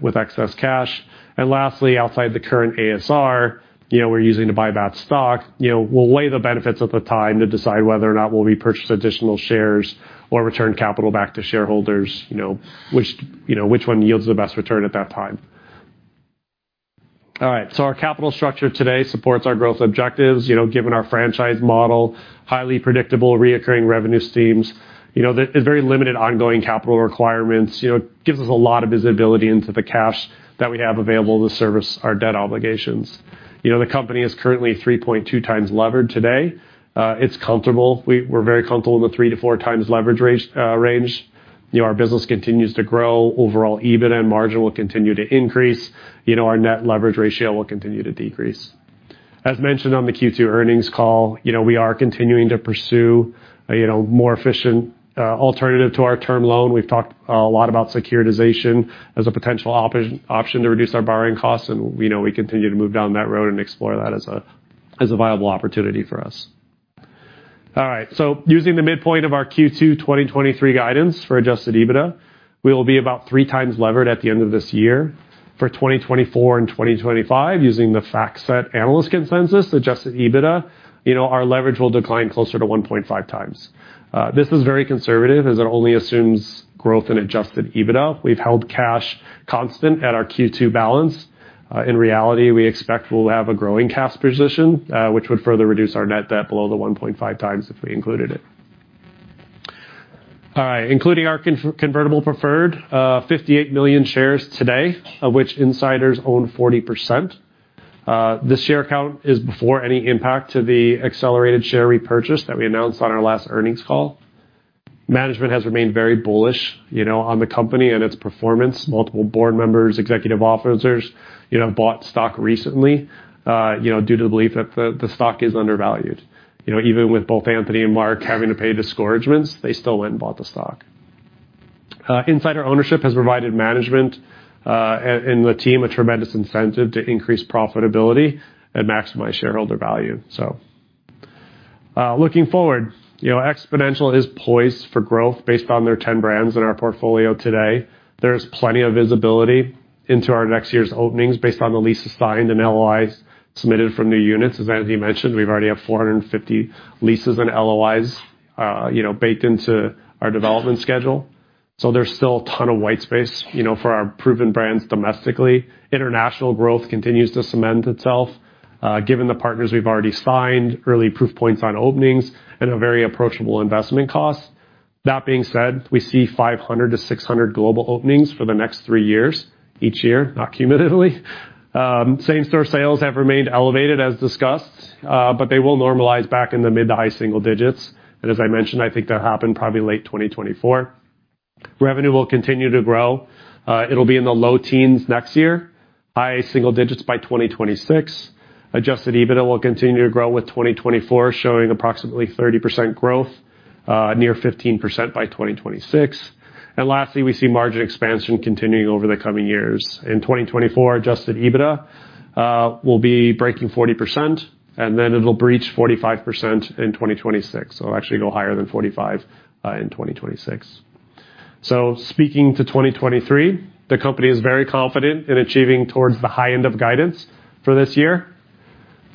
with excess cash. And lastly, outside the current ASR, you know, we're using to buy back stock, you know, we'll weigh the benefits at the time to decide whether or not we'll repurchase additional shares or return capital back to shareholders, you know, which, you know, which one yields the best return at that time. All right, so our capital structure today supports our growth objectives. You know, given our franchise model, highly predictable, recurring revenue streams, you know, there's very limited ongoing capital requirements. You know, it gives us a lot of visibility into the cash that we have available to service our debt obligations. You know, the company is currently 3.2x levered today. It's comfortable. We're very comfortable in the 3x-4x leverage range. You know, our business continues to grow. Overall, EBITDA margin will continue to increase. You know, our net leverage ratio will continue to decrease. As mentioned on the Q2 earnings call, you know, we are continuing to pursue more efficient alternative to our term loan. We've talked a lot about securitization as a potential option to reduce our borrowing costs, and we continue to move down that road and explore that as a viable opportunity for us. All right, so using the midpoint of our Q2 2023 guidance for adjusted EBITDA, we will be about 3x levered at the end of this year. For 2024 and 2025, using the FactSet analyst consensus adjusted EBITDA, you know, our leverage will decline closer to 1.5x. This is very conservative, as it only assumes growth in adjusted EBITDA. We've held cash constant at our Q2 balance. In reality, we expect we'll have a growing cash position, which would further reduce our net debt below the 1.5x if we included it. All right, including our convertible preferred, 58 million shares today, of which insiders own 40%. This share count is before any impact to the accelerated share repurchase that we announced on our last earnings call. Management has remained very bullish, you know, on the company and its performance. Multiple board members, executive officers, you know, have bought stock recently, you know, due to the belief that the, the stock is undervalued. You know, even with both Anthony and Mark having to pay disgorgements, they still went and bought the stock. Insider ownership has provided management and the team a tremendous incentive to increase profitability and maximize shareholder value. So, looking forward, you know, Xponential is poised for growth based on their 10 brands in our portfolio today. There's plenty of visibility into our next year's openings based on the leases signed and LOIs submitted from new units. As Anthony mentioned, we've already have 450 leases and LOIs, you know, baked into our development schedule, so there's still a ton of white space, you know, for our proven brands domestically. International growth continues to cement itself, given the partners we've already signed, early proof points on openings, and a very approachable investment cost. That being said, we see 500-600 global openings for the next three years, each year, not cumulatively. Same-store sales have remained elevated, as discussed, but they will normalize back in the mid- to high-single digits. And as I mentioned, I think that'll happen probably late 2024. Revenue will continue to grow. It'll be in the low teens next year, high single digits by 2026. Adjusted EBITDA will continue to grow, with 2024 showing approximately 30% growth, near 15% by 2026. And lastly, we see margin expansion continuing over the coming years. In 2024, adjusted EBITDA will be breaking 40%, and then it'll breach 45% in 2026. It'll actually go higher than 45% in 2026. So speaking to 2023, the company is very confident in achieving towards the high end of guidance for this year.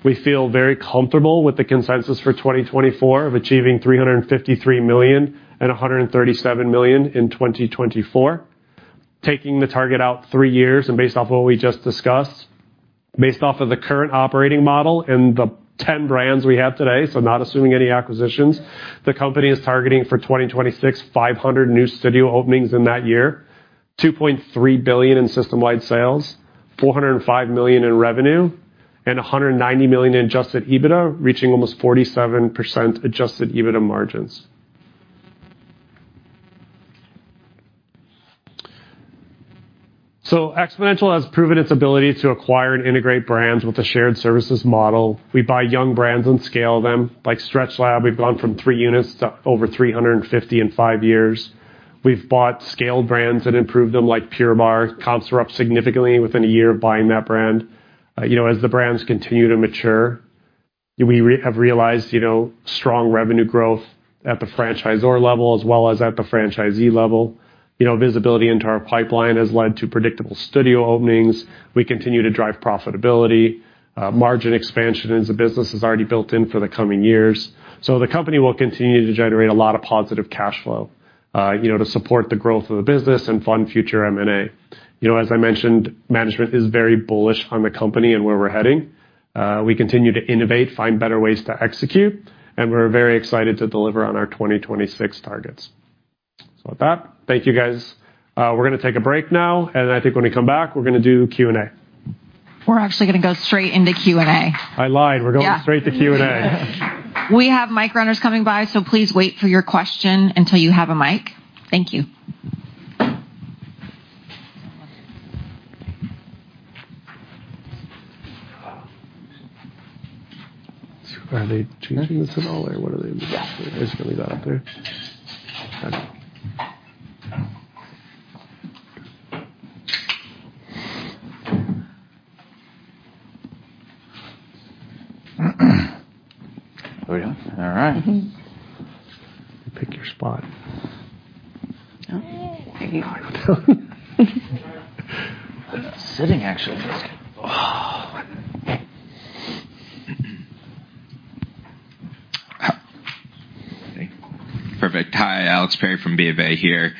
We feel very comfortable with the consensus for 2024 of achieving $353 million and $137 million in 2024. Taking the target out three years and based off what we just discussed, based off of the current operating model and the 10 brands we have today, so not assuming any acquisitions, the company is targeting for 2026, 500 new studio openings in that year, $2.3 billion in system-wide sales, $405 million in revenue, and $190 million in adjusted EBITDA, reaching almost 47% adjusted EBITDA margins. So Xponential has proven its ability to acquire and integrate brands with a shared services model. We buy young brands and scale them, like StretchLab, we've gone from t units to over 350 in five years. We've bought scaled brands and improved them, like Pure Barre. Comps are up significantly within a year of buying that brand. You know, as the brands continue to mature, we have realized, you know, strong revenue growth at the franchisor level as well as at the franchisee level. You know, visibility into our pipeline has led to predictable studio openings. We continue to drive profitability. Margin expansion into business is already built in for the coming years. So the company will continue to generate a lot of positive cash flow, you know, to support the growth of the business and fund future M&A. You know, as I mentioned, management is very bullish on the company and where we're heading. We continue to innovate, find better ways to execute, and we're very excited to deliver on our 2026 targets. So with that, thank you, guys. We're going to take a break now, and I think when we come back, we're going to do Q&A. We're actually going to go straight into Q&A. I lied. Yeah. We're going straight to Q&A. We have mic runners coming by, so please wait for your question until you have a mic. Thank you. Are they changing this at all, or what are they- Yeah. It's really not up there? Oh, yeah. All right. Mm-hmm. Pick your spot. Oh, thank you. Sitting, actually. Oh! Perfect. Hi, Alex Perry from BofA here.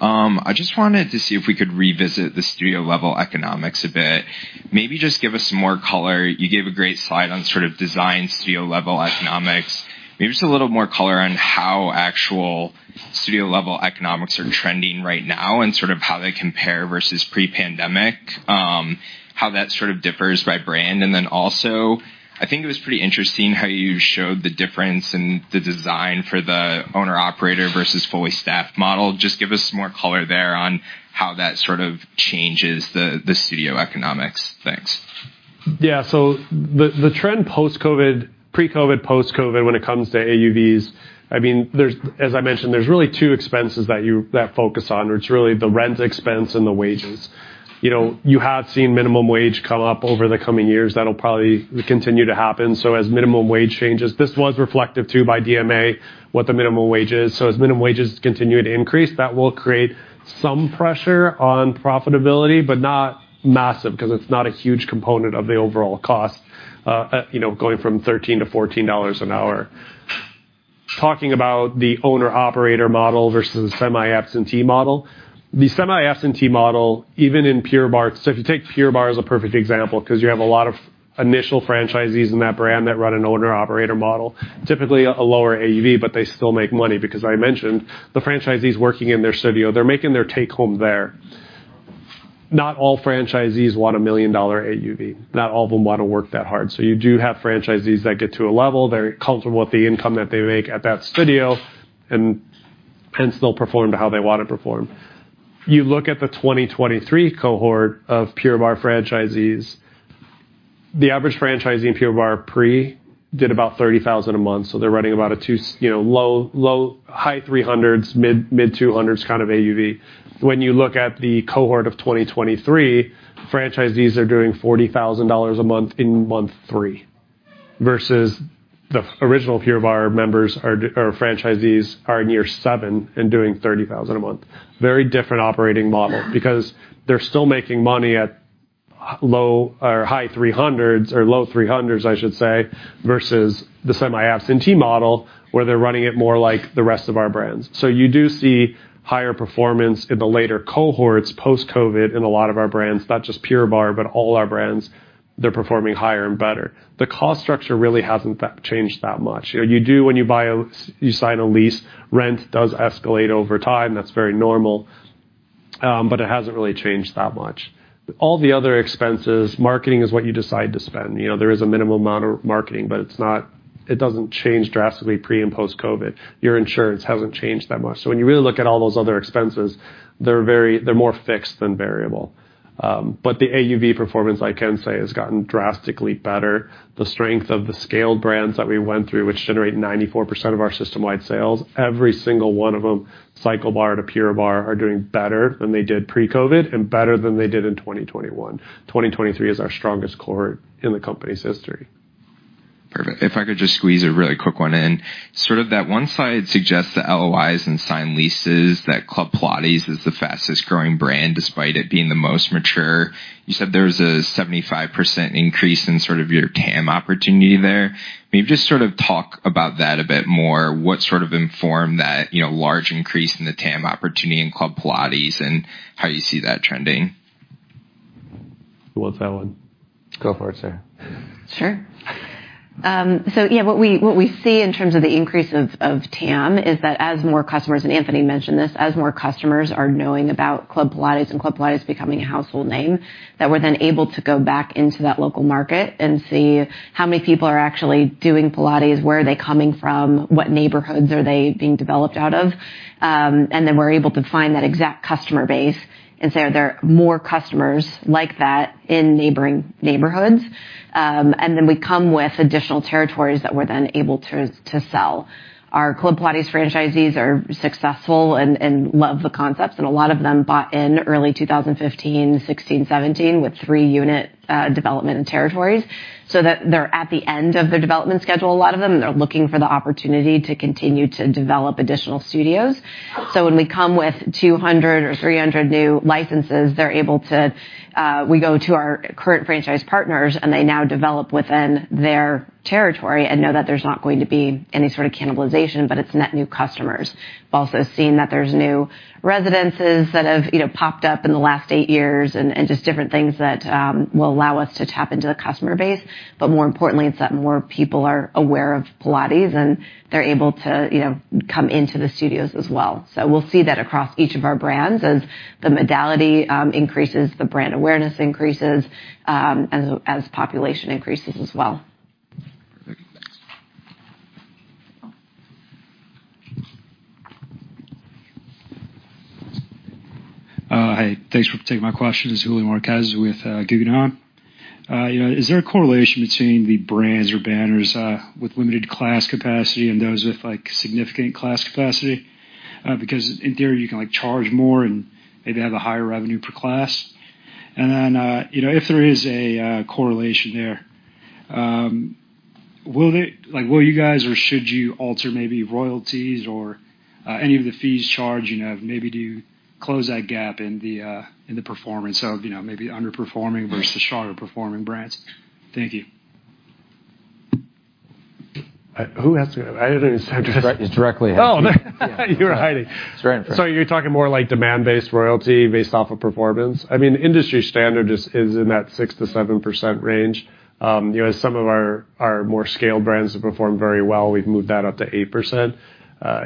I just wanted to see if we could revisit the studio-level economics a bit. Maybe just give us some more color. You gave a great slide on sort of design studio-level economics. Maybe just a little more color on how actual studio-level economics are trending right now and sort of how they compare versus pre-pandemic, how that sort of differs by brand. And then also, I think it was pretty interesting how you showed the difference in the design for the owner-operator versus fully staffed model. Just give us some more color there on how that sort of changes the studio economics. Thanks. Yeah, so the trend post-COVID, pre-COVID, post-COVID, when it comes to AUVs, I mean, there's—as I mentioned, there's really two expenses that focus on. It's really the rent expense and the wages. You know, you have seen minimum wage come up over the coming years. That'll probably continue to happen. So as minimum wage changes, this was reflective, too, by DMA, what the minimum wage is. So as minimum wages continue to increase, that will create some pressure on profitability, but not massive, because it's not a huge component of the overall cost, you know, going from $13-$14 an hour. Talking about the owner-operator model versus the semi-absentee model, the semi-absentee model, even in Pure Barre. So if you take Pure Barre as a perfect example, because you have a lot of initial franchisees in that brand that run an owner-operator model, typically a lower AUV, but they still make money because I mentioned the franchisees working in their studio, they're making their take-home there. Not all franchisees want a million-dollar AUV. Not all of them want to work that hard. So you do have franchisees that get to a level, they're comfortable with the income that they make at that studio, and still perform to how they want to perform. You look at the 2023 cohort of Pure Barre franchisees, the average franchisee in Pure Barre pre did about $30,000 a month, so they're running about a $200,000, you know, low $200,000s, low $200,000s, high $300,000s, mid $200,000s kind of AUV. When you look at the cohort of 2023, franchisees are doing $40,000 a month in month 3, versus the original Pure Barre members or franchisees in 2007 and doing $30,000 a month. Very different operating model because they're still making money at low or high 300s, or low 300s, I should say, versus the semi-absentee model, where they're running it more like the rest of our brands. So you do see higher performance in the later cohorts, post-COVID, in a lot of our brands, not just Pure Barre, but all our brands, they're performing higher and better. The cost structure really hasn't changed that much. You know, when you buy, you sign a lease, rent does escalate over time. That's very normal, but it hasn't really changed that much. All the other expenses, marketing is what you decide to spend. You know, there is a minimum amount of marketing, but it's not - it doesn't change drastically pre- and post-COVID. Your insurance hasn't changed that much. So when you really look at all those other expenses, they're very-- they're more fixed than variable. But the AUV performance, I can say, has gotten drastically better. The strength of the scaled brands that we went through, which generate 94% of our system-wide sales, every single one of them, CycleBar to Pure Barre, are doing better than they did pre-COVID and better than they did in 2021. 2023 is our strongest cohort in the company's history. Perfect. If I could just squeeze a really quick one in. Sort of that one slide suggests the LOIs and signed leases, that Club Pilates is the fastest growing brand, despite it being the most mature. You said there was a 75% increase in sort of your TAM opportunity there. Maybe just sort of talk about that a bit more. What sort of informed that, you know, large increase in the TAM opportunity in Club Pilates and how you see that trending? Who wants that one? Go for it, Sarah. Sure. So yeah, what we, what we see in terms of the increase of, of TAM is that as more customers, and Anthony mentioned this, as more customers are knowing about Club Pilates and Club Pilates becoming a household name, that we're then able to go back into that local market and see how many people are actually doing Pilates, where are they coming from, what neighborhoods are they being developed out of? And then we're able to find that exact customer base, and so are there more customers like that in neighboring neighborhoods? And then we come with additional territories that we're then able to, to sell. Our Club Pilates franchisees are successful and love the concepts, and a lot of them bought in early 2015, 2016, 2017, with three-unit development in territories, so that they're at the end of their development schedule. A lot of them, they're looking for the opportunity to continue to develop additional studios. So when we come with 200 or 300 new licenses, they're able to, we go to our current franchise partners, and they now develop within their territory and know that there's not going to be any sort of cannibalization, but it's net new customers. We've also seen that there's new residences that have, you know, popped up in the last 8 years and just different things that will allow us to tap into the customer base. More importantly, it's that more people are aware of Pilates, and they're able to, you know, come into the studios as well. We'll see that across each of our brands. As the modality increases, the brand awareness increases, as population increases as well. Hi, thanks for taking my questions. It's Julio Marquez with Guggenheim. You know, is there a correlation between the brands or banners with limited class capacity and those with, like, significant class capacity? Because in theory, you can, like, charge more and maybe have a higher revenue per class. And then, you know, if there is a correlation there, will it—like, will you guys, or should you alter maybe royalties or any of the fees charged, you know, maybe to close that gap in the performance of, you know, maybe underperforming versus stronger performing brands? Thank you. Who has to. I didn't even— It's directly- Oh, you were hiding. It's right in front- So you're talking more like demand-based royalty based off of performance? I mean, industry standard is in that 6%-7% range. You know, as some of our, our more scaled brands have performed very well, we've moved that up to 8%.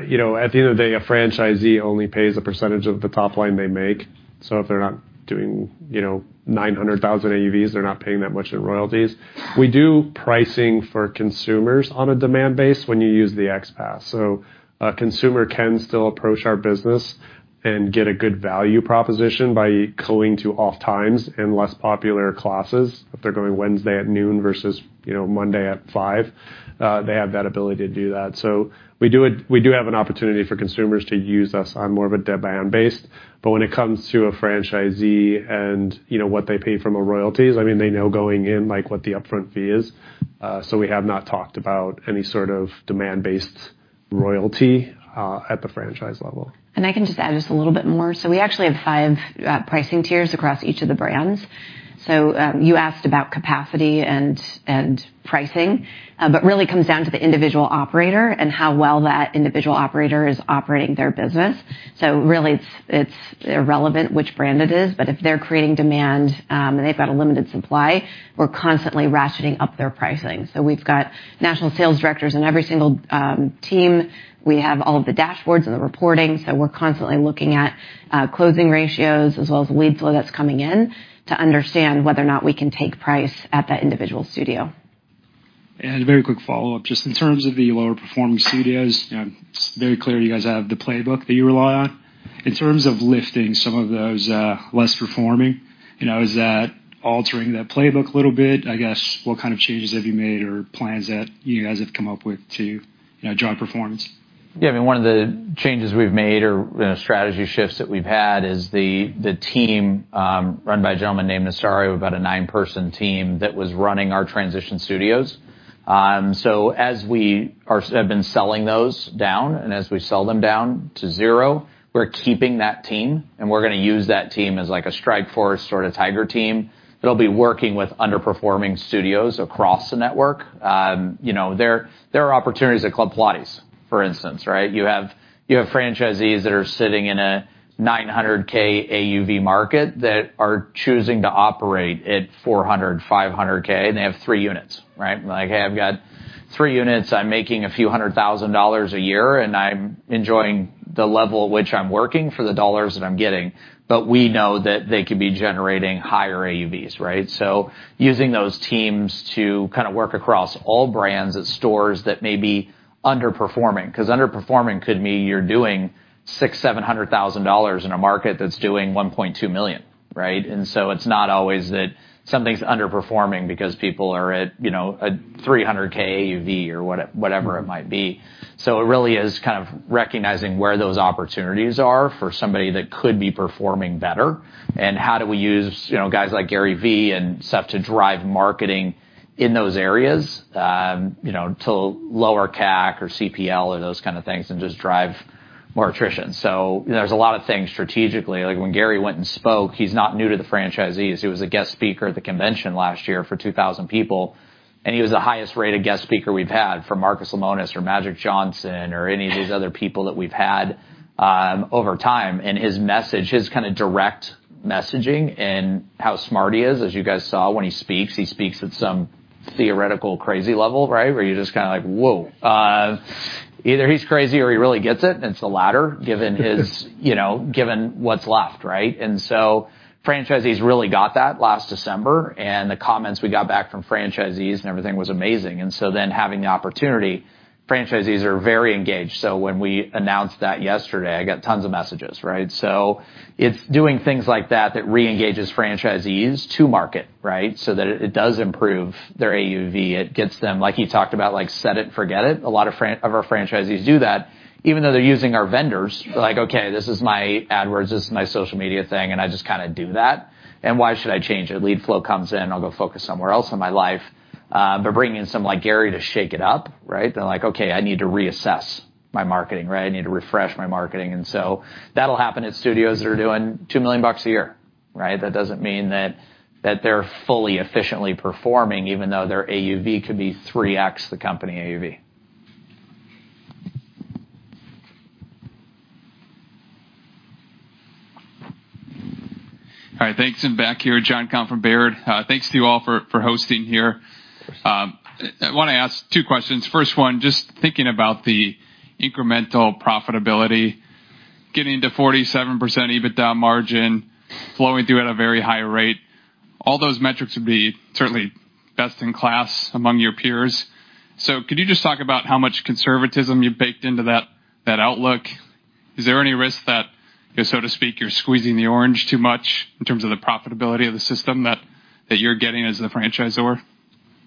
You know, at the end of the day, a franchisee only pays a percentage of the top line they make. So if they're not doing, you know, 900,000 AUVs, they're not paying that much in royalties. We do pricing for consumers on a demand base when you use the XPASS. So a consumer can still approach our business and get a good value proposition by going to off times and less popular classes. If they're going Wednesday at noon versus, you know, Monday at five, they have that ability to do that. So we do have an opportunity for consumers to use us on more of a demand-based. But when it comes to a franchisee and, you know, what they pay from a royalties, I mean, they know going in, like, what the upfront fee is. So we have not talked about any sort of demand-based royalty at the franchise level. I can just add a little bit more. So we actually have 5 pricing tiers across each of the brands. So, you asked about capacity and pricing, but really it comes down to the individual operator and how well that individual operator is operating their business. So really, it's irrelevant which brand it is, but if they're creating demand and they've got a limited supply, we're constantly ratcheting up their pricing. So we've got national sales directors in every single team. We have all of the dashboards and the reporting, so we're constantly looking at closing ratios as well as lead flow that's coming in, to understand whether or not we can take price at that individual studio. A very quick follow-up, just in terms of the lower performing studios. It's very clear you guys have the playbook that you rely on. In terms of lifting some of those less performing, you know, is that altering that playbook a little bit? I guess, what kind of changes have you made or plans that you guys have come up with to, you know, drive performance? Yeah, I mean, one of the changes we've made or, you know, strategy shifts that we've had is the team run by a gentleman named Nasario, about a nine-person team that was running our transition studios. So as we have been selling those down, and as we sell them down to zero, we're keeping that team, and we're gonna use that team as like a strike force or a tiger team. They'll be working with underperforming studios across the network. You know, there are opportunities at Club Pilates, for instance, right? You have franchisees that are sitting in a $900K AUV market that are choosing to operate at $400K-$500K, and they have three units, right? Like, "Hey, I've got three units. I'm making a few hundred thousand dollars a year, and I'm enjoying the level at which I'm working for the dollars that I'm getting." But we know that they could be generating higher AUVs, right? So using those teams to kind of work across all brands at stores that may be underperforming, 'cause underperforming could mean you're doing $600,000-$700,000 in a market that's doing $1.2 million, right? And so it's not always that something's underperforming because people are at, you know, a $300,000 AUV or whatever it might be. So it really is kind of recognizing where those opportunities are for somebody that could be performing better, and how do we use, you know, guys like Gary Vee and stuff to drive marketing in those areas, you know, to lower CAC or CPL or those kind of things, and just drive more attrition. So, you know, there's a lot of things strategically. Like, when Gary went and spoke, he's not new to the franchisees. He was a guest speaker at the convention last year for 2,000 people, and he was the highest-rated guest speaker we've had from Marcus Lemonis or Magic Johnson or any of these other people that we've had, over time. And his message, his kind of direct messaging and how smart he is, as you guys saw, when he speaks, he speaks at some theoretical, crazy level, right? Where you're just kinda like, "Whoa! either he's crazy or he really gets it," and it's the latter, given his you know, given what's left, right? And so franchisees really got that last December, and the comments we got back from franchisees and everything was amazing. And so then having the opportunity, franchisees are very engaged. So when we announced that yesterday, I got tons of messages, right? So it's doing things like that, that reengages franchisees to market, right? So that it does improve their AUV. It gets them, like he talked about, like, set it and forget it. A lot of our franchisees do that, even though they're using our vendors. They're like, "Okay, this is my AdWords, this is my social media thing, and I just kinda do that, and why should I change it? Lead flow comes in, I'll go focus somewhere else in my life." But bringing in someone like Gary to shake it up, right? They're like, "Okay, I need to reassess my marketing, right? I need to refresh my marketing." And so that'll happen at studios that are doing $2 million a year, right? That doesn't mean that they're fully efficiently performing, even though their AUV could be 3x the company AUV. All right, thanks. I'm John Komp from Baird. Thanks to you all for hosting here. I want to ask two questions. First one, just thinking about the incremental profitability- -getting to 47% EBITDA margin, flowing through at a very high rate, all those metrics would be certainly best in class among your peers. So could you just talk about how much conservatism you've baked into that, that outlook? Is there any risk that, so to speak, you're squeezing the orange too much in terms of the profitability of the system that, that you're getting as the franchisor?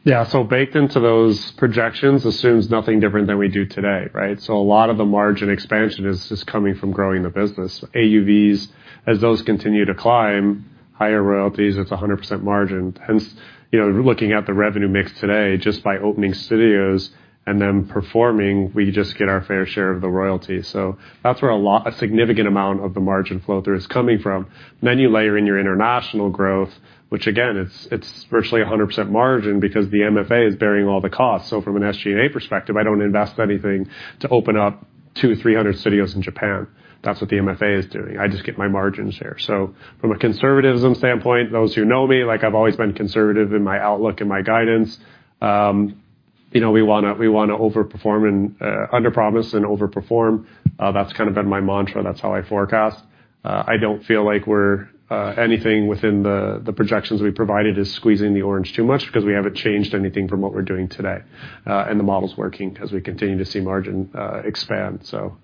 Yeah, so baked into those projections assumes nothing different than we do today, right? So a lot of the margin expansion is just coming from growing the business. AUVs, as those continue to climb, higher royalties, it's 100% margin. Hence, you know, looking at the revenue mix today, just by opening studios and then performing, we just get our fair share of the royalties. So that's where a lot, a significant amount of the margin flow-through is coming from. Then you layer in your international growth, which, again, it's, it's virtually a 100% margin because the MFA is bearing all the costs. So from an SG&A perspective, I don't invest anything to open up 200-300 studios in Japan. That's what the MFA is doing. I just get my margin share. So from a conservatism standpoint, those who know me, like, I've always been conservative in my outlook and my guidance. You know, we wanna, we wanna overperform and, underpromise and overperform. That's kind of been my mantra. That's how I forecast. I don't feel like we're anything within the, the projections we provided is squeezing the orange too much, because we haven't changed anything from what we're doing today. And the model's working as we continue to see margin, expand, so.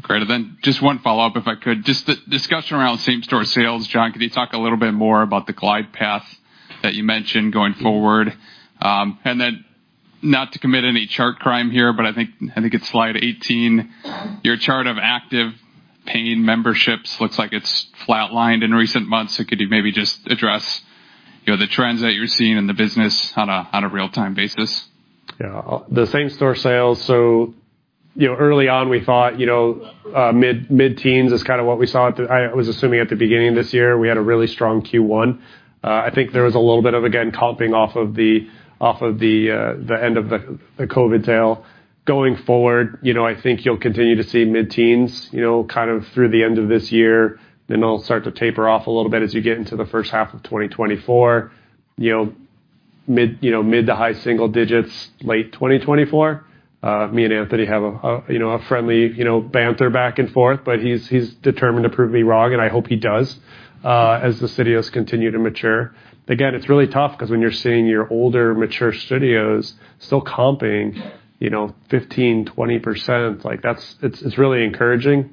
Great. And then just one follow-up, if I could, just the discussion around same-store sales. John, could you talk a little bit more about the glide path that you mentioned going forward? And then not to commit any chart crime here, but I think, I think it's slide 18, your chart of active paying memberships looks like it's flatlined in recent months. So could you maybe just address, you know, the trends that you're seeing in the business on a real-time basis? Yeah. The same-store sales. So, you know, early on, we thought, you know, mid-teens is kind of what we saw at the-- I was assuming at the beginning of this year. We had a really strong Q1. I think there was a little bit of, again, comping off of the end of the COVID tail. Going forward, you know, I think you'll continue to see mid-teens, you know, kind of through the end of this year, then it'll start to taper off a little bit as you get into the first half of 2024. You know, mid, you know, mid- to high-single digits, late 2024. Me and Anthony have a, you know, a friendly, you know, banter back and forth, but he's determined to prove me wrong, and I hope he does, as the studios continue to mature. Again, it's really tough, 'cause when you're seeing your older, mature studios still comping, you know, 15%-20%, like, that's—it's really encouraging.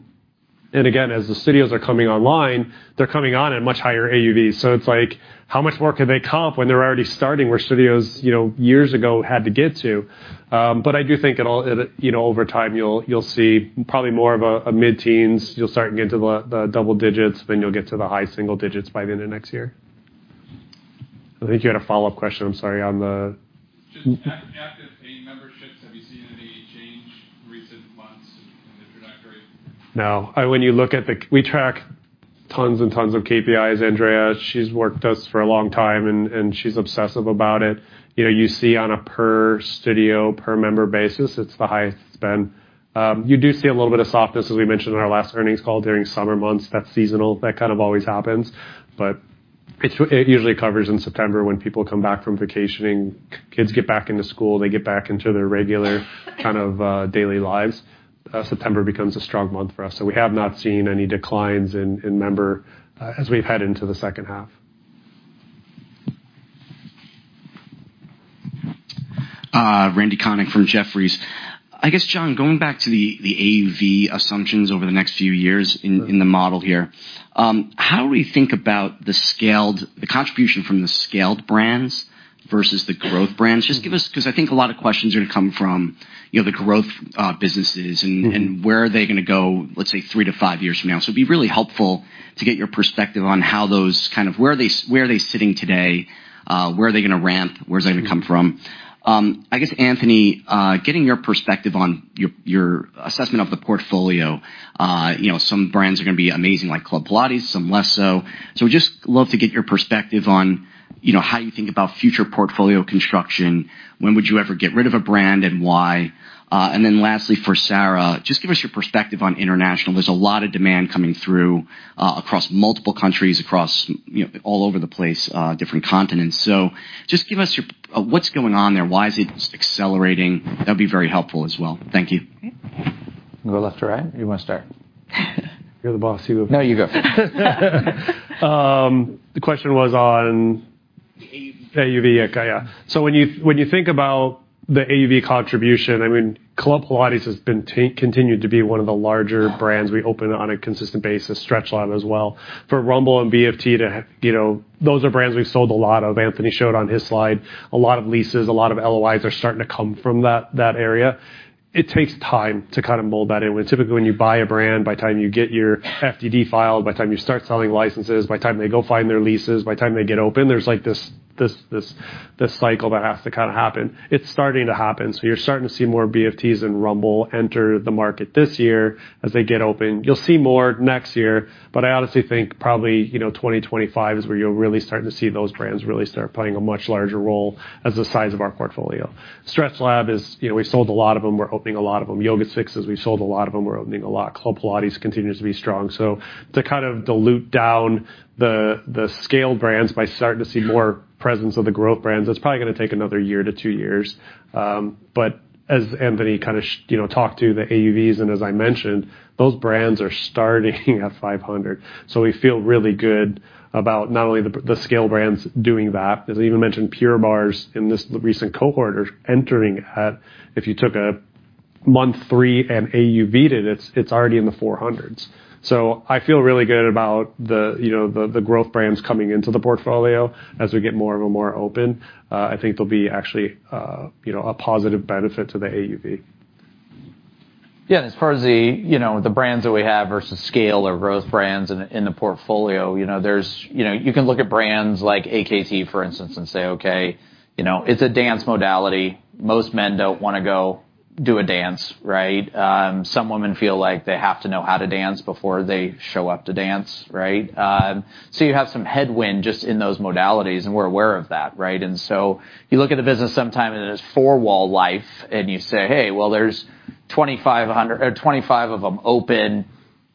And again, as the studios are coming online, they're coming on at much higher AUVs. So it's like, how much more can they comp when they're already starting, where studios, you know, years ago had to get to? But I do think it'll. You know, over time, you'll see probably more of a mid-teens. You'll start to get into the double digits, then you'll get to the high single digits by the end of next year. I think you had a follow-up question. I'm sorry, on the- Just active paying memberships, have you seen any change in recent months in the introductory? No, when you look at the. We track tons and tons of KPIs. Andrea, she's worked with us for a long time, and, and she's obsessive about it. You know, you see on a per studio, per member basis, it's the highest it's been. You do see a little bit of softness, as we mentioned in our last earnings call, during summer months. That's seasonal. That kind of always happens, but it's, it usually recovers in September when people come back from vacationing, kids get back into school, they get back into their regular, kind of, daily lives. September becomes a strong month for us. So we have not seen any declines in membership as we've headed into the second half. Randy Konik from Jefferies. I guess, John, going back to the AUV assumptions over the next few years in the model here, how do we think about the scaled – the contribution from the scaled brands versus the growth brands? Just give us. 'Cause I think a lot of questions are gonna come from, you know, the growth businesses- Mm-hmm. Where are they gonna go, let's say, three to five years from now. So it'd be really helpful to get your perspective on how those kind of where are they sitting today? Where are they gonna ramp? Mm-hmm. Where's that gonna come from? I guess, Anthony, getting your perspective on your, your assessment of the portfolio, you know, some brands are gonna be amazing, like Club Pilates, some less so. So just love to get your perspective on, you know, how you think about future portfolio construction. When would you ever get rid of a brand, and why? And then lastly, for Sarah, just give us your perspective on international. There's a lot of demand coming through, across multiple countries, across, you know, all over the place, different continents. So just give us your. What's going on there? Why is it accelerating? That'd be very helpful as well. Thank you. Okay. Go left to right, or you wanna start? You're the boss, you go. No, you go. The question was on- The AUV. The AUV, yeah. So when you, when you think about the AUV contribution, I mean, Club Pilates has been continued to be one of the larger brands we open on a consistent basis, StretchLab as well. For Rumble and BFT to have. You know, those are brands we've sold a lot of. Anthony showed on his slide a lot of leases, a lot of LOIs are starting to come from that, that area. It takes time to kind of mold that in, where typically, when you buy a brand, by the time you get your FDD filed, by the time you start selling licenses, by the time they go find their leases, by the time they get open, there's, like, this, this, this, this cycle that has to kind of happen. It's starting to happen, so you're starting to see more BFTs and Rumble enter the market this year as they get open. You'll see more next year, but I honestly think probably, you know, 2025 is where you'll really start to see those brands really start playing a much larger role as the size of our portfolio. StretchLab is. You know, we've sold a lot of them. We're opening a lot of them. YogaSixes, we've sold a lot of them. We're opening a lot. Club Pilates continues to be strong. So to kind of dilute down the scale brands by starting to see more presence of the growth brands, that's probably gonna take another year to two years. But as Anthony kind of you know, talked to the AUVs, and as I mentioned, those brands are starting at 500. So we feel really good about not only the, the scale brands doing that, as I even mentioned, Pure Barre's in this, the recent cohort are entering at, if you took a month 3 and AUV'd it, it's, it's already in the 400s. So I feel really good about the, you know, the, the growth brands coming into the portfolio as we get more of them more open. I think there'll be actually, you know, a positive benefit to the AUV. Yeah, as far as the, you know, the brands that we have versus scale or growth brands in, in the portfolio, you know, there's. You know, you can look at brands like AKT, for instance, and say, "Okay, you know, it's a dance modality. Most men don't wanna go do a dance," right? Some women feel like they have to know how to dance before they show up to dance, right? So you have some headwind just in those modalities, and we're aware of that, right? And so you look at the business sometime in its four-wall life, and you say, "Hey, well, there's 2,500-- or 25 of them open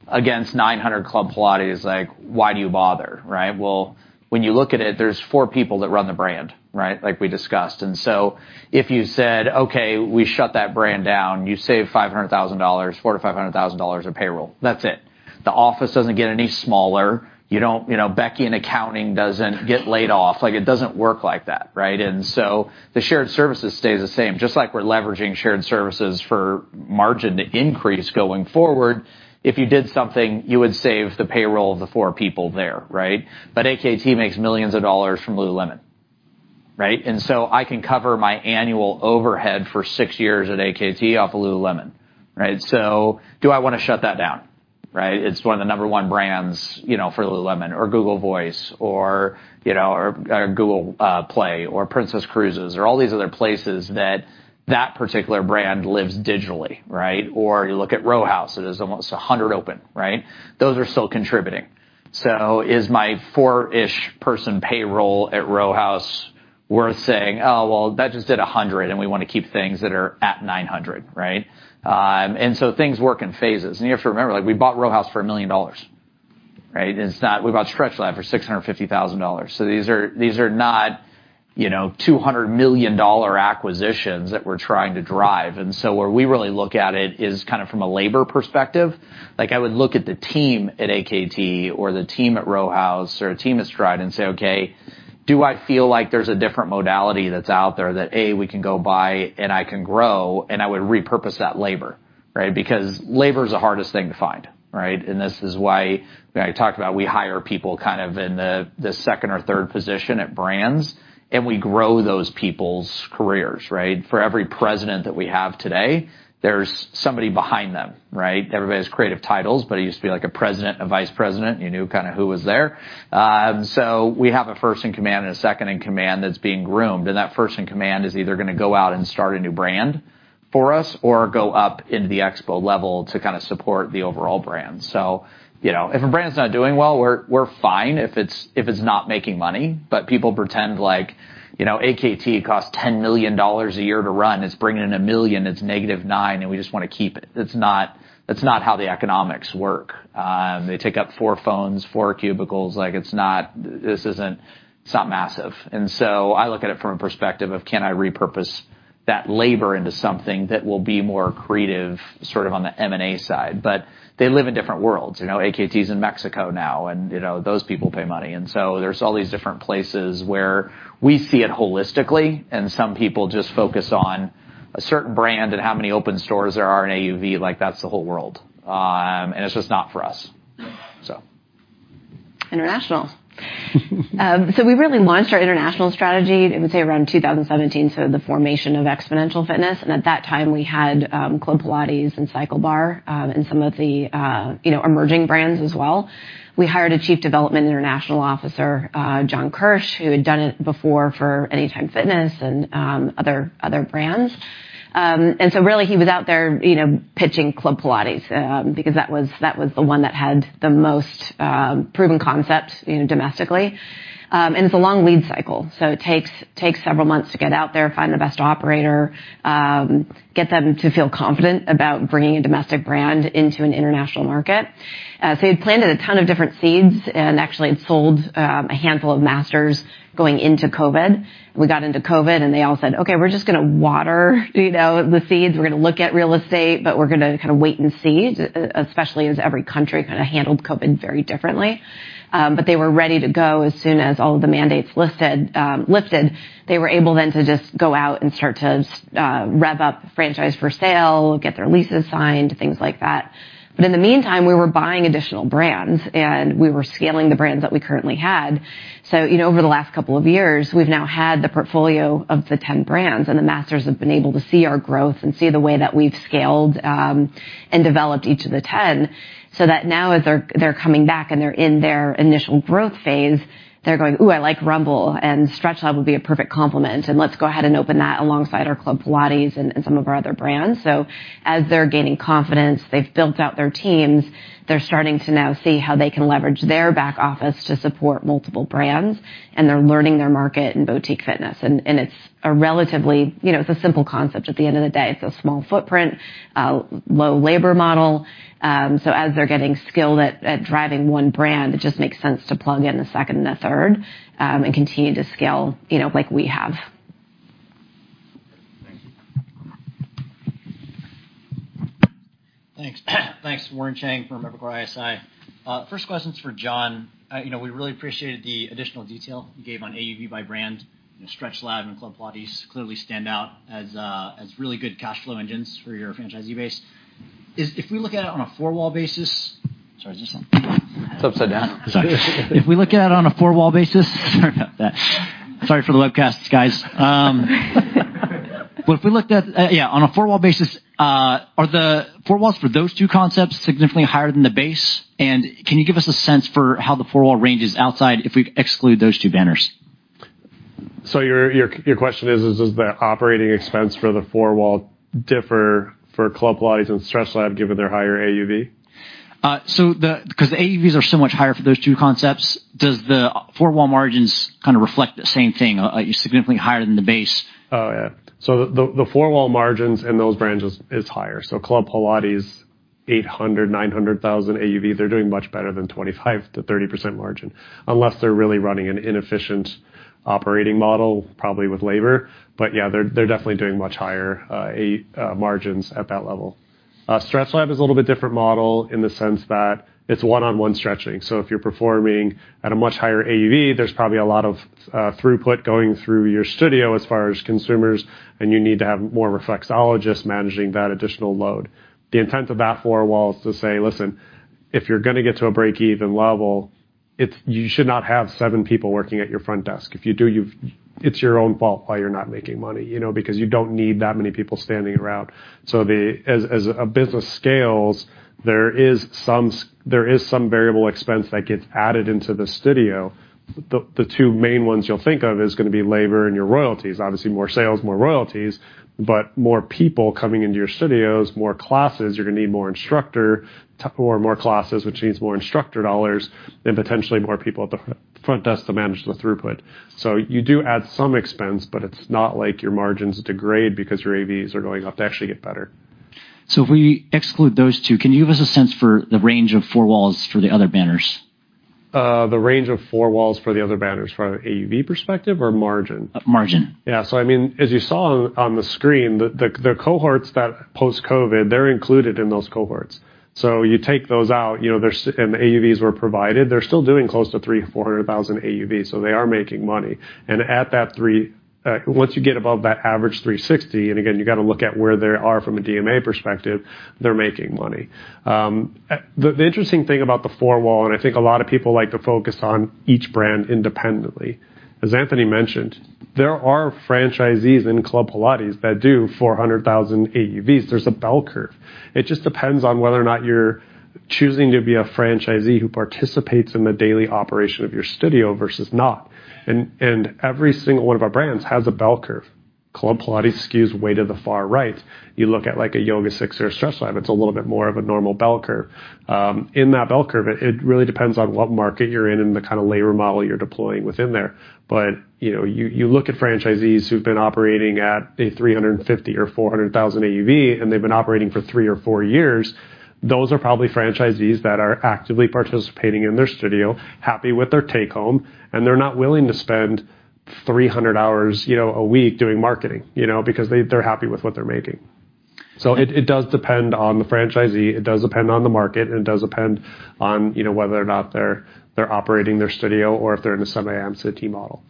against 900 Club Pilates. Like, why do you bother?" Right? Well, when you look at it, there's four people that run the brand, right? Like we discussed. And so if you said, "Okay, we shut that brand down," you save $500,000, $400,000-$500,000 of payroll. That's it. The office doesn't get any smaller. You don't. You know, Becky in accounting doesn't get laid off. Like, it doesn't work like that, right? And so the shared services stays the same. Just like we're leveraging shared services for margin increase going forward, if you did something, you would save the payroll of the four people there, right? But AKT makes $ millions from Lululemon, right? And so I can cover my annual overhead for six years at AKT off of Lululemon, right? So do I wanna shut that down, right? It's one of the number-one brands, you know, for Lululemon or Google Voice or, you know, or, or Google Play, or Princess Cruises, or all these other places that that particular brand lives digitally, right? Or you look at Row House, it is almost 100 open, right? Those are still contributing. So is my four-ish person payroll at Row House worth saying, "Oh, well, that just did 100, and we wanna keep things that are at 900," right? And so things work in phases. And you have to remember, like, we bought Row House for $1 million, right? It's not. We bought StretchLab for $650,000. So these are, these are not, you know, $200 million acquisitions that we're trying to drive. And so where we really look at it is kind of from a labor perspective. Like, I would look at the team at AKT or the team at Row House or a team at STRIDE and say, "Okay, do I feel like there's a different modality that's out there that, A, we can go buy, and I can grow, and I would repurpose that labor," right? Because labor is the hardest thing to find, right? And this is why I talked about we hire people kind of in the, the second or third position at brands, and we grow those people's careers, right? For every president that we have today, there's somebody behind them, right? Everybody has creative titles, but it used to be like a president, a vice president, you knew kinda who was there. So we have a first in command and a second in command that's being groomed, and that first in command is either gonna go out and start a new brand for us or go up into the expo level to kinda support the overall brand. So, you know, if a brand is not doing well, we're, we're fine if it's, if it's not making money. But people pretend like, you know, AKT costs $10 million a year to run. It's bringing in $1 million, it's -$9 million, and we just wanna keep it. That's not, that's not how the economics work. They take up four phones, four cubicles. Like, it's not. This isn't. It's not massive. And so I look at it from a perspective of, can I repurpose that labor into something that will be more creative, sort of on the M&A side? But they live in different worlds, you know. AKT is in Mexico now, and, you know, those people pay money. So there's all these different places where we see it holistically, and some people just focus on a certain brand and how many open stores there are in AUV, like that's the whole world. And it's just not for us, so. International. So we really launched our international strategy, I would say, around 2017, so the formation of Xponential Fitness, and at that time, we had Club Pilates and CycleBar, and some of the, you know, emerging brands as well. We hired a Chief Development International Officer, John Kersh, who had done it before for Anytime Fitness and other brands. And so really he was out there, you know, pitching Club Pilates, because that was the one that had the most proven concept, you know, domestically. And it's a long lead cycle, so it takes several months to get out there, find the best operator, get them to feel confident about bringing a domestic brand into an international market. So he'd planted a ton of different seeds and actually had sold a handful of Masters going into COVID. We got into COVID, and they all said, "Okay, we're just gonna water, you know, the seeds. We're gonna look at real estate, but we're gonna kind of wait and see." Especially as every country kind of handled COVID very differently. But they were ready to go as soon as all of the mandates lifted. They were able then to just go out and start to rev up the franchise for sale, get their leases signed, things like that. But in the meantime, we were buying additional brands, and we were scaling the brands that we currently had. So, you know, over the last couple of years, we've now had the portfolio of the ten brands, and the Masters have been able to see our growth and see the way that we've scaled, and developed each of the ten, so that now as they're coming back, and they're in their initial growth phase, they're going: Ooh, I like Rumble, and StretchLab would be a perfect complement, and let's go ahead and open that alongside our Club Pilates and some of our other brands. So as they're gaining confidence, they've built out their teams, they're starting to now see how they can leverage their back office to support multiple brands, and they're learning their market in boutique fitness. And it's a relatively. You know, it's a simple concept. At the end of the day, it's a small footprint, low labor model, so as they're getting skilled at driving one brand, it just makes sense to plug in a second and 1/3, and continue to scale, you know, like we have. Warren Cheng from Evercore ISI. First question's for John. You know, we really appreciated the additional detail you gave on AUV by brand. You know, StretchLab and Club Pilates clearly stand out as really good cash flow engines for your franchisee base. If we look at it on a four-wall basis. Sorry, is this on? It's upside down. Sorry. If we look at it on a four-wall basis, sorry about that. Sorry for the webcasts, guys. But if we looked at on a four-wall basis, are the four-wall for those two concepts significantly higher than the base? And can you give us a sense for how the four-wall range is outsize if we exclude those two banners? So your question is, does the operating expense for the four-wall differ for Club Pilates and StretchLab, given their higher AUV? So, because the AUVs are so much higher for those two concepts, does the four-wall margins kind of reflect the same thing, significantly higher than the base? Oh, yeah. So the four-wall margins in those brands is higher. So Club Pilates, 800-900 thousand AUV, they're doing much better than 25%-30% margin, unless they're really running an inefficient operating model, probably with labor. But yeah, they're definitely doing much higher 80% margins at that level. StretchLab is a little bit different model in the sense that it's one-on-one stretching. So if you're performing at a much higher AUV, there's probably a lot of throughput going through your studio as far as consumers, and you need to have more Flexologists managing that additional load. The intent of that four-wall is to say, "Listen, if you're gonna get to a break-even level, it's you should not have seven people working at your front desk. If you do, you've—it's your own fault why you're not making money, you know, because you don't need that many people standing around." So as a business scales, there is some variable expense that gets added into the studio. The two main ones you'll think of is gonna be labor and your royalties. Obviously, more sales, more royalties, but more people coming into your studios, more classes, you're gonna need more instructors or more classes, which means more instructor dollars and potentially more people at the front desk to manage the throughput. So you do add some expense, but it's not like your margins degrade because your AUVs are going up. They actually get better. If we exclude those two, can you give us a sense for the range of four-walls for the other banners? The range of four-walls for the other banners, from an AUV perspective or margin? Margin. Yeah. So I mean, as you saw on the screen, the cohorts that post-COVID, they're included in those cohorts. So you take those out, you know, there's and the AUVs were provided, they're still doing close to $300,000-$400,000 AUV, so they are making money. And at that three, once you get above that average $360,000, and again, you gotta look at where they are from a DMA perspective, they're making money. The interesting thing about the four-wall, and I think a lot of people like to focus on each brand independently. As Anthony mentioned, there are franchisees in Club Pilates that do $400,000 AUVs. There's a Bell Curve. It just depends on whether or not you're choosing to be a franchisee who participates in the daily operation of your studio versus not. And every single one of our brands has a Bell Curve. Club Pilates skews way to the far right. You look at, like, a YogaSix or a StretchLab, it's a little bit more of a normal Bell Curve. In that Bell Curve, it really depends on what market you're in and the kind of labor model you're deploying within there. But, you know, you look at franchisees who've been operating at a $350,000 or $400,000 AUV, and they've been operating for three or four years, those are probably franchisees that are actively participating in their studio, happy with their take-home, and they're not willing to spend 300 hours, you know, a week doing marketing, you know, because they're happy with what they're making. So it does depend on the franchisee, it does depend on the market, and it does depend on, you know, whether or not they're operating their studio or if they're in a semi-absentee model.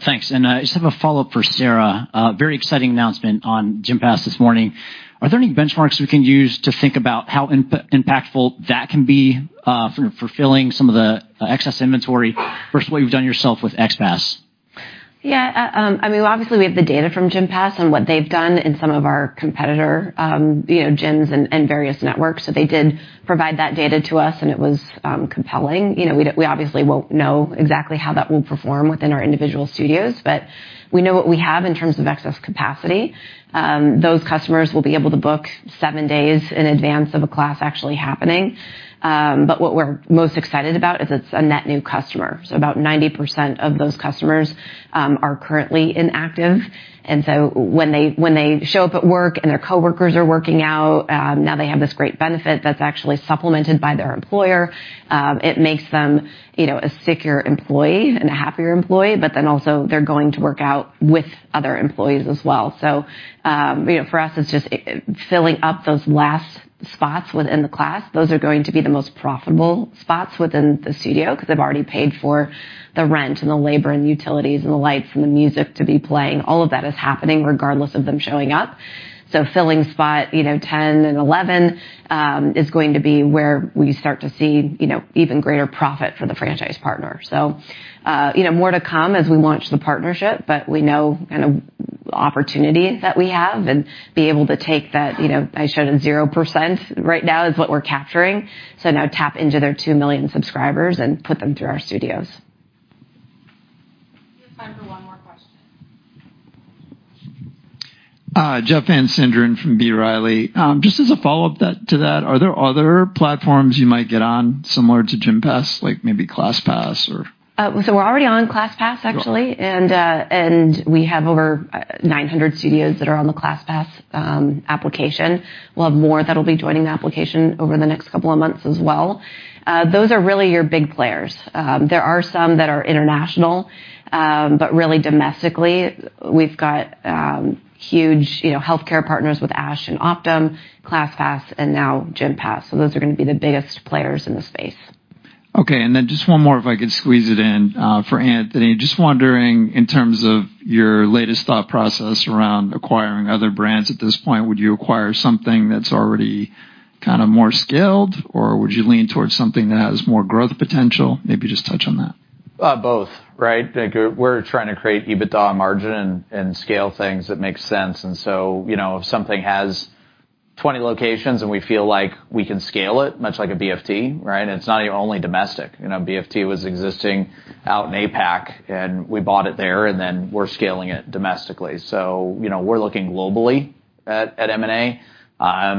Thanks. I just have a follow-up for Sarah. Very exciting announcement on Gympass this morning. Are there any benchmarks we can use to think about how impactful that can be for fulfilling some of the excess inventory versus what you've done yourself with XPASS? Yeah, I mean, obviously, we have the data from Gympass and what they've done in some of our competitor, you know, gyms and, and various networks. So they did provide that data to us, and it was, compelling. You know, we, we obviously won't know exactly how that will perform within our individual studios, but we know what we have in terms of excess capacity. Those customers will be able to book seven days in advance of a class actually happening. But what we're most excited about is it's a net new customer. So about 90% of those customers, are currently inactive, and so when they, when they show up at work and their coworkers are working out, now they have this great benefit that's actually supplemented by their employer. It makes them, you know, a stickier employee and a happier employee, but then also they're going to work out with other employees as well. So, you know, for us, it's just filling up those last spots within the class. Those are going to be the most profitable spots within the studio, because they've already paid for the rent and the labor and utilities and the lights and the music to be playing. All of that is happening regardless of them showing up. So filling spot, you know, 10 and 11, is going to be where we start to see, you know, even greater profit for the franchise partner. So, you know, more to come as we launch the partnership, but we know kind of opportunity that we have and be able to take that, you know, I showed a 0% right now is what we're capturing. So now tap into their two million subscribers and put them through our studios. We have time for one more question. Jeff Van Sinderen from B. Riley. Just as a follow-up to that, are there other platforms you might get on similar to Gympass, like maybe ClassPass or- So we're already on ClassPass, actually. Yeah. And we have over 900 studios that are on the ClassPass application. We'll have more that'll be joining the application over the next couple of months as well. Those are really your big players. There are some that are international, but really domestically, we've got huge, you know, healthcare partners with ASH and Optum, ClassPass, and now Gympass, so those are gonna be the biggest players in the space. Okay, and then just one more, if I could squeeze it in, for Anthony. Just wondering, in terms of your latest thought process around acquiring other brands at this point, would you acquire something that's already kind of more scaled, or would you lean towards something that has more growth potential? Maybe just touch on that. Both, right? Like, we're trying to create EBITDA margin and scale things that make sense. And so, you know, if something has 20 locations and we feel like we can scale it, much like a BFT, right? And it's not even only domestic. You know, BFT was existing out in APAC, and we bought it there, and then we're scaling it domestically. So, you know, we're looking globally at M&A.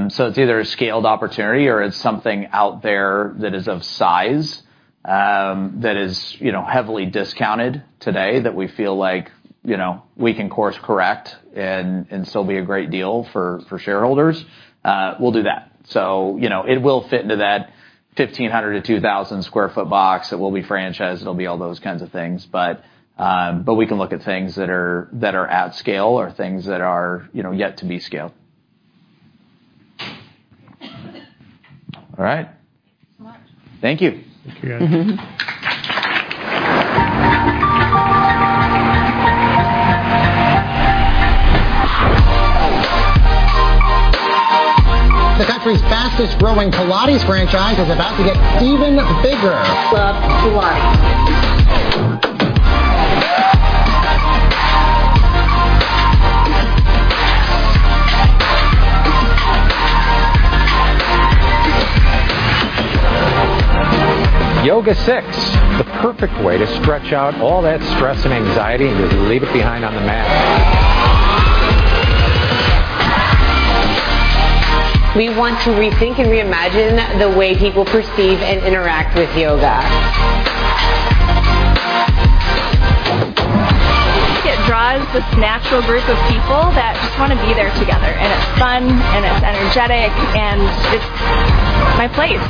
So it's either a scaled opportunity or it's something out there that is of size, that is, you know, heavily discounted today, that we feel like, you know, we can course correct and still be a great deal for shareholders. We'll do that. So, you know, it will fit into that 1,500-2,000 sq ft box. It will be franchised, it'll be all those kinds of things. But we can look at things that are at scale or things that are, you know, yet to be scaled. All right. Thank you so much. Thank you. Thank you, guys. The country's fastest growing Pilates franchise is about to get even bigger. Pure Barre. YogaSix, the perfect way to stretch out all that stress and anxiety, and just leave it behind on the mat. We want to rethink and reimagine the way people perceive and interact with yoga. It draws this natural group of people that just wanna be there together, and it's fun, and it's energetic, and it's my place.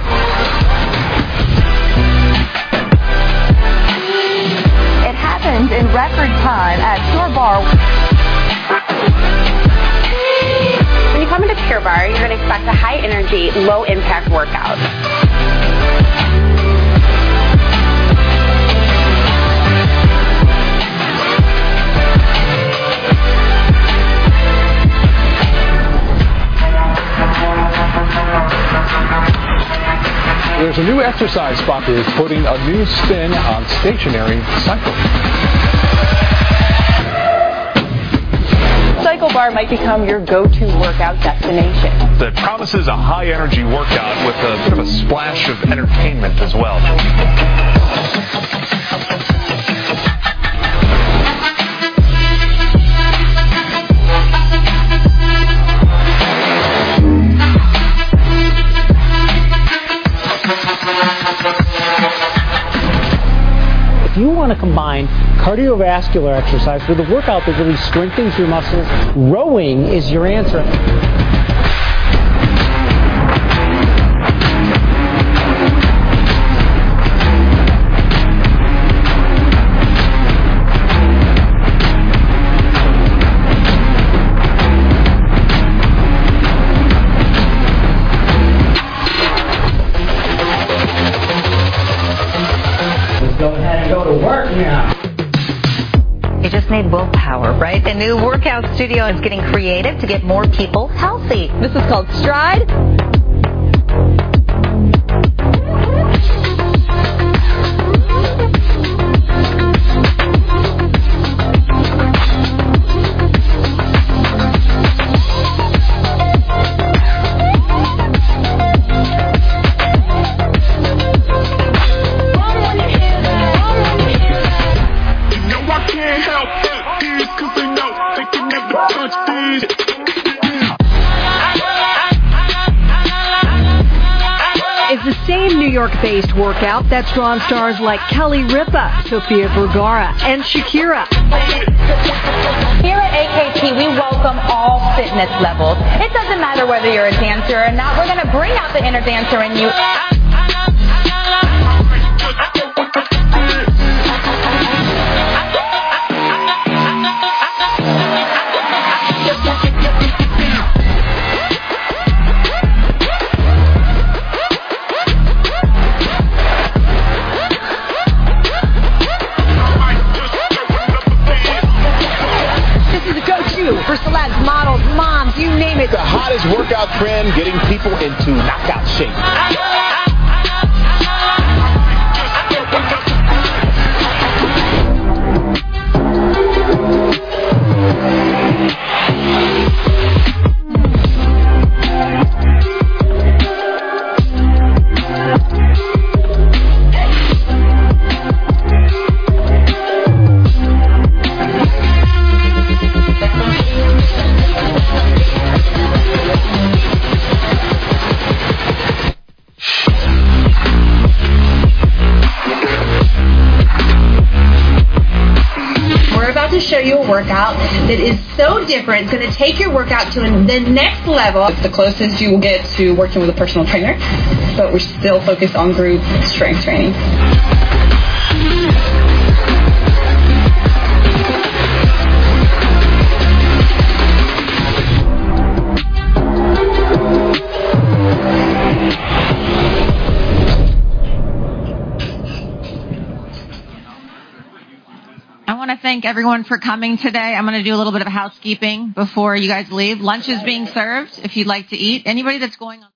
It happened in record time at Pure Barre. When you come into Pure Barre, you're gonna expect a high energy, low impact workout. There's a new exercise spot that's putting a new spin on stationary cycling. CycleBar might become your go-to workout destination. That promises a high energy workout with a sort of a splash of entertainment as well. If you wanna combine cardiovascular exercise with a workout that really strengthens your muscles, rowing is your answer. Let's go ahead and go to work now! You just made willpower, right? A new workout studio is getting creative to get more people healthy. This is called STRIDE. It's the same New York-based workout that's drawn stars like Kelly Ripa, Sofia Vergara, and Shakira. Here at AKT, we welcome all fitness levels. It doesn't matter whether you're a dancer or not, we're gonna bring out the inner dancer in you. This is a go-to for celebs, models, moms, you name it. The hottest workout trend, getting people into knockout shape. We're about to show you a workout that is so different, it's gonna take your workout to the next level. It's the closest you will get to working with a personal trainer, but we're still focused on group strength training. I wanna thank everyone for coming today. I'm gonna do a little bit of housekeeping before you guys leave. Lunch is being served, if you'd like to eat. Anybody that's going on-